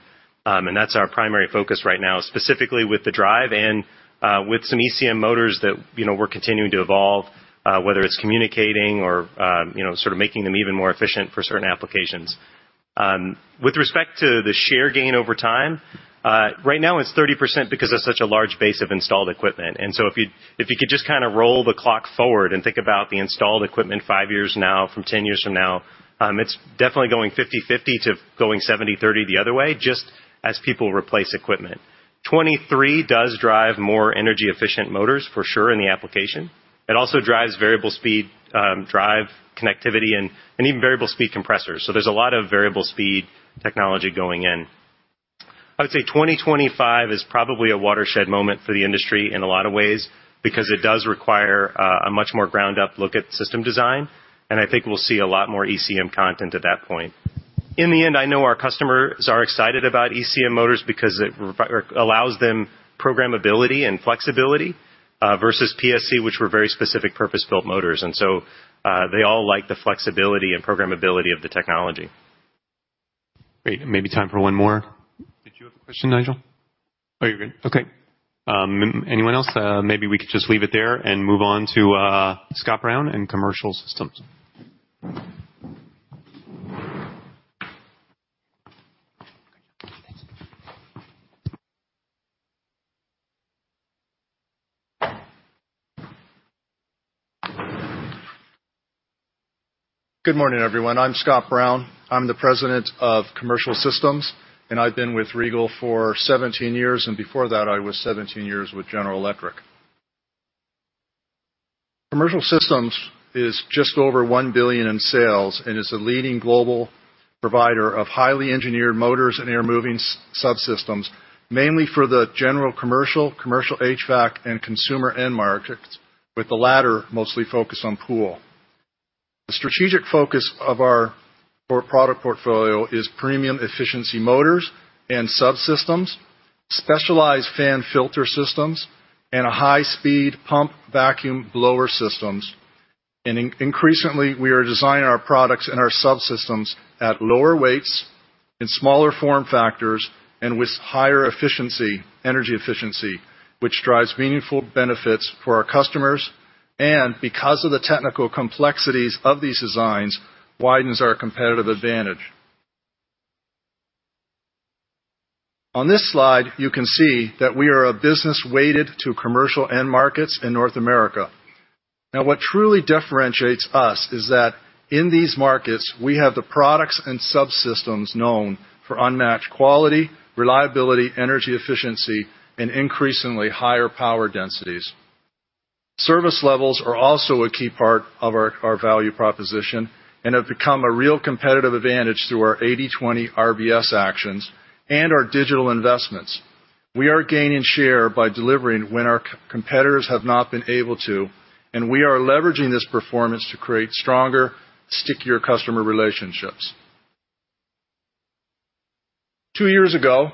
And that's our primary focus right now, specifically with the drive and with some ECM motors that, you know, we're continuing to evolve, whether it's communicating or you know, sort of making them even more efficient for certain applications. With respect to the share gain over time, right now it's 30% because it's such a large base of installed equipment. If you could just kinda roll the clock forward and think about the installed equipment five years from now, from 10 years from now, it's definitely going 50/50 to going 70/30 the other way, just as people replace equipment. 2023 does drive more energy-efficient motors for sure in the application. It also drives variable speed drive connectivity and even variable speed compressors. There's a lot of variable speed technology going in. I would say 2025 is probably a watershed moment for the industry in a lot of ways because it does require a much more ground-up look at system design, and I think we'll see a lot more ECM content at that point. In the end, I know our customers are excited about ECM motors because it allows them programmability and flexibility versus PSC, which were very specific purpose-built motors. They all like the flexibility and programmability of the technology. Great. Maybe time for one more. Did you have a question, Nigel? Oh, you're good. Okay. Anyone else? Maybe we could just leave it there and move on to Scott Brown in Commercial Systems. Good morning, everyone. I'm Scott Brown. I'm the President of Commercial Systems, and I've been with Regal for 17 years, and before that I was 17 years with General Electric. Commercial Systems is just over $1 billion in sales and is a leading global. Provider of highly engineered motors and air moving subsystems, mainly for the general commercial HVAC, and consumer end markets, with the latter mostly focused on pool. The strategic focus of our product portfolio is premium efficiency motors and subsystems, specialized fan filter systems, and a high-speed pump vacuum blower systems. Increasingly, we are designing our products and our subsystems at lower weights, in smaller form factors, and with higher efficiency, energy efficiency, which drives meaningful benefits for our customers, and because of the technical complexities of these designs, widens our competitive advantage. On this slide, you can see that we are a business weighted to commercial end markets in North America. Now, what truly differentiates us is that in these markets, we have the products and subsystems known for unmatched quality, reliability, energy efficiency, and increasingly higher power densities. Service levels are also a key part of our value proposition and have become a real competitive advantage through our 80/20 RBS actions and our digital investments. We are gaining share by delivering when our competitors have not been able to, and we are leveraging this performance to create stronger, stickier customer relationships. Two years ago,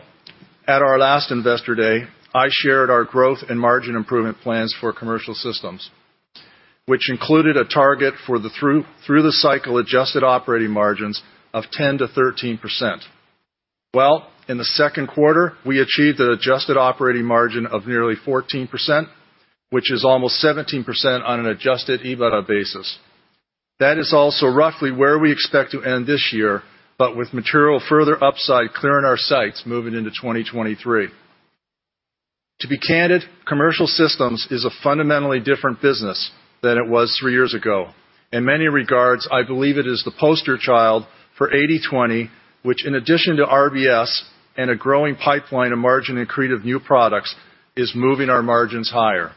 at our last Investor Day, I shared our growth and margin improvement plans for Commercial Systems, which included a target for the through the cycle adjusted operating margins of 10%-13%. Well, in the second quarter, we achieved an adjusted operating margin of nearly 14%, which is almost 17% on an adjusted EBITDA basis. That is also roughly where we expect to end this year, but with material further upside clearing our sights moving into 2023. To be candid, Commercial Systems is a fundamentally different business than it was three years ago. In many regards, I believe it is the poster child for 80/20, which in addition to RBS and a growing pipeline of margin-accretive new products, is moving our margins higher.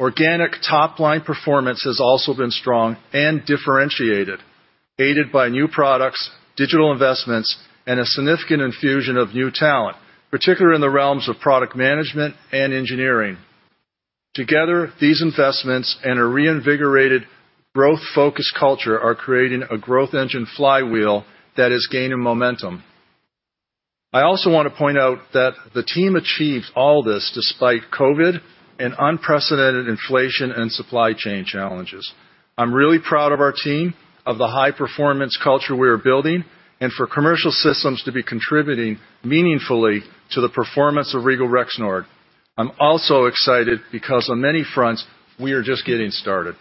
Organic top-line performance has also been strong and differentiated, aided by new products, digital investments, and a significant infusion of new talent, particularly in the realms of product management and engineering. Together, these investments and a reinvigorated growth-focused culture are creating a growth engine flywheel that is gaining momentum. I also want to point out that the team achieved all this despite COVID and unprecedented inflation and supply chain challenges. I'm really proud of our team, of the high-performance culture we are building, and for Commercial Systems to be contributing meaningfully to the performance of Regal Rexnord. I'm also excited because on many fronts, we are just getting started.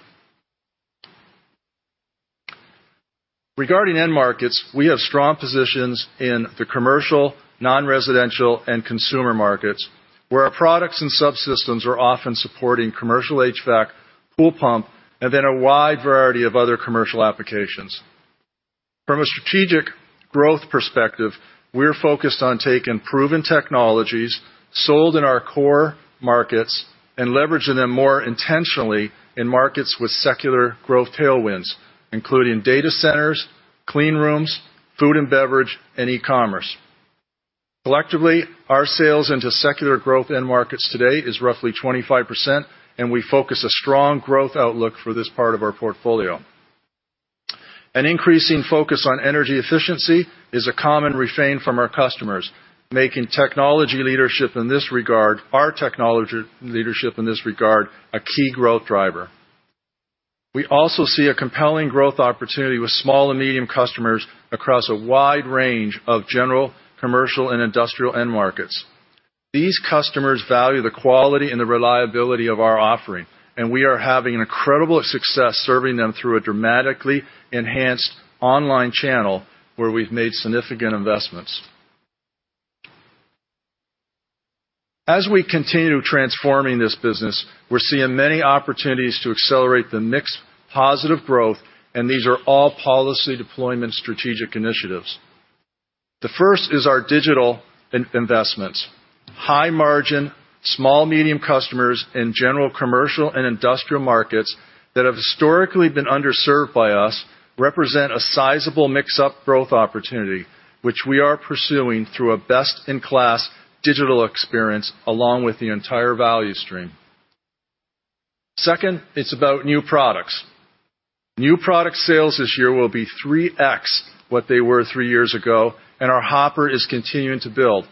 Regarding end markets, we have strong positions in the commercial, non-residential, and consumer markets, where our products and subsystems are often supporting commercial HVAC, pool pump, and then a wide variety of other commercial applications. From a strategic growth perspective, we're focused on taking proven technologies sold in our core markets and leveraging them more intentionally in markets with secular growth tailwinds, including data centers, clean rooms, food and beverage, and e-commerce. Collectively, our sales into secular growth end markets today is roughly 25%, and we foresee a strong growth outlook for this part of our portfolio. An increasing focus on energy efficiency is a common refrain from our customers, making our technology leadership in this regard a key growth driver. We also see a compelling growth opportunity with small and medium customers across a wide range of general, commercial, and industrial end markets. These customers value the quality and the reliability of our offering, and we are having an incredible success serving them through a dramatically enhanced online channel where we've made significant investments. As we continue transforming this business, we're seeing many opportunities to accelerate the mix-positive growth, and these are all policy deployment strategic initiatives. The first is our digital investments. High-margin, small, medium customers in general commercial and industrial markets that have historically been underserved by us represent a sizable mix-positive growth opportunity, which we are pursuing through a best-in-class digital experience along with the entire value stream. Second, it's about new products. New product sales this year will be 3x what they were three years ago, and our hopper is continuing to build.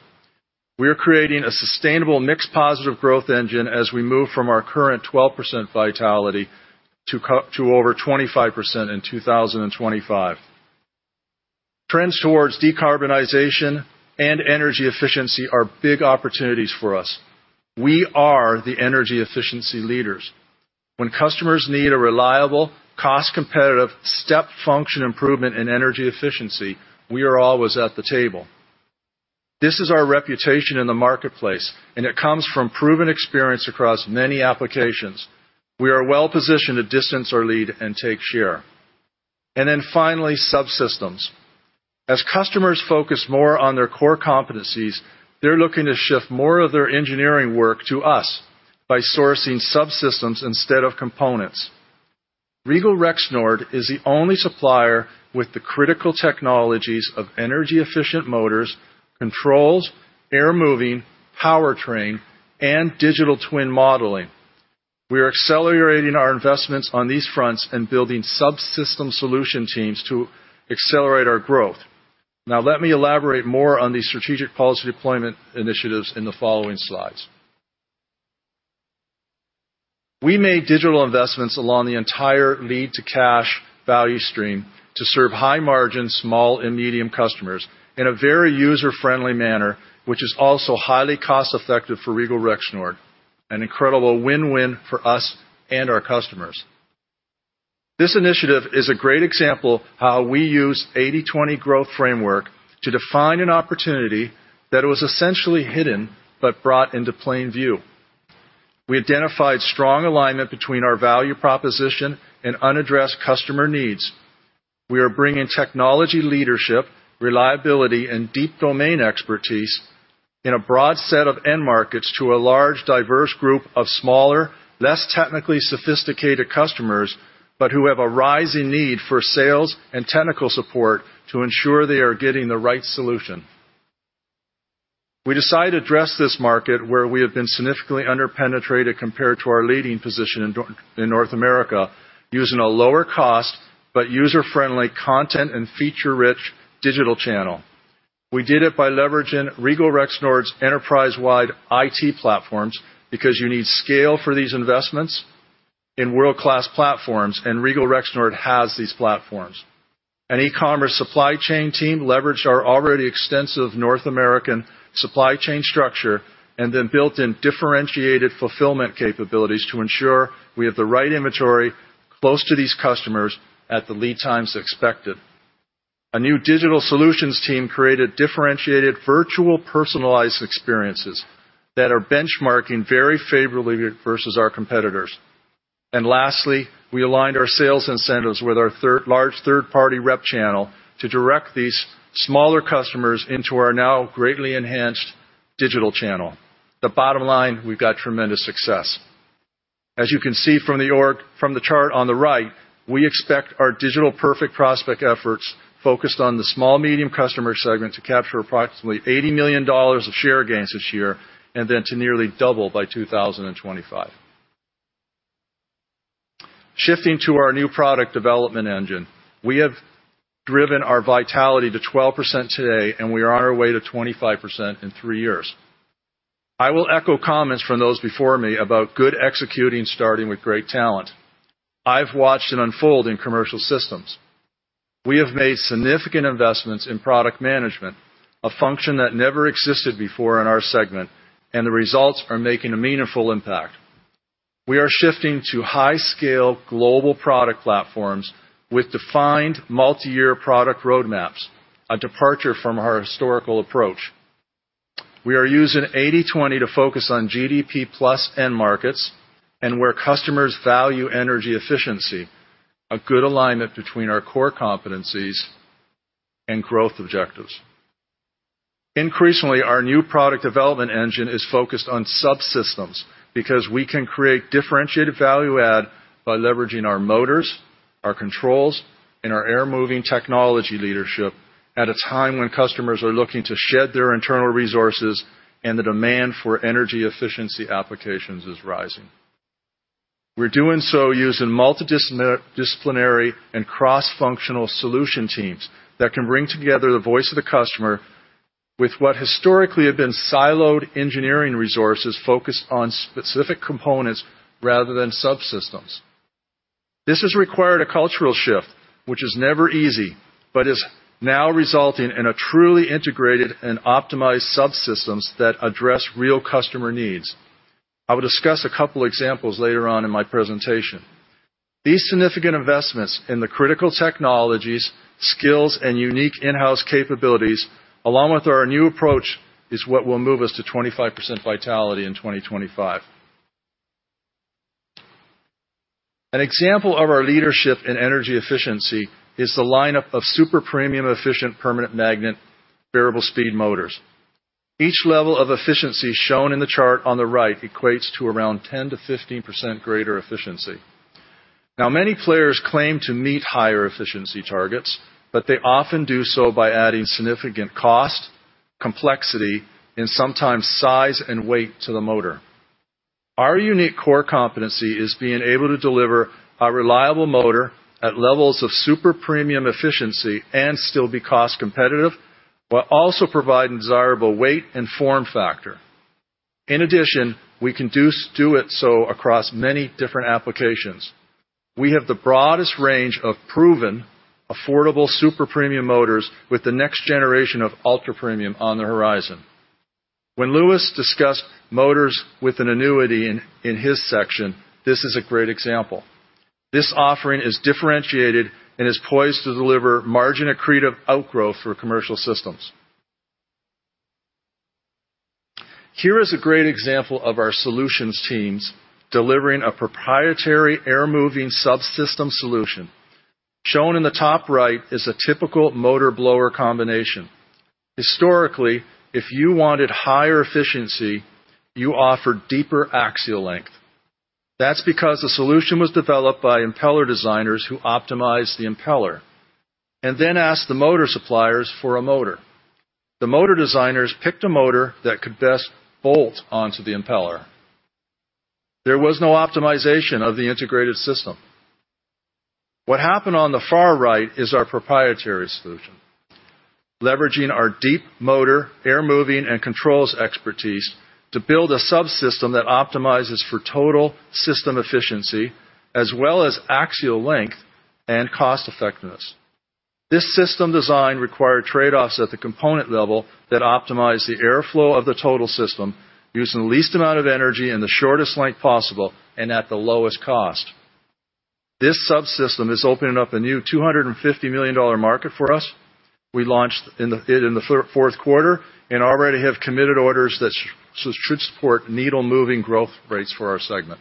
We are creating a sustainable mix positive growth engine as we move from our current 12% vitality to over 25% in 2025. Trends towards decarbonization and energy efficiency are big opportunities for us. We are the energy efficiency leaders. When customers need a reliable, cost-competitive, step function improvement in energy efficiency, we are always at the table. This is our reputation in the marketplace, and it comes from proven experience across many applications. We are well-positioned to distance our lead and take share. Finally, subsystems. As customers focus more on their core competencies, they're looking to shift more of their engineering work to us by sourcing subsystems instead of components. Regal Rexnord is the only supplier with the critical technologies of energy-efficient motors, controls, air moving, powertrain, and digital twin modeling. We are accelerating our investments on these fronts and building subsystem solution teams to accelerate our growth. Now, let me elaborate more on these strategic policy deployment initiatives in the following slides. We made digital investments along the entire lead to cash value stream to serve high-margin small and medium customers in a very user-friendly manner, which is also highly cost-effective for Regal Rexnord, an incredible win-win for us and our customers. This initiative is a great example how we use 80/20 growth framework to define an opportunity that was essentially hidden but brought into plain view. We identified strong alignment between our value proposition and unaddressed customer needs. We are bringing technology leadership, reliability, and deep domain expertise in a broad set of end markets to a large, diverse group of smaller, less technically sophisticated customers, but who have a rising need for sales and technical support to ensure they are getting the right solution. We decided to address this market where we have been significantly under-penetrated compared to our leading position in North America using a lower cost but user-friendly content and feature-rich digital channel. We did it by leveraging Regal Rexnord's enterprise-wide IT platforms because you need scale for these investments in world-class platforms, and Regal Rexnord has these platforms. An e-commerce supply chain team leveraged our already extensive North American supply chain structure and then built in differentiated fulfillment capabilities to ensure we have the right inventory close to these customers at the lead times expected. A new digital solutions team created differentiated virtual personalized experiences that are benchmarking very favorably versus our competitors. Lastly, we aligned our sales incentives with our large third-party rep channel to direct these smaller customers into our now greatly enhanced digital channel. The bottom line, we've got tremendous success. As you can see from the org, from the chart on the right, we expect our digital perfect prospect efforts focused on the small medium customer segment to capture approximately $80 million of share gains this year, and then to nearly double by 2025. Shifting to our new product development engine. We have driven our vitality to 12% today, and we are on our way to 25% in three years. I will echo comments from those before me about good executing starting with great talent. I've watched it unfold in Commercial Systems. We have made significant investments in product management, a function that never existed before in our segment, and the results are making a meaningful impact. We are shifting to high-scale global product platforms with defined multiyear product roadmaps, a departure from our historical approach. We are using 80/20 to focus on GDP+ end markets and where customers value energy efficiency, a good alignment between our core competencies and growth objectives. Increasingly, our new product development engine is focused on subsystems because we can create differentiated value add by leveraging our motors, our controls, and our air moving technology leadership at a time when customers are looking to shed their internal resources and the demand for energy efficiency applications is rising. We're doing so using multidisciplinary and cross-functional solution teams that can bring together the voice of the customer with what historically have been siloed engineering resources focused on specific components rather than subsystems. This has required a cultural shift, which is never easy, but is now resulting in a truly integrated and optimized subsystems that address real customer needs. I will discuss a couple examples later on in my presentation. These significant investments in the critical technologies, skills, and unique in-house capabilities, along with our new approach, is what will move us to 25% vitality in 2025. An example of our leadership in energy efficiency is the lineup of super premium efficient permanent magnet variable speed motors. Each level of efficiency shown in the chart on the right equates to around 10%-15% greater efficiency. Now, many players claim to meet higher efficiency targets, but they often do so by adding significant cost, complexity, and sometimes size and weight to the motor. Our unique core competency is being able to deliver a reliable motor at levels of super premium efficiency and still be cost competitive, while also providing desirable weight and form factor. In addition, we can do so across many different applications. We have the broadest range of proven affordable super premium motors with the next generation of ultra-premium on the horizon. When Louis discussed motors with an annuity in his section, this is a great example. This offering is differentiated and is poised to deliver margin accretive outgrowth for Commercial Systems. Here is a great example of our solutions teams delivering a proprietary air moving subsystem solution. Shown in the top right is a typical motor blower combination. Historically, if you wanted higher efficiency, you offered deeper axial length. That's because the solution was developed by impeller designers who optimized the impeller and then asked the motor suppliers for a motor. The motor designers picked a motor that could best bolt onto the impeller. There was no optimization of the integrated system. What happened on the far right is our proprietary solution, leveraging our deep motor, air moving, and controls expertise to build a subsystem that optimizes for total system efficiency as well as axial length and cost-effectiveness. This system design required trade-offs at the component level that optimize the airflow of the total system using the least amount of energy in the shortest length possible and at the lowest cost. This subsystem is opening up a new $250 million market for us. We launched in the fourth quarter and already have committed orders that should support needle-moving growth rates for our segment.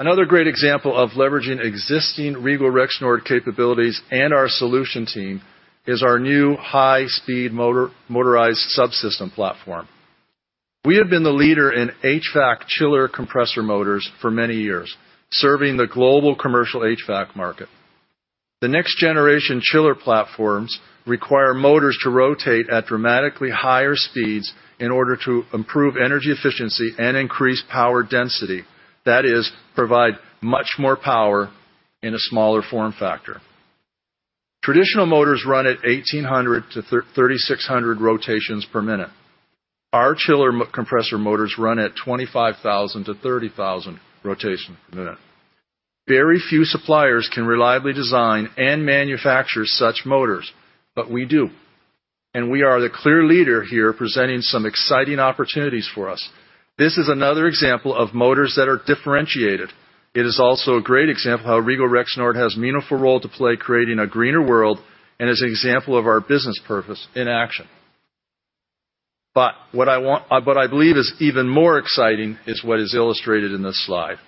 Another great example of leveraging existing Regal Rexnord capabilities and our solution team is our new high-speed motor, motorized subsystem platform. We have been the leader in HVAC chiller compressor motors for many years, serving the global commercial HVAC market. The next generation chiller platforms require motors to rotate at dramatically higher speeds in order to improve energy efficiency and increase power density. That is, provide much more power in a smaller form factor. Traditional motors run at 1,800-3,600 rotations per minute. Our chiller compressor motors run at 25,000-30,000 rotations per minute. Very few suppliers can reliably design and manufacture such motors, but we do. We are the clear leader here, presenting some exciting opportunities for us. This is another example of motors that are differentiated. It is also a great example of how Regal Rexnord has a meaningful role to play creating a greener world, and as an example of our business purpose in action. What I believe is even more exciting is what is illustrated in this slide,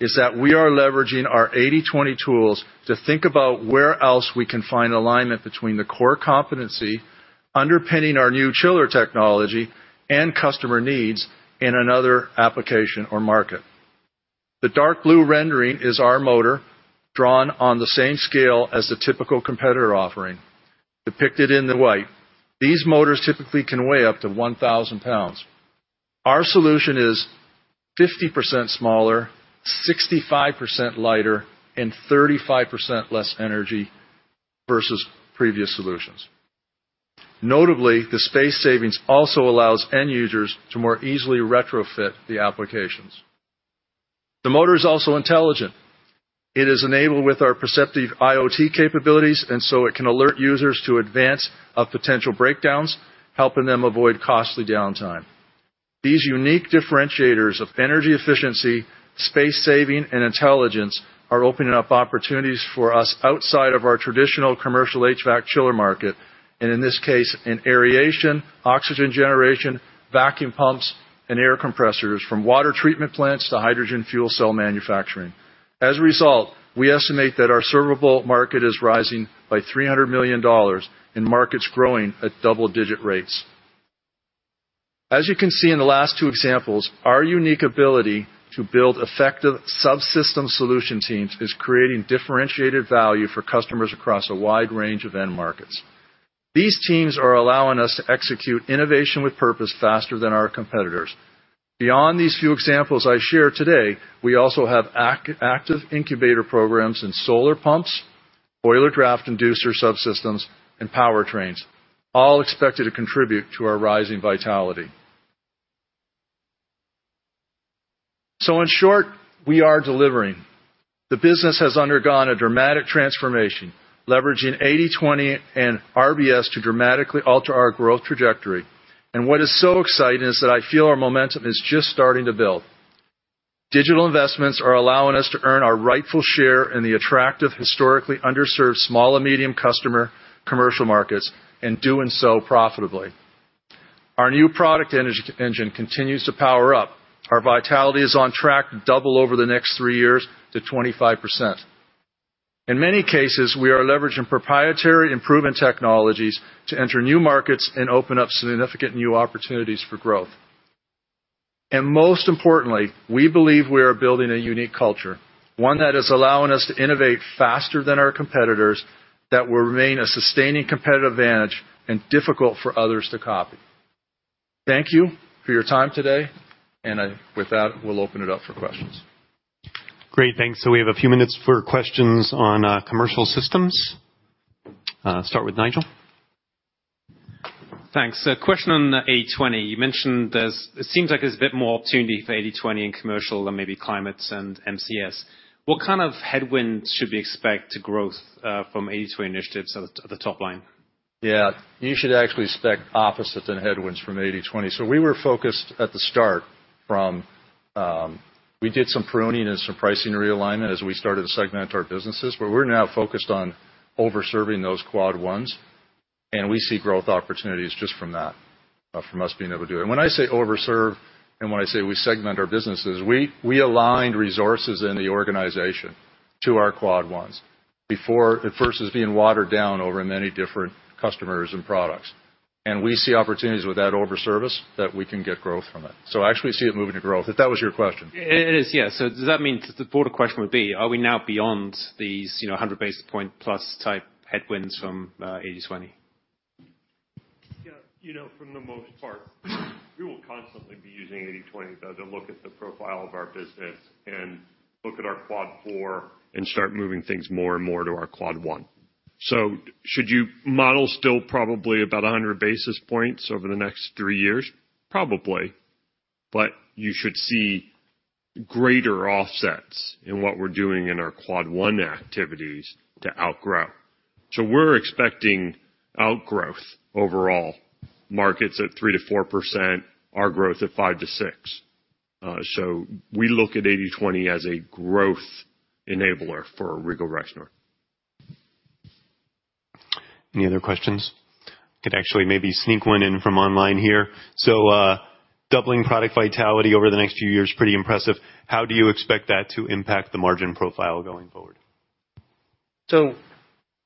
is that we are leveraging our 80/20 tools to think about where else we can find alignment between the core competency underpinning our new chiller technology and customer needs in another application or market. The dark blue rendering is our motor drawn on the same scale as the typical competitor offering depicted in the white. These motors typically can weigh up to 1,000 lbs. Our solution is 50% smaller, 65% lighter, and 35% less energy versus previous solutions. Notably, the space savings also allows end users to more easily retrofit the applications. The motor is also intelligent. It is enabled with our Perceptiv IoT capabilities, and so it can alert users in advance of potential breakdowns, helping them avoid costly downtime. These unique differentiators of energy efficiency, space saving, and intelligence are opening up opportunities for us outside of our traditional commercial HVAC chiller market, and in this case, in aeration, oxygen generation, vacuum pumps, and air compressors from water treatment plants to hydrogen fuel cell manufacturing. As a result, we estimate that our servable market is rising by $300 million in markets growing at double-digit rates. As you can see in the last two examples, our unique ability to build effective subsystem solution teams is creating differentiated value for customers across a wide range of end markets. These teams are allowing us to execute innovation with purpose faster than our competitors. Beyond these few examples I share today, we also have active incubator programs in solar pumps, boiler draft inducer subsystems, and powertrains, all expected to contribute to our rising vitality. In short, we are delivering. The business has undergone a dramatic transformation, leveraging 80/20 and RBS to dramatically alter our growth trajectory. What is so exciting is that I feel our momentum is just starting to build. Digital investments are allowing us to earn our rightful share in the attractive, historically underserved small and medium customer commercial markets, and doing so profitably. Our new product engine continues to power up. Our vitality is on track to double over the next three years to 25%. In many cases, we are leveraging proprietary improvement technologies to enter new markets and open up significant new opportunities for growth. Most importantly, we believe we are building a unique culture, one that is allowing us to innovate faster than our competitors that will remain a sustaining competitive advantage and difficult for others to copy. Thank you for your time today, and with that, we'll open it up for questions. Great. Thanks. We have a few minutes for questions on, Commercial Systems. Start with Nigel. Thanks. A question on 80/20. You mentioned it seems like there's a bit more opportunity for 80/20 in Commercial than maybe Climate and MCS. What kind of headwinds should we expect in growth from 80/20 initiatives at the top line? Yeah. You should actually expect the opposite of headwinds from 80/20. We were focused from the start. We did some pruning and some pricing realignment as we started to segment our businesses, but we're now focused on over-serving those Quad 1s. We see growth opportunities just from that, from us being able to do it. When I say over-serve and when I say we segment our businesses, we aligned resources in the organization to our Quad 1s. Before, it first is being watered down over many different customers and products. We see opportunities with that over-service that we can get growth from it. I actually see it moving to growth, if that was your question. It is, yes. Does that mean the broader question would be, are we now beyond these, you know, 100 basis points plus type headwinds from 80/20? Yeah. You know, for the most part, we will constantly be using 80/20, though, to look at the profile of our business and look at our Quad 4 and start moving things more and more to our Quad 1. Should you model still probably about 100 basis points over the next three years? Probably. You should see greater offsets in what we're doing in our Quad 1 activities to outgrow. We're expecting outgrowth overall, markets at 3%-4%, our growth at 5%-6%. We look at 80/20 as a growth enabler for Regal Rexnord. Any other questions? Could actually maybe sneak one in from online here. Doubling product vitality over the next few years, pretty impressive. How do you expect that to impact the margin profile going forward?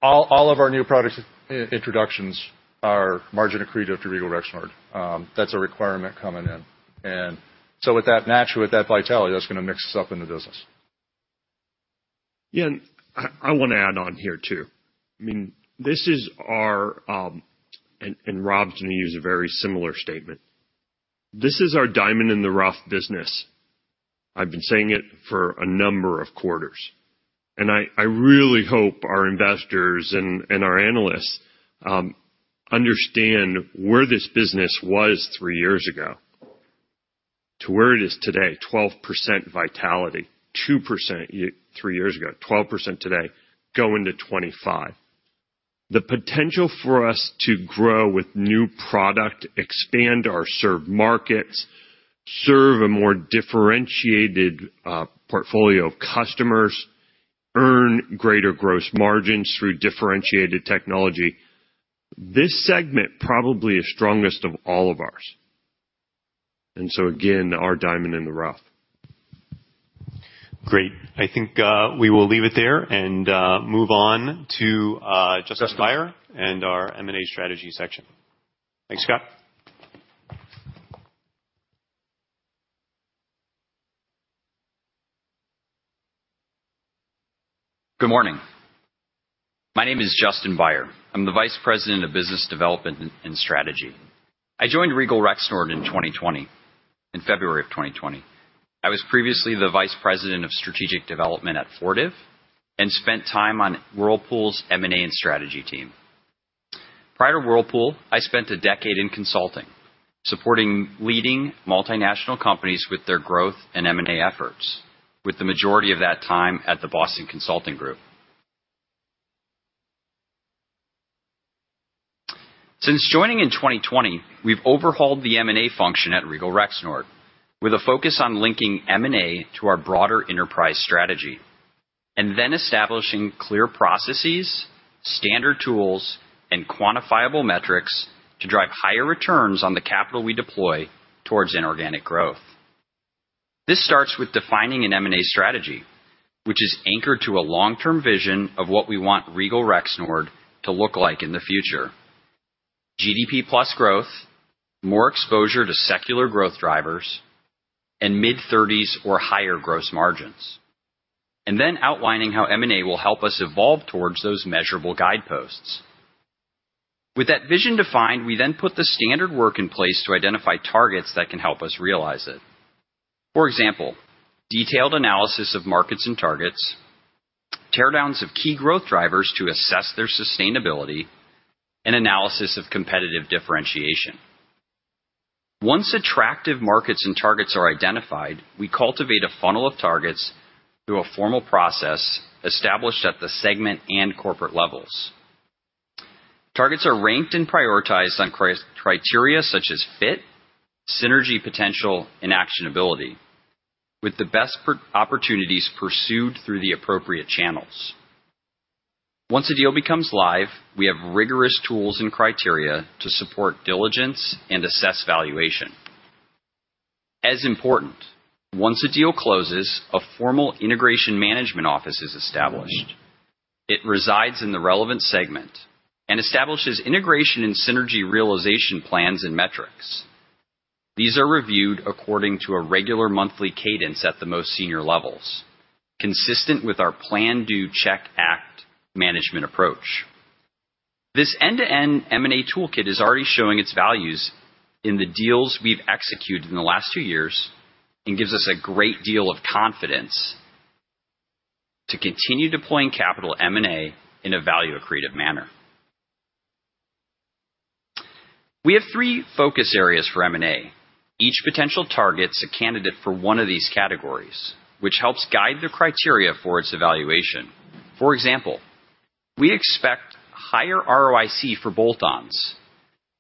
All of our new product introductions are margin accretive to Regal Rexnord. That's a requirement coming in. With that, naturally, with that vitality, that's gonna mix us up in the business. Yeah. I wanna add on here too. I mean, this is our and Rob's gonna use a very similar statement. This is our diamond in the rough business. I've been saying it for a number of quarters. I really hope our investors and our analysts understand where this business was three years ago to where it is today, 12% vitality, 2% three years ago, 12% today, going to 25%. The potential for us to grow with new product, expand our served markets, serve a more differentiated portfolio of customers, earn greater gross margins through differentiated technology. This segment probably is strongest of all of ours, and so again, our diamond in the rough. Great. I think we will leave it there and move on to Justin Baier and our M&A strategy section. Thanks, Scott. Good morning. My name is Justin Baier. I'm the Vice President of Business Development and Strategy. I joined Regal Rexnord in 2020, in February of 2020. I was previously the Vice President of Strategic Development at Fortive and spent time on Whirlpool's M&A and Strategy team. Prior to Whirlpool, I spent a decade in consulting, supporting leading multinational companies with their growth and M&A efforts, with the majority of that time at the Boston Consulting Group. Since joining in 2020, we've overhauled the M&A function at Regal Rexnord with a focus on linking M&A to our broader enterprise strategy and then establishing clear processes, standard tools, and quantifiable metrics to drive higher returns on the capital we deploy towards inorganic growth. This starts with defining an M&A strategy, which is anchored to a long-term vision of what we want Regal Rexnord to look like in the future. GDP+ growth, more exposure to secular growth drivers, and mid-30s% or higher gross margins, and then outlining how M&A will help us evolve towards those measurable guideposts. With that vision defined, we then put the standard work in place to identify targets that can help us realize it. For example, detailed analysis of markets and targets, teardowns of key growth drivers to assess their sustainability, and analysis of competitive differentiation. Once attractive markets and targets are identified, we cultivate a funnel of targets through a formal process established at the segment and corporate levels. Targets are ranked and prioritized on key criteria such as fit, synergy potential, and actionability with the best opportunities pursued through the appropriate channels. Once a deal becomes live, we have rigorous tools and criteria to support diligence and assess valuation. As important, once a deal closes, a formal integration management office is established. It resides in the relevant segment and establishes integration and synergy realization plans and metrics. These are reviewed according to a regular monthly cadence at the most senior levels, consistent with our plan, do, check, act management approach. This end-to-end M&A toolkit is already showing its values in the deals we've executed in the last two years and gives us a great deal of confidence to continue deploying capital M&A in a value-accretive manner. We have three focus areas for M&A. Each potential target's a candidate for one of these categories, which helps guide the criteria for its evaluation. For example, we expect higher ROIC for bolt-ons,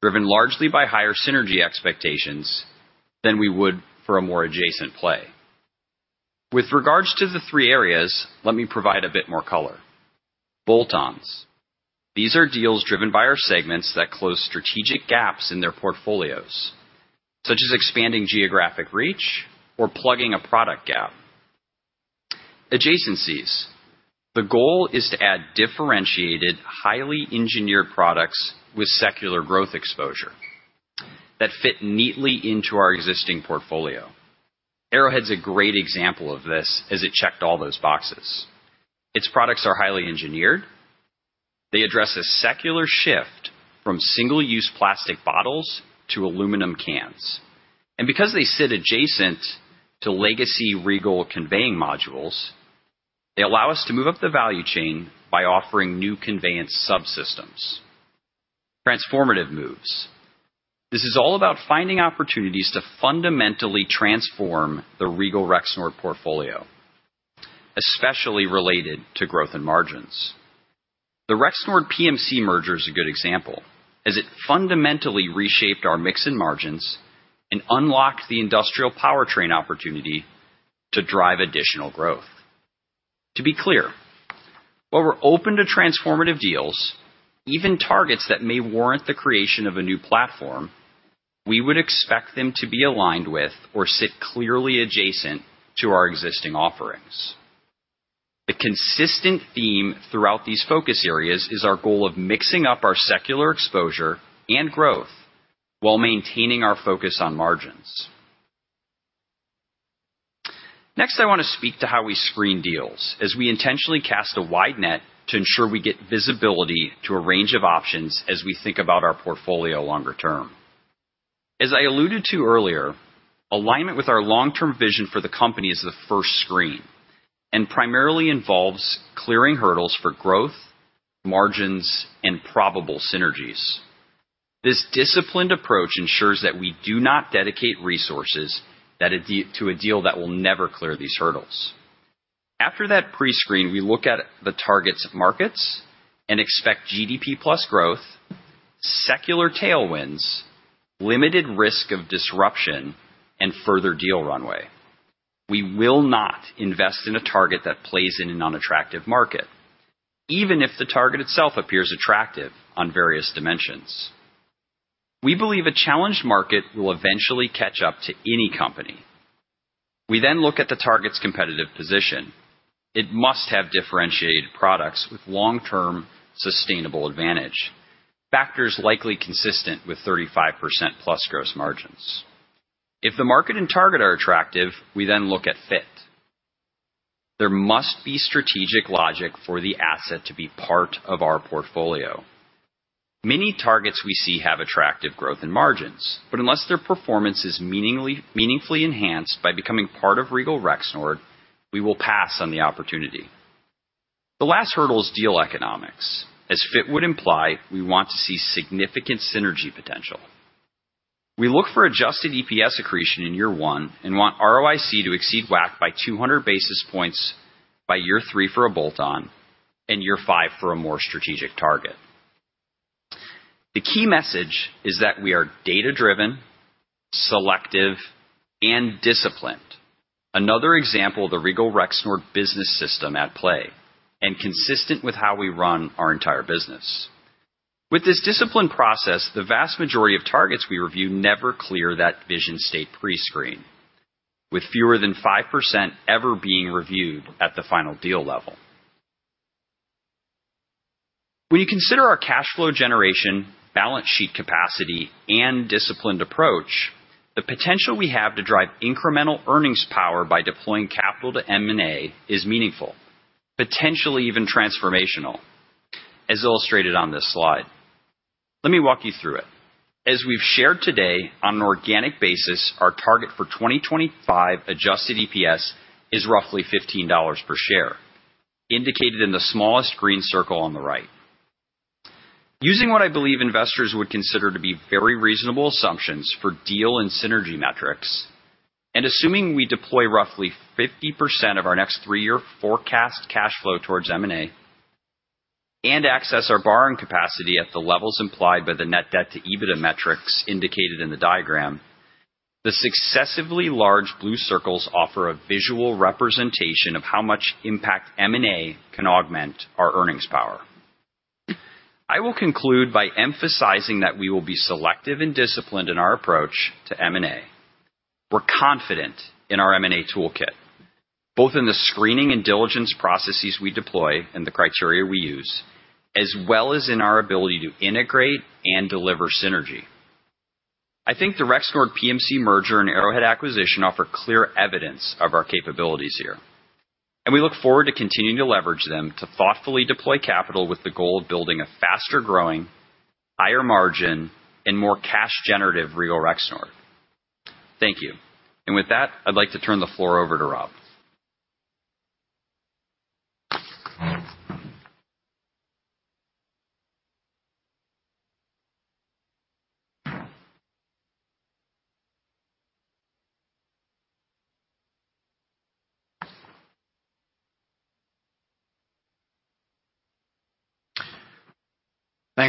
driven largely by higher synergy expectations than we would for a more adjacent play. With regards to the three areas, let me provide a bit more color. Bolt-ons. These are deals driven by our segments that close strategic gaps in their portfolios, such as expanding geographic reach or plugging a product gap. Adjacencies. The goal is to add differentiated, highly engineered products with secular growth exposure that fit neatly into our existing portfolio. Arrowhead's a great example of this as it checked all those boxes. Its products are highly engineered. They address a secular shift from single-use plastic bottles to aluminum cans. Because they sit adjacent to legacy Regal conveying modules, they allow us to move up the value chain by offering new conveyance subsystems. Transformative moves. This is all about finding opportunities to fundamentally transform the Regal Rexnord portfolio, especially related to growth and margins. The Rexnord PMC merger is a good example as it fundamentally reshaped our mix and margins and unlocked the industrial powertrain opportunity to drive additional growth. To be clear, while we're open to transformative deals, even targets that may warrant the creation of a new platform, we would expect them to be aligned with or sit clearly adjacent to our existing offerings. The consistent theme throughout these focus areas is our goal of mixing up our secular exposure and growth while maintaining our focus on margins. Next, I want to speak to how we screen deals as we intentionally cast a wide net to ensure we get visibility to a range of options as we think about our portfolio longer term. As I alluded to earlier, alignment with our long-term vision for the company is the first screen and primarily involves clearing hurdles for growth, margins, and probable synergies. This disciplined approach ensures that we do not dedicate resources to a deal that will never clear these hurdles. After that pre-screen, we look at the target's markets and expect GDP+ growth, secular tailwinds, limited risk of disruption, and further deal runway. We will not invest in a target that plays in an unattractive market, even if the target itself appears attractive on various dimensions. We believe a challenged market will eventually catch up to any company. We then look at the target's competitive position. It must have differentiated products with long-term sustainable advantage, factors likely consistent with 35%+ gross margins. If the market and target are attractive, we then look at fit. There must be strategic logic for the asset to be part of our portfolio. Many targets we see have attractive growth and margins, but unless their performance is meaningfully enhanced by becoming part of Regal Rexnord, we will pass on the opportunity. The last hurdle is deal economics. As fit would imply, we want to see significant synergy potential. We look for adjusted EPS accretion in year one and want ROIC to exceed WACC by 200 basis points by year three for a bolt-on and year five for a more strategic target. The key message is that we are data-driven, selective, and disciplined. Another example of the Regal Rexnord Business System at play and consistent with how we run our entire business. With this disciplined process, the vast majority of targets we review never clear that vision state pre-screen, with fewer than 5% ever being reviewed at the final deal level. When you consider our cash flow generation, balance sheet capacity, and disciplined approach, the potential we have to drive incremental earnings power by deploying capital to M&A is meaningful, potentially even transformational, as illustrated on this slide. Let me walk you through it. As we've shared today, on an organic basis, our target for 2025 adjusted EPS is roughly $15 per share, indicated in the smallest green circle on the right. Using what I believe investors would consider to be very reasonable assumptions for deal and synergy metrics, and assuming we deploy roughly 50% of our next three-year forecast cash flow towards M&A and access our borrowing capacity at the levels implied by the net debt to EBITDA metrics indicated in the diagram, the successively large blue circles offer a visual representation of how much impact M&A can augment our earnings power. I will conclude by emphasizing that we will be selective and disciplined in our approach to M&A. We're confident in our M&A toolkit, both in the screening and diligence processes we deploy and the criteria we use, as well as in our ability to integrate and deliver synergy. I think the Rexnord PMC merger and Arrowhead acquisition offer clear evidence of our capabilities here, and we look forward to continuing to leverage them to thoughtfully deploy capital with the goal of building a faster growing, higher margin, and more cash generative Regal Rexnord. Thank you. With that, I'd like to turn the floor over to Rob.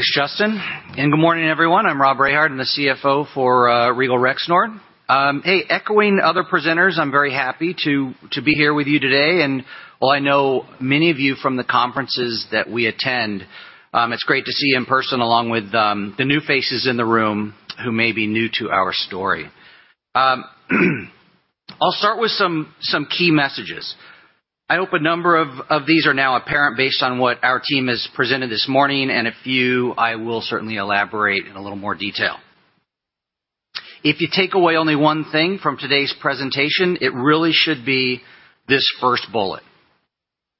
Thanks, Justin, and good morning, everyone. I'm Rob Rehard. I'm the CFO for Regal Rexnord. Hey, echoing other presenters, I'm very happy to be here with you today. While I know many of you from the conferences that we attend, it's great to see you in person along with the new faces in the room who may be new to our story. I'll start with some key messages. I hope a number of these are now apparent based on what our team has presented this morning, and a few I will certainly elaborate in a little more detail. If you take away only one thing from today's presentation, it really should be this first bullet.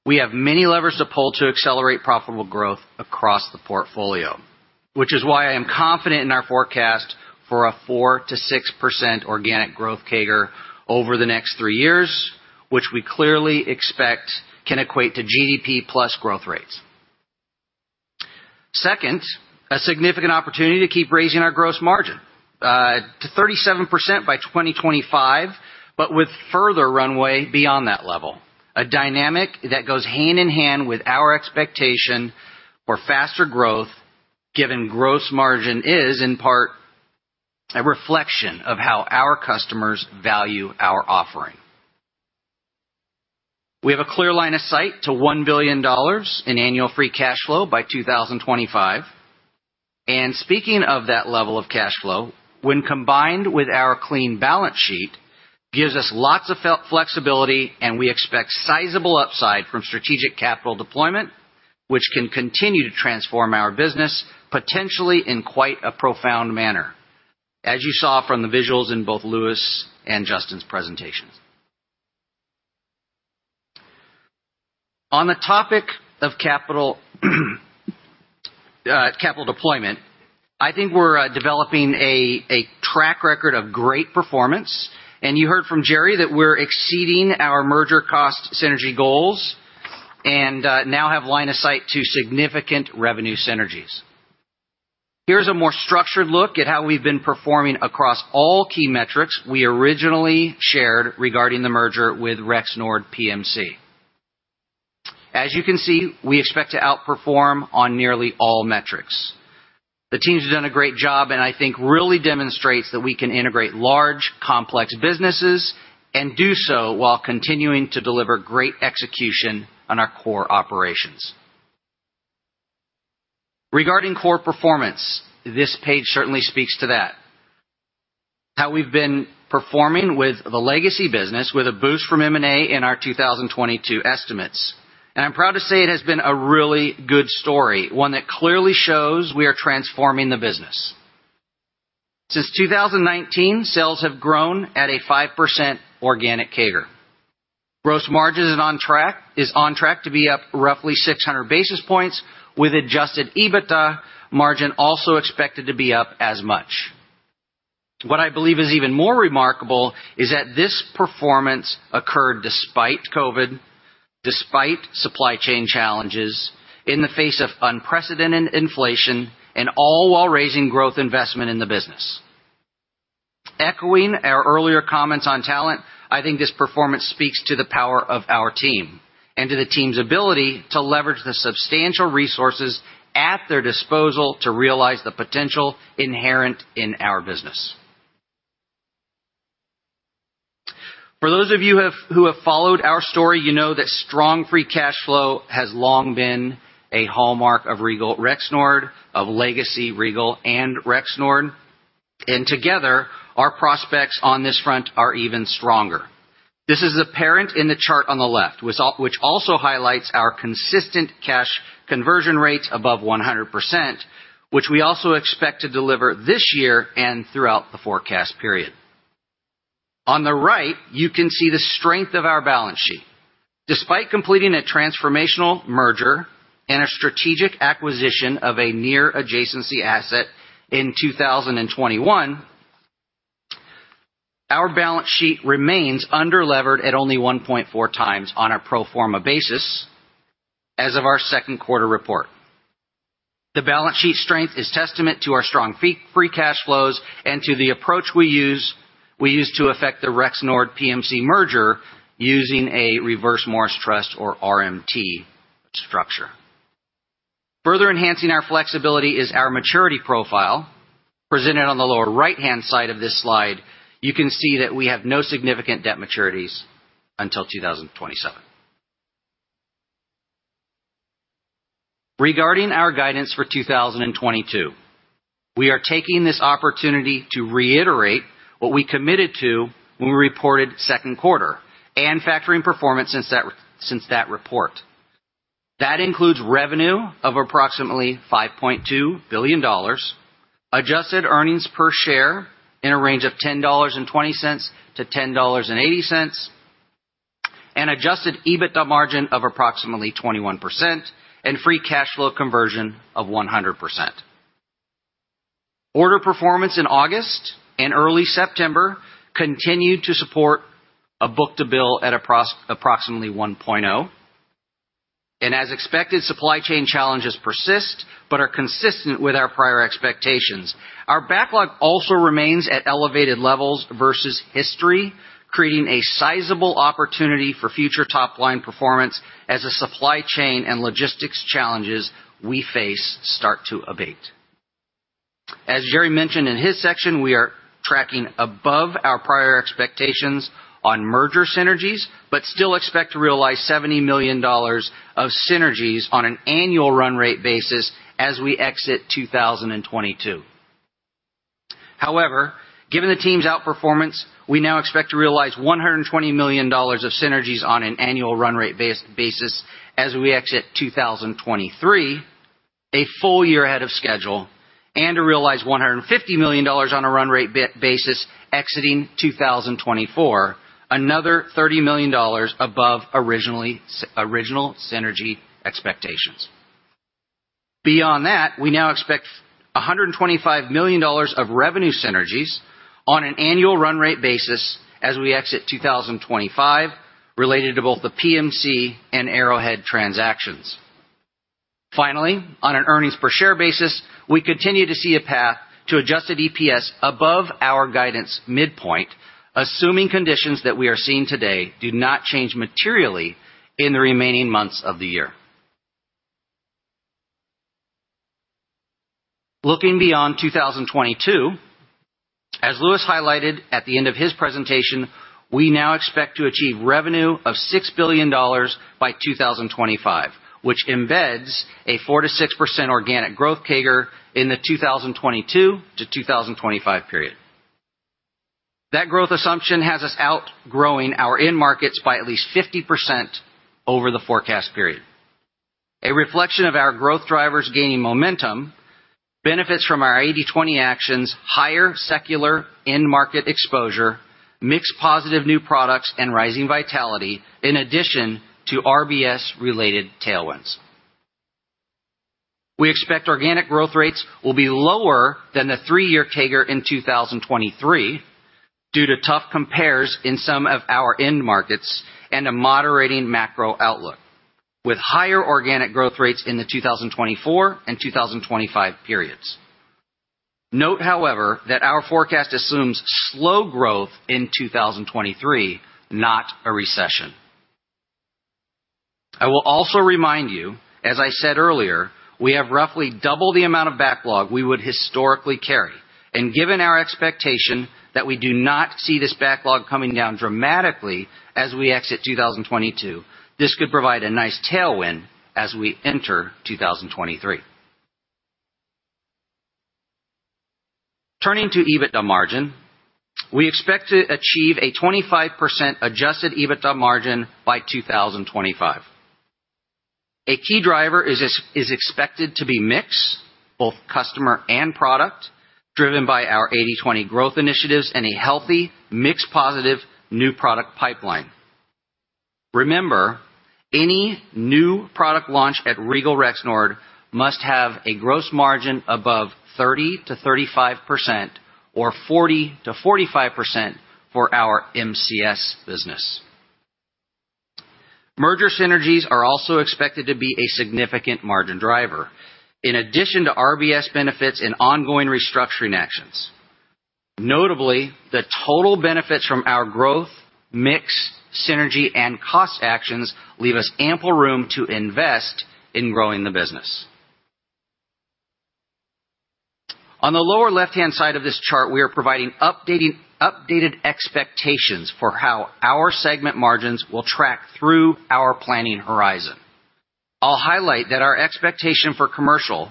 We have many levers to pull to accelerate profitable growth across the portfolio, which is why I am confident in our forecast for a 4%-6% organic growth CAGR over the next three years, which we clearly expect can equate to GDP+ growth rates. Second, a significant opportunity to keep raising our gross margin to 37% by 2025, but with further runway beyond that level. A dynamic that goes hand in hand with our expectation for faster growth, given gross margin is, in part, a reflection of how our customers value our offering. We have a clear line of sight to $1 billion in annual free cash flow by 2025. Speaking of that level of cash flow, when combined with our clean balance sheet, gives us lots of flexibility, and we expect sizable upside from strategic capital deployment, which can continue to transform our business, potentially in quite a profound manner, as you saw from the visuals in both Louis and Justin's presentations. On the topic of capital deployment, I think we're developing a track record of great performance. You heard from Jerry that we're exceeding our merger cost synergy goals and now have line of sight to significant revenue synergies. Here's a more structured look at how we've been performing across all key metrics we originally shared regarding the merger with Rexnord PMC. As you can see, we expect to outperform on nearly all metrics. The teams have done a great job, and I think really demonstrates that we can integrate large, complex businesses and do so while continuing to deliver great execution on our core operations. Regarding core performance, this page certainly speaks to that. How we've been performing with the legacy business with a boost from M&A in our 2022 estimates. I'm proud to say it has been a really good story, one that clearly shows we are transforming the business. Since 2019, sales have grown at a 5% organic CAGR. Gross margin is on track to be up roughly 600 basis points with adjusted EBITDA margin also expected to be up as much. What I believe is even more remarkable is that this performance occurred despite COVID, despite supply chain challenges, in the face of unprecedented inflation, and all while raising growth investment in the business. Echoing our earlier comments on talent, I think this performance speaks to the power of our team and to the team's ability to leverage the substantial resources at their disposal to realize the potential inherent in our business. For those of you who have followed our story, you know that strong free cash flow has long been a hallmark of Regal Rexnord, of Legacy Regal and Rexnord, and together, our prospects on this front are even stronger. This is apparent in the chart on the left, which also highlights our consistent cash conversion rates above 100%, which we also expect to deliver this year and throughout the forecast period. On the right, you can see the strength of our balance sheet. Despite completing a transformational merger and a strategic acquisition of a near adjacency asset in 2021, our balance sheet remains under levered at only 1.4x on a pro forma basis as of our second quarter report. The balance sheet strength is testament to our strong free cash flows and to the approach we used to affect the Rexnord PMC merger using a Reverse Morris Trust or RMT structure. Further enhancing our flexibility is our maturity profile. Presented on the lower right-hand side of this slide, you can see that we have no significant debt maturities until 2027. Regarding our guidance for 2022, we are taking this opportunity to reiterate what we committed to when we reported second quarter and factoring performance since that report. That includes revenue of approximately $5.2 billion, adjusted earnings per share in a range of $10.20-$10.80, and adjusted EBITDA margin of approximately 21% and free cash flow conversion of 100%. Order performance in August and early September continued to support a book-to-bill at approximately 1.0. As expected, supply chain challenges persist but are consistent with our prior expectations. Our backlog also remains at elevated levels versus history, creating a sizable opportunity for future top-line performance as the supply chain and logistics challenges we face start to abate. As Jerry mentioned in his section, we are tracking above our prior expectations on merger synergies, but still expect to realize $70 million of synergies on an annual run rate basis as we exit 2022. However, given the team's outperformance, we now expect to realize $120 million of synergies on an annual run rate basis as we exit 2023, a full year ahead of schedule, and to realize $150 million on a run rate basis exiting 2024, another $30 million above original synergy expectations. Beyond that, we now expect $125 million of revenue synergies on an annual run rate basis as we exit 2025 related to both the PMC and Arrowhead transactions. Finally, on an earnings per share basis, we continue to see a path to adjusted EPS above our guidance midpoint, assuming conditions that we are seeing today do not change materially in the remaining months of the year. Looking beyond 2022, as Louis highlighted at the end of his presentation, we now expect to achieve revenue of $6 billion by 2025, which embeds a 4%-6% organic growth CAGR in the 2022-2025 period. That growth assumption has us outgrowing our end markets by at least 50% over the forecast period. A reflection of our growth drivers gaining momentum, benefits from our 80/20 actions, higher secular end market exposure, mixed positive new products, and rising vitality in addition to RBS-related tailwinds. We expect organic growth rates will be lower than the three-year CAGR in 2023 due to tough compares in some of our end markets and a moderating macro outlook with higher organic growth rates in the 2024 and 2025 periods. Note, however, that our forecast assumes slow growth in 2023, not a recession. I will also remind you, as I said earlier, we have roughly double the amount of backlog we would historically carry. Given our expectation that we do not see this backlog coming down dramatically as we exit 2022, this could provide a nice tailwind as we enter 2023. Turning to EBITDA margin, we expect to achieve a 25% adjusted EBITDA margin by 2025. A key driver is expected to be mix, both customer and product, driven by our 80/20 growth initiatives and a healthy mix positive new product pipeline. Remember, any new product launch at Regal Rexnord must have a gross margin above 30%-35% or 40%-45% for our MCS business. Merger synergies are also expected to be a significant margin driver in addition to RBS benefits and ongoing restructuring actions. Notably, the total benefits from our growth, mix, synergy, and cost actions leave us ample room to invest in growing the business. On the lower left-hand side of this chart, we are providing updated expectations for how our segment margins will track through our planning horizon. I'll highlight that our expectation for commercial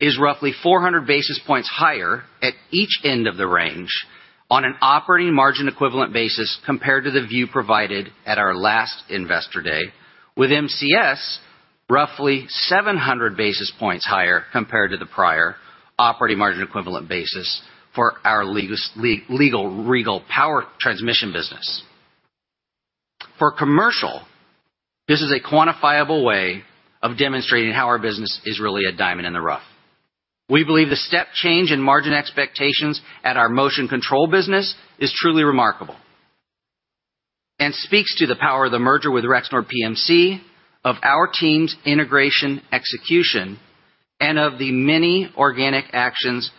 is roughly 400 basis points higher at each end of the range on an operating margin equivalent basis compared to the view provided at our last Investor Day, with MCS roughly 700 basis points higher compared to the prior operating margin equivalent basis for our legacy Regal power transmission business. For commercial, this is a quantifiable way of demonstrating how our business is really a diamond in the rough. We believe the step change in margin expectations at our motion control business is truly remarkable, and speaks to the power of the merger with Rexnord PMC of our team's integration execution, and of the many organic actions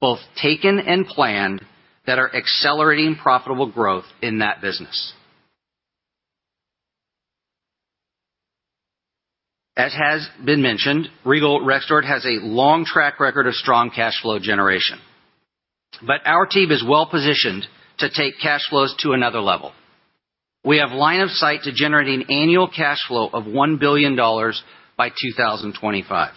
both taken and planned that are accelerating profitable growth in that business. As has been mentioned, Regal Rexnord has a long track record of strong cash flow generation. Our team is well-positioned to take cash flows to another level. We have line of sight to generating annual cash flow of $1 billion by 2025.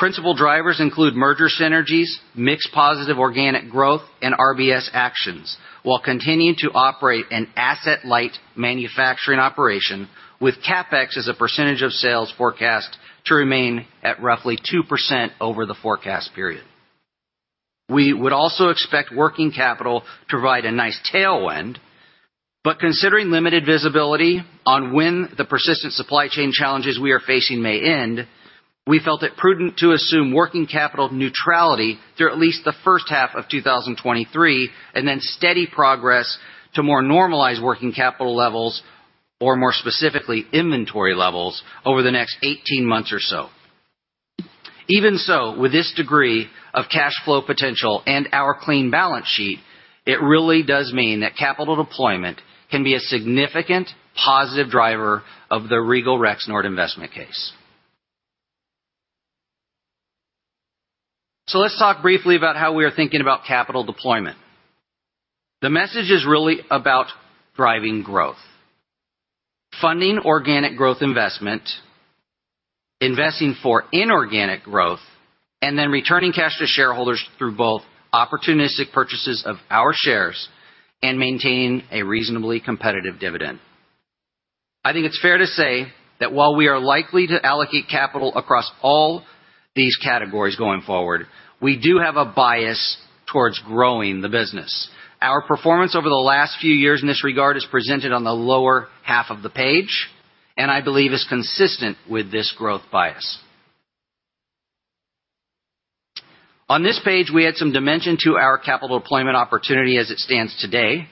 Principal drivers include merger synergies, mixed positive organic growth, and RBS actions while continuing to operate an asset-light manufacturing operation with CapEx as a percentage of sales forecast to remain at roughly 2% over the forecast period. We would also expect working capital to provide a nice tailwind. Considering limited visibility on when the persistent supply chain challenges we are facing may end, we felt it prudent to assume working capital neutrality through at least the first half of 2023, and then steady progress to more normalized working capital levels, or more specifically, inventory levels over the next 18 months or so. Even so, with this degree of cash flow potential and our clean balance sheet. It really does mean that capital deployment can be a significant positive driver of the Regal Rexnord investment case. Let's talk briefly about how we are thinking about capital deployment. The message is really about driving growth, funding organic growth investment, investing for inorganic growth, and then returning cash to shareholders through both opportunistic purchases of our shares and maintain a reasonably competitive dividend. I think it's fair to say that while we are likely to allocate capital across all these categories going forward, we do have a bias towards growing the business. Our performance over the last few years in this regard is presented on the lower half of the page, and I believe is consistent with this growth bias. On this page, we add some dimension to our capital deployment opportunity as it stands today,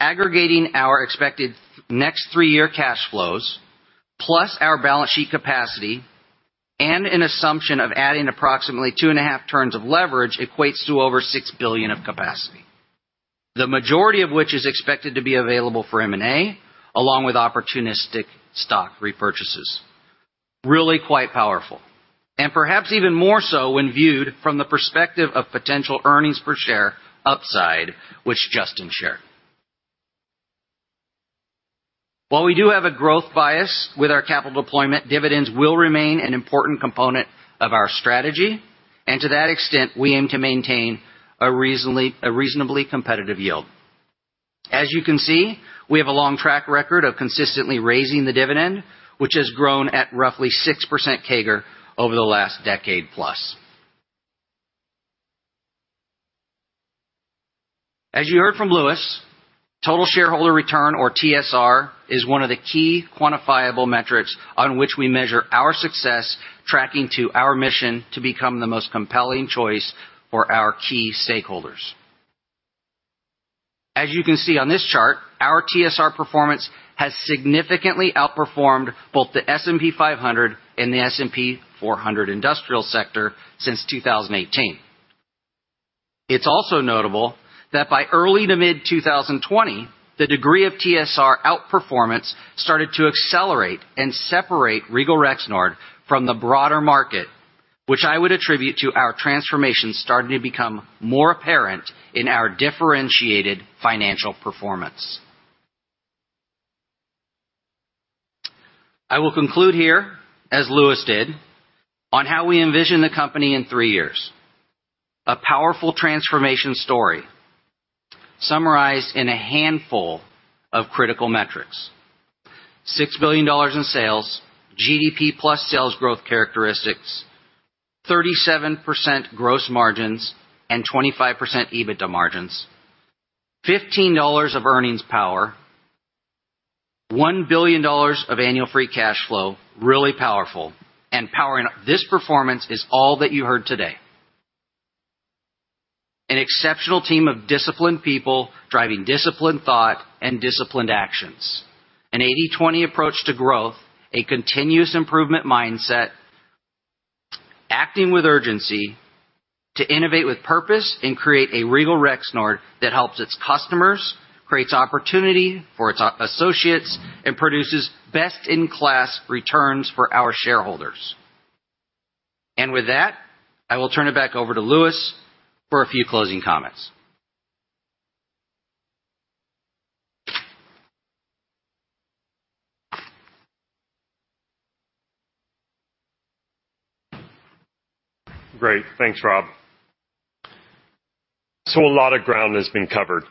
aggregating our expected next three-year cash flows, plus our balance sheet capacity, and an assumption of adding approximately 2.5 turns of leverage equates to over $6 billion of capacity, the majority of which is expected to be available for M&A, along with opportunistic stock repurchases. Really quite powerful, and perhaps even more so when viewed from the perspective of potential earnings per share upside, which Justin shared. While we do have a growth bias with our capital deployment, dividends will remain an important component of our strategy, and to that extent, we aim to maintain a reasonably competitive yield. As you can see, we have a long track record of consistently raising the dividend, which has grown at roughly 6% CAGR over the last decade plus. As you heard from Louis, total shareholder return or TSR is one of the key quantifiable metrics on which we measure our success tracking to our mission to become the most compelling choice for our key stakeholders. As you can see on this chart, our TSR performance has significantly outperformed both the S&P 500 and the S&P 400 industrial sector since 2018. It's also notable that by early to mid-2020, the degree of TSR outperformance started to accelerate and separate Regal Rexnord from the broader market, which I would attribute to our transformation starting to become more apparent in our differentiated financial performance. I will conclude here, as Louis did, on how we envision the company in three years. A powerful transformation story summarized in a handful of critical metrics. $6 billion in sales, GDP+ sales growth characteristics, 37% gross margins, and 25% EBITDA margins, $15 of earnings power, $1 billion of annual free cash flow, really powerful. Powering this performance is all that you heard today. An exceptional team of disciplined people driving disciplined thought and disciplined actions. An 80/20 approach to growth, a continuous improvement mindset, acting with urgency to innovate with purpose, and create a Regal Rexnord that helps its customers, creates opportunity for its associates, and produces best-in-class returns for our shareholders. With that, I will turn it back over to Louis for a few closing comments. Great. Thanks, Rob. A lot of ground has been covered,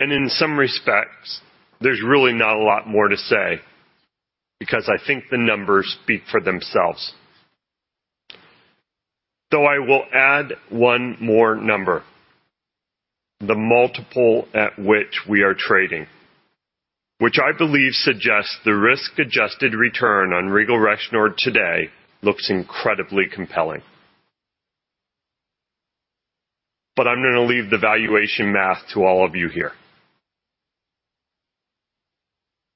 and in some respects, there's really not a lot more to say because I think the numbers speak for themselves. Though I will add one more number, the multiple at which we are trading, which I believe suggests the risk-adjusted return on Regal Rexnord today looks incredibly compelling. I'm going to leave the valuation math to all of you here.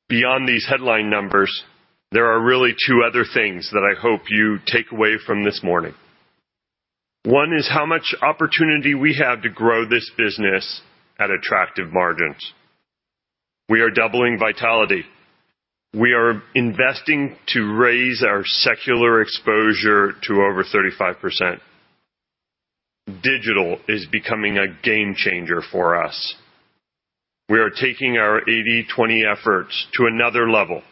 Beyond these headline numbers, there are really two other things that I hope you take away from this morning. One is how much opportunity we have to grow this business at attractive margins. We are doubling vitality. We are investing to raise our secular exposure to over 35%. Digital is becoming a game changer for us. We are taking our 80/20 efforts to another level,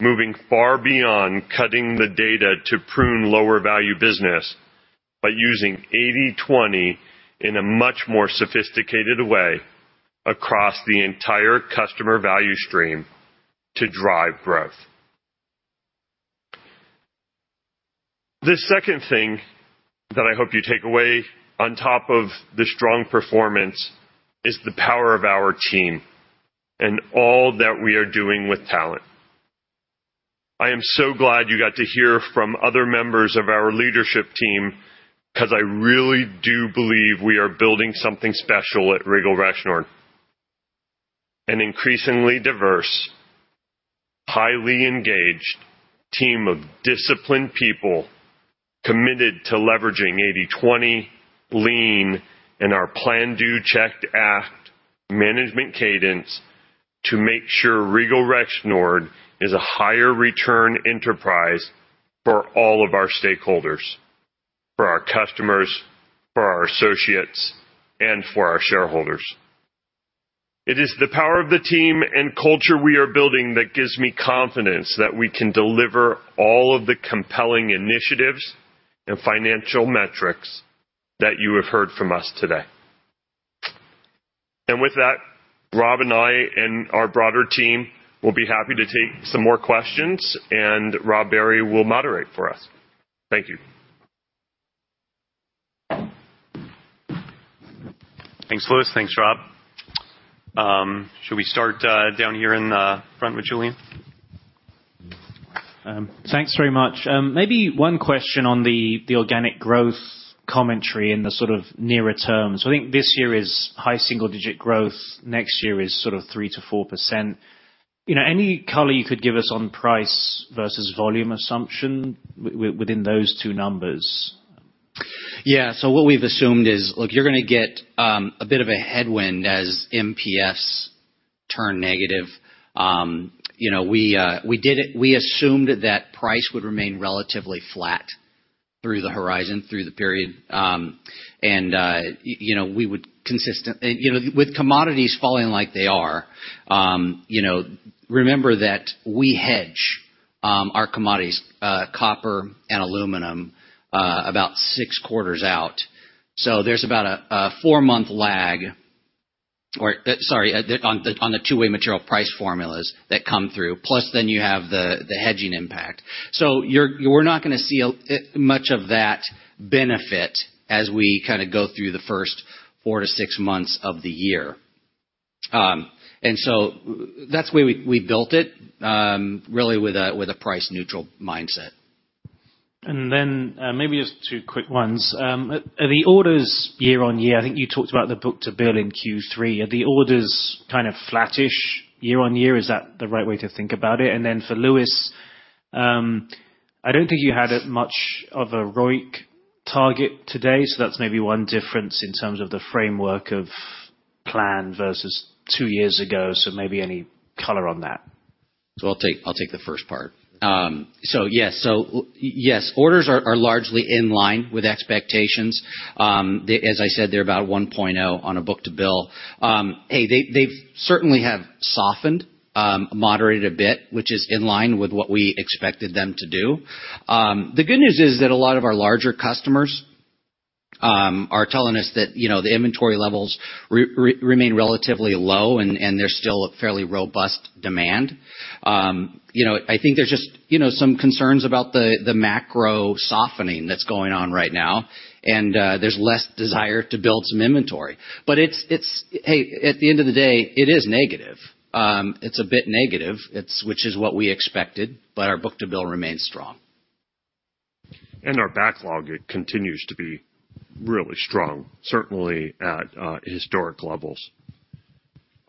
moving far beyond cutting the data to prune lower value business by using 80/20 in a much more sophisticated way across the entire customer value stream to drive growth. The second thing that I hope you take away on top of the strong performance is the power of our team and all that we are doing with talent. I am so glad you got to hear from other members of our leadership team because I really do believe we are building something special at Regal Rexnord. An increasingly diverse, highly engaged team of disciplined people committed to leveraging 80/20 lean and our plan do check act management cadence to make sure Regal Rexnord is a higher return enterprise for all of our stakeholders, for our customers, for our associates, and for our shareholders. It is the power of the team and culture we are building that gives me confidence that we can deliver all of the compelling initiatives and financial metrics that you have heard from us today. With that, Rob and I and our broader team will be happy to take some more questions, and Rob Barry will moderate for us. Thank you. Thanks, Louis. Thanks, Rob. Shall we start down here in the front with Julian? Thanks very much. Maybe one question on the organic growth commentary in the sort of nearer terms. I think this year is high single digit growth. Next year is sort of 3%-4%. You know, any color you could give us on price versus volume assumption within those two numbers? Yeah. What we've assumed is, look, you're gonna get a bit of a headwind as MPS turn negative. You know, we did it. We assumed that price would remain relatively flat through the horizon, through the period. You know, with commodities falling like they are, you know, remember that we hedge our commodities, copper and aluminum, about six quarters out. So there's about a four-month lag. Sorry, on the two-way material price formulas that come through, plus then you have the hedging impact. So we're not gonna see much of that benefit as we kinda go through the first four-six months of the year. That's the way we built it, really with a price neutral mindset. Maybe just two quick ones. Are the orders year-on-year? I think you talked about the book-to-bill in Q3. Are the orders kind of flattish year-on-year? Is that the right way to think about it? For Louis, I don't think you had as much of a ROIC target today, so that's maybe one difference in terms of the framework of plan versus two years ago. Maybe any color on that. I'll take the first part. Yes, orders are largely in line with expectations. As I said, they're about 1.0 on a book to bill. They've certainly have softened, moderated a bit, which is in line with what we expected them to do. The good news is that a lot of our larger customers are telling us that the inventory levels remain relatively low, and they're still a fairly robust demand. I think there's just some concerns about the macro softening that's going on right now, and there's less desire to build some inventory. At the end of the day, it is negative. It's a bit negative, which is what we expected, but our book to bill remains strong. Our backlog, it continues to be really strong, certainly at historic levels.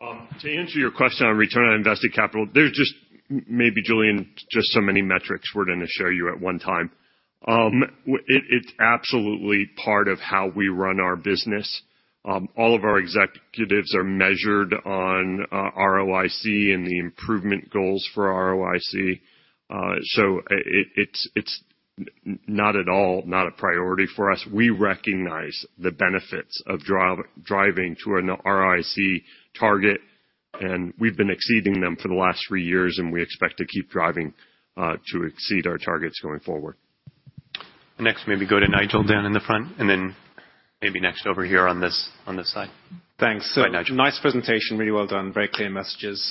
To answer your question on return on invested capital, there's just maybe, Julian, just so many metrics we're gonna show you at one time. It's absolutely part of how we run our business. All of our executives are measured on ROIC and the improvement goals for ROIC. So it's not at all not a priority for us. We recognize the benefits of driving to an ROIC target, and we've been exceeding them for the last three years, and we expect to keep driving to exceed our targets going forward. Next, maybe go to Nigel down in the front, and then maybe next over here on this side. Thanks. Go ahead, Nigel. Nice presentation. Really well done. Very clear messages.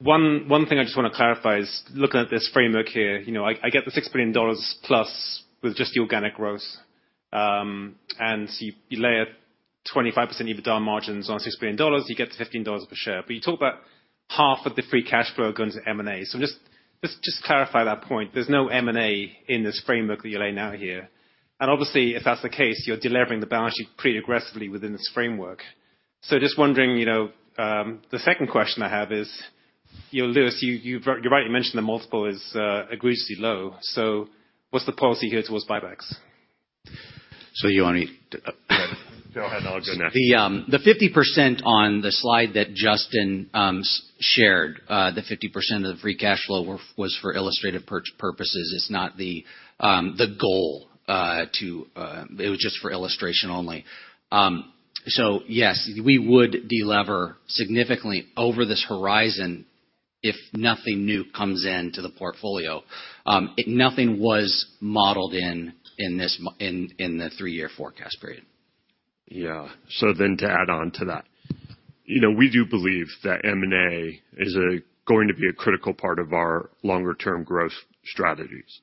One thing I just wanna clarify is, looking at this framework here, you know, I get the $6 billion plus with just the organic growth, and so you layer 25% EBITDA margins on $6 billion, you get to $15 per share. You talk about half of the free cash flow going to M&A. Just to clarify that point, there's no M&A in this framework that you're laying out here. Obviously, if that's the case, you're delevering the balance sheet pretty aggressively within this framework. Just wondering, you know, the second question I have is, you know, Louis, you're right, you mentioned the multiple is egregiously low. What's the policy here towards buybacks? You wanna. Go ahead, and I'll go next. The 50% on the slide that Justin shared, the 50% of free cash flow was for illustrative purposes. It's not the goal. It was just for illustration only. Yes, we would delever significantly over this horizon if nothing new comes into the portfolio. Nothing was modeled in this three-year forecast period. Yeah. To add on to that, you know, we do believe that M&A is going to be a critical part of our longer term growth strategies.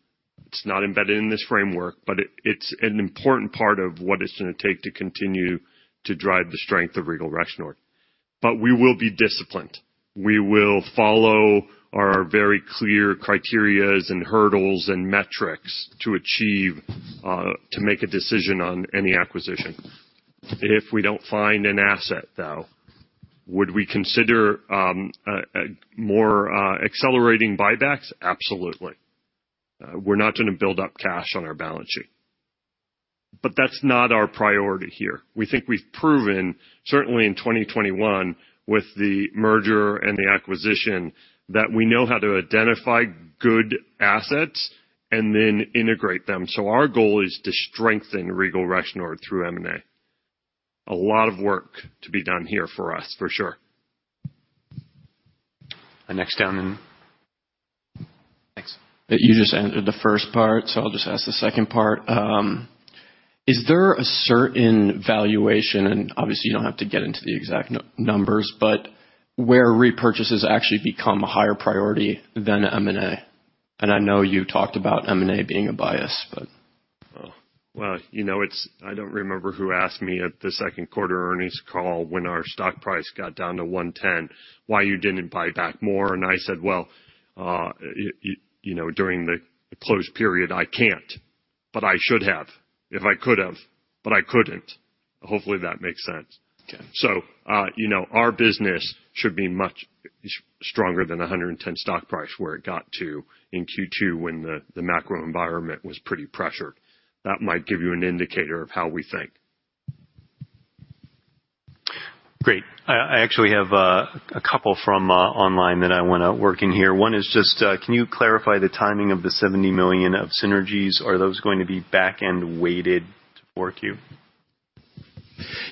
It's not embedded in this framework, but it's an important part of what it's gonna take to continue to drive the strength of Regal Rexnord. We will be disciplined. We will follow our very clear criteria and hurdles and metrics to make a decision on any acquisition. If we don't find an asset, though, would we consider a more accelerating buybacks? Absolutely. We're not gonna build up cash on our balance sheet. That's not our priority here. We think we've proven, certainly in 2021 with the merger and the acquisition, that we know how to identify good assets and then integrate them. Our goal is to strengthen Regal Rexnord through M&A. A lot of work to be done here for us, for sure. Next down, then. Thanks. You just answered the first part, so I'll just ask the second part. Is there a certain valuation, and obviously you don't have to get into the exact numbers, but where repurchases actually become a higher priority than M&A? And I know you talked about M&A being a bias, but... Well, you know, I don't remember who asked me at the second quarter earnings call when our stock price got down to 110, why you didn't buy back more. I said, "Well, you know, during the closed period, I can't, but I should have, if I could've, but I couldn't." Hopefully that makes sense. Okay. You know, our business should be much stronger than 110 stock price, where it got to in Q2 when the macro environment was pretty pressured. That might give you an indicator of how we think. Great. I actually have a couple from online that I wanna work in here. One is just can you clarify the timing of the $70 million of synergies? Are those going to be back-end weighted to 4Q?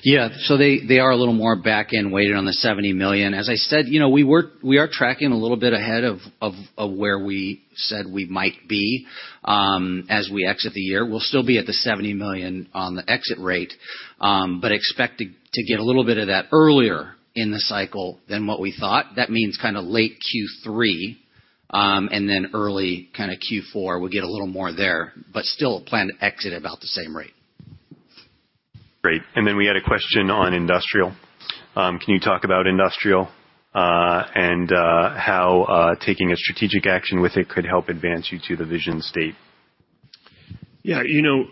Yeah. They are a little more back-end weighted on the $70 million. As I said, you know, we are tracking a little bit ahead of where we said we might be, as we exit the year. We'll still be at the $70 million on the exit rate, but expect to get a little bit of that earlier in the cycle than what we thought. That means kinda late Q3, and then early kinda Q4, we'll get a little more there, but still plan to exit about the same rate. Great. We had a question on industrial. Can you talk about industrial and how taking a strategic action with it could help advance you to the vision state? Yeah. You know,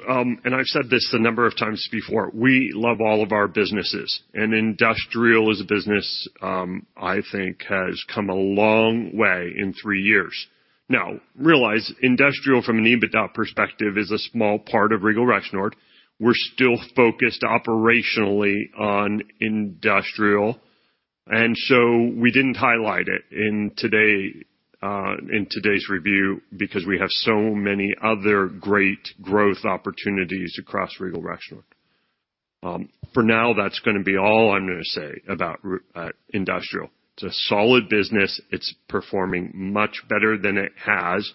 I've said this a number of times before, we love all of our businesses. Industrial as a business, I think has come a long way in three years. Now, realize industrial from an EBITDA perspective is a small part of Regal Rexnord. We're still focused operationally on industrial, and so we didn't highlight it in today, in today's review because we have so many other great growth opportunities across Regal Rexnord. For now, that's gonna be all I'm gonna say about industrial. It's a solid business. It's performing much better than it has,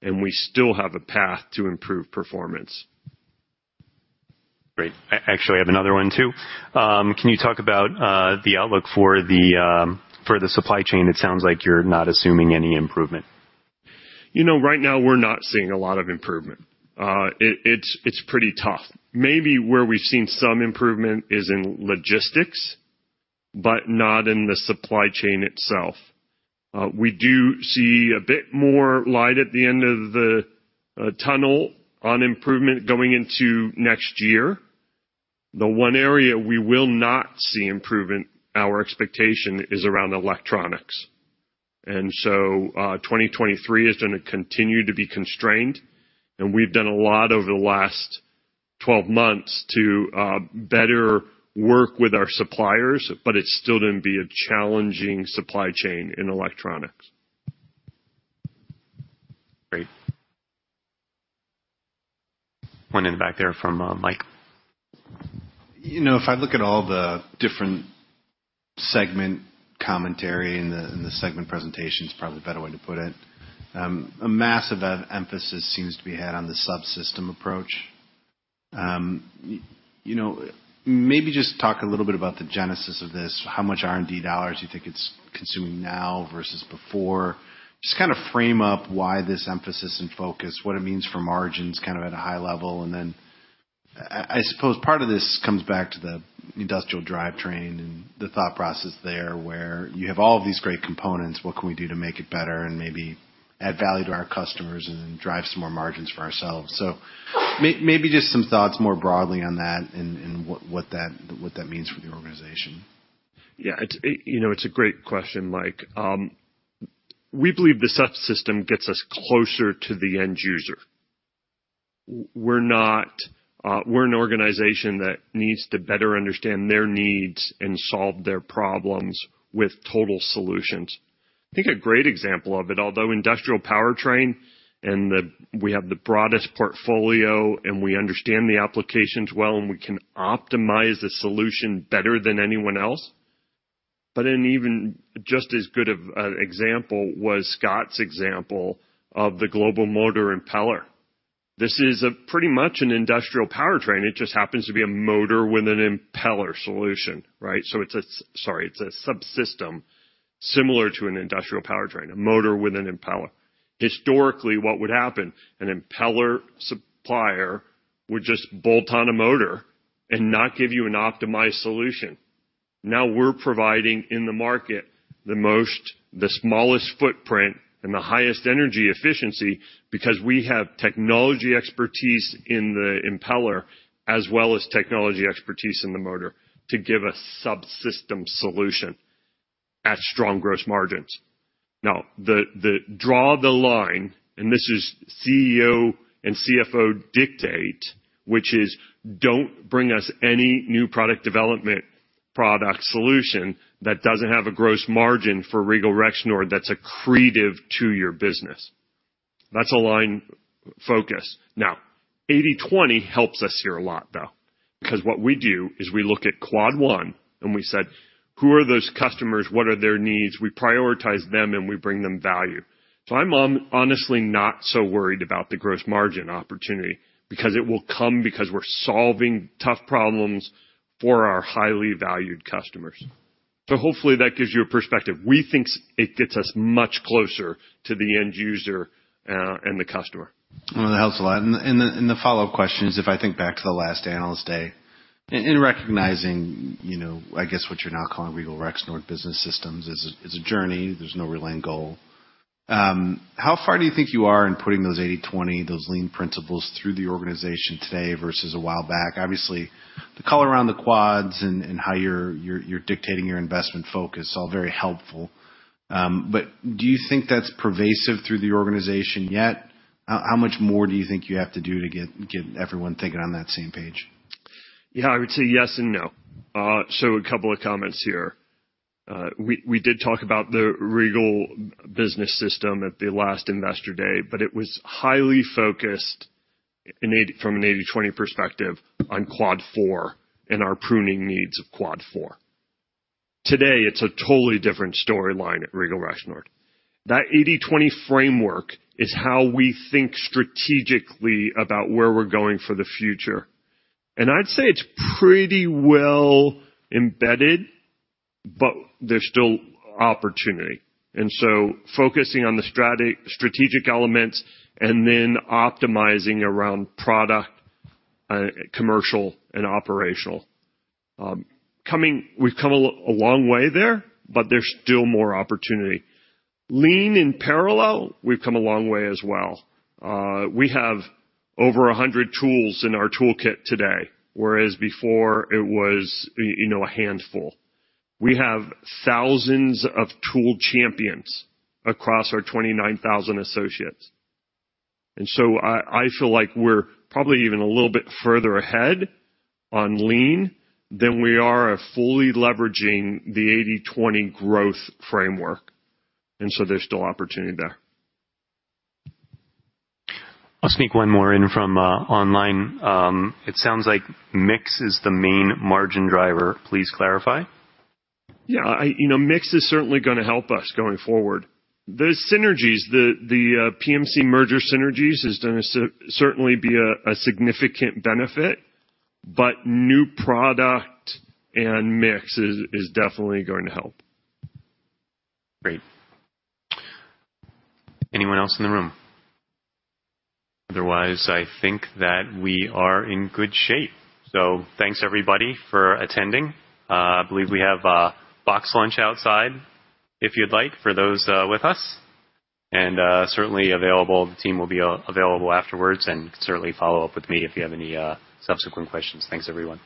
and we still have a path to improve performance. Great. Actually, I have another one too. Can you talk about the outlook for the supply chain? It sounds like you're not assuming any improvement. You know, right now we're not seeing a lot of improvement. It's pretty tough. Maybe where we've seen some improvement is in logistics, but not in the supply chain itself. We do see a bit more light at the end of the tunnel on improvement going into next year. The one area we will not see improvement, our expectation, is around electronics. 2023 is gonna continue to be constrained, and we've done a lot over the last 12 months to better work with our suppliers, but it's still gonna be a challenging supply chain in electronics. Great. One in the back there from, Mike. You know, if I look at all the different segment commentary and the segment presentations, probably a better way to put it, a massive emphasis seems to be had on the subsystem approach. You know, maybe just talk a little bit about the genesis of this, how much R&D dollars you think it's consuming now versus before. Just kinda frame up why this emphasis and focus, what it means for margins kind of at a high level. Then I suppose part of this comes back to the industrial powertrain and the thought process there, where you have all of these great components, what can we do to make it better and maybe add value to our customers and drive some more margins for ourselves. Maybe just some thoughts more broadly on that and what that means for the organization. Yeah. It's, you know, it's a great question, Mike. We believe the subsystem gets us closer to the end user. We're an organization that needs to better understand their needs and solve their problems with total solutions. I think a great example of it, although industrial powertrain we have the broadest portfolio, and we understand the applications well, and we can optimize the solution better than anyone else, but an even just as good of an example was Scott's example of the global motor impeller. This is pretty much an industrial powertrain. It just happens to be a motor with an impeller solution, right? So it's Sorry, it's a subsystem similar to an industrial powertrain, a motor with an impeller. Historically, what would happen, an impeller supplier would just bolt on a motor and not give you an optimized solution. We're providing in the market the smallest footprint and the highest energy efficiency because we have technology expertise in the impeller as well as technology expertise in the motor to give a subsystem solution at strong gross margins. We draw the line, and this is CEO and CFO dictate, which is, "Don't bring us any new product development product solution that doesn't have a gross margin for Regal Rexnord that's accretive to your business." That's a line focus. 80/20 helps us here a lot, though, because what we do is we look at Quad 1 and we said, "Who are those customers? What are their needs?" We prioritize them and we bring them value. I'm honestly not so worried about the gross margin opportunity because it will come because we're solving tough problems for our highly valued customers. Hopefully that gives you a perspective. We think it gets us much closer to the end user, and the customer. Well, that helps a lot. The follow-up question is, if I think back to the last Analyst Day, in recognizing, you know, I guess, what you're now calling Regal Rexnord Business System is a journey. There's no real end goal. How far do you think you are in putting those 80/20, those lean principles through the organization today versus a while back? Obviously, the color around the quads and how you're dictating your investment focus, all very helpful. Do you think that's pervasive through the organization yet? How much more do you think you have to do to get everyone thinking on that same page? Yeah, I would say yes and no. So a couple of comments here. We did talk about the Regal Rexnord Business System at the last Investor Day, but it was highly focused from an 80/20 perspective on Quad 4 and our pruning needs of Quad 4. Today, it's a totally different storyline at Regal Rexnord. That 80/20 framework is how we think strategically about where we're going for the future. I'd say it's pretty well embedded, but there's still opportunity. Focusing on the strategic elements and then optimizing around product, commercial and operational. We've come a long way there, but there's still more opportunity. Lean in parallel, we've come a long way as well. We have over 100 tools in our toolkit today, whereas before it was, you know, a handful. We have thousands of tool champions across our 29,000 associates. I feel like we're probably even a little bit further ahead on lean than we are at fully leveraging the 80/20 growth framework. There's still opportunity there. I'll sneak one more in from online. It sounds like mix is the main margin driver. Please clarify. Yeah, you know, mix is certainly gonna help us going forward. The synergies, PMC merger synergies is gonna certainly be a significant benefit. New product and mix is definitely going to help. Great. Anyone else in the room? Otherwise, I think that we are in good shape. Thanks, everybody, for attending. I believe we have a box lunch outside, if you'd like, for those with us. Certainly available. The team will be available afterwards and certainly follow up with me if you have any subsequent questions. Thanks, everyone.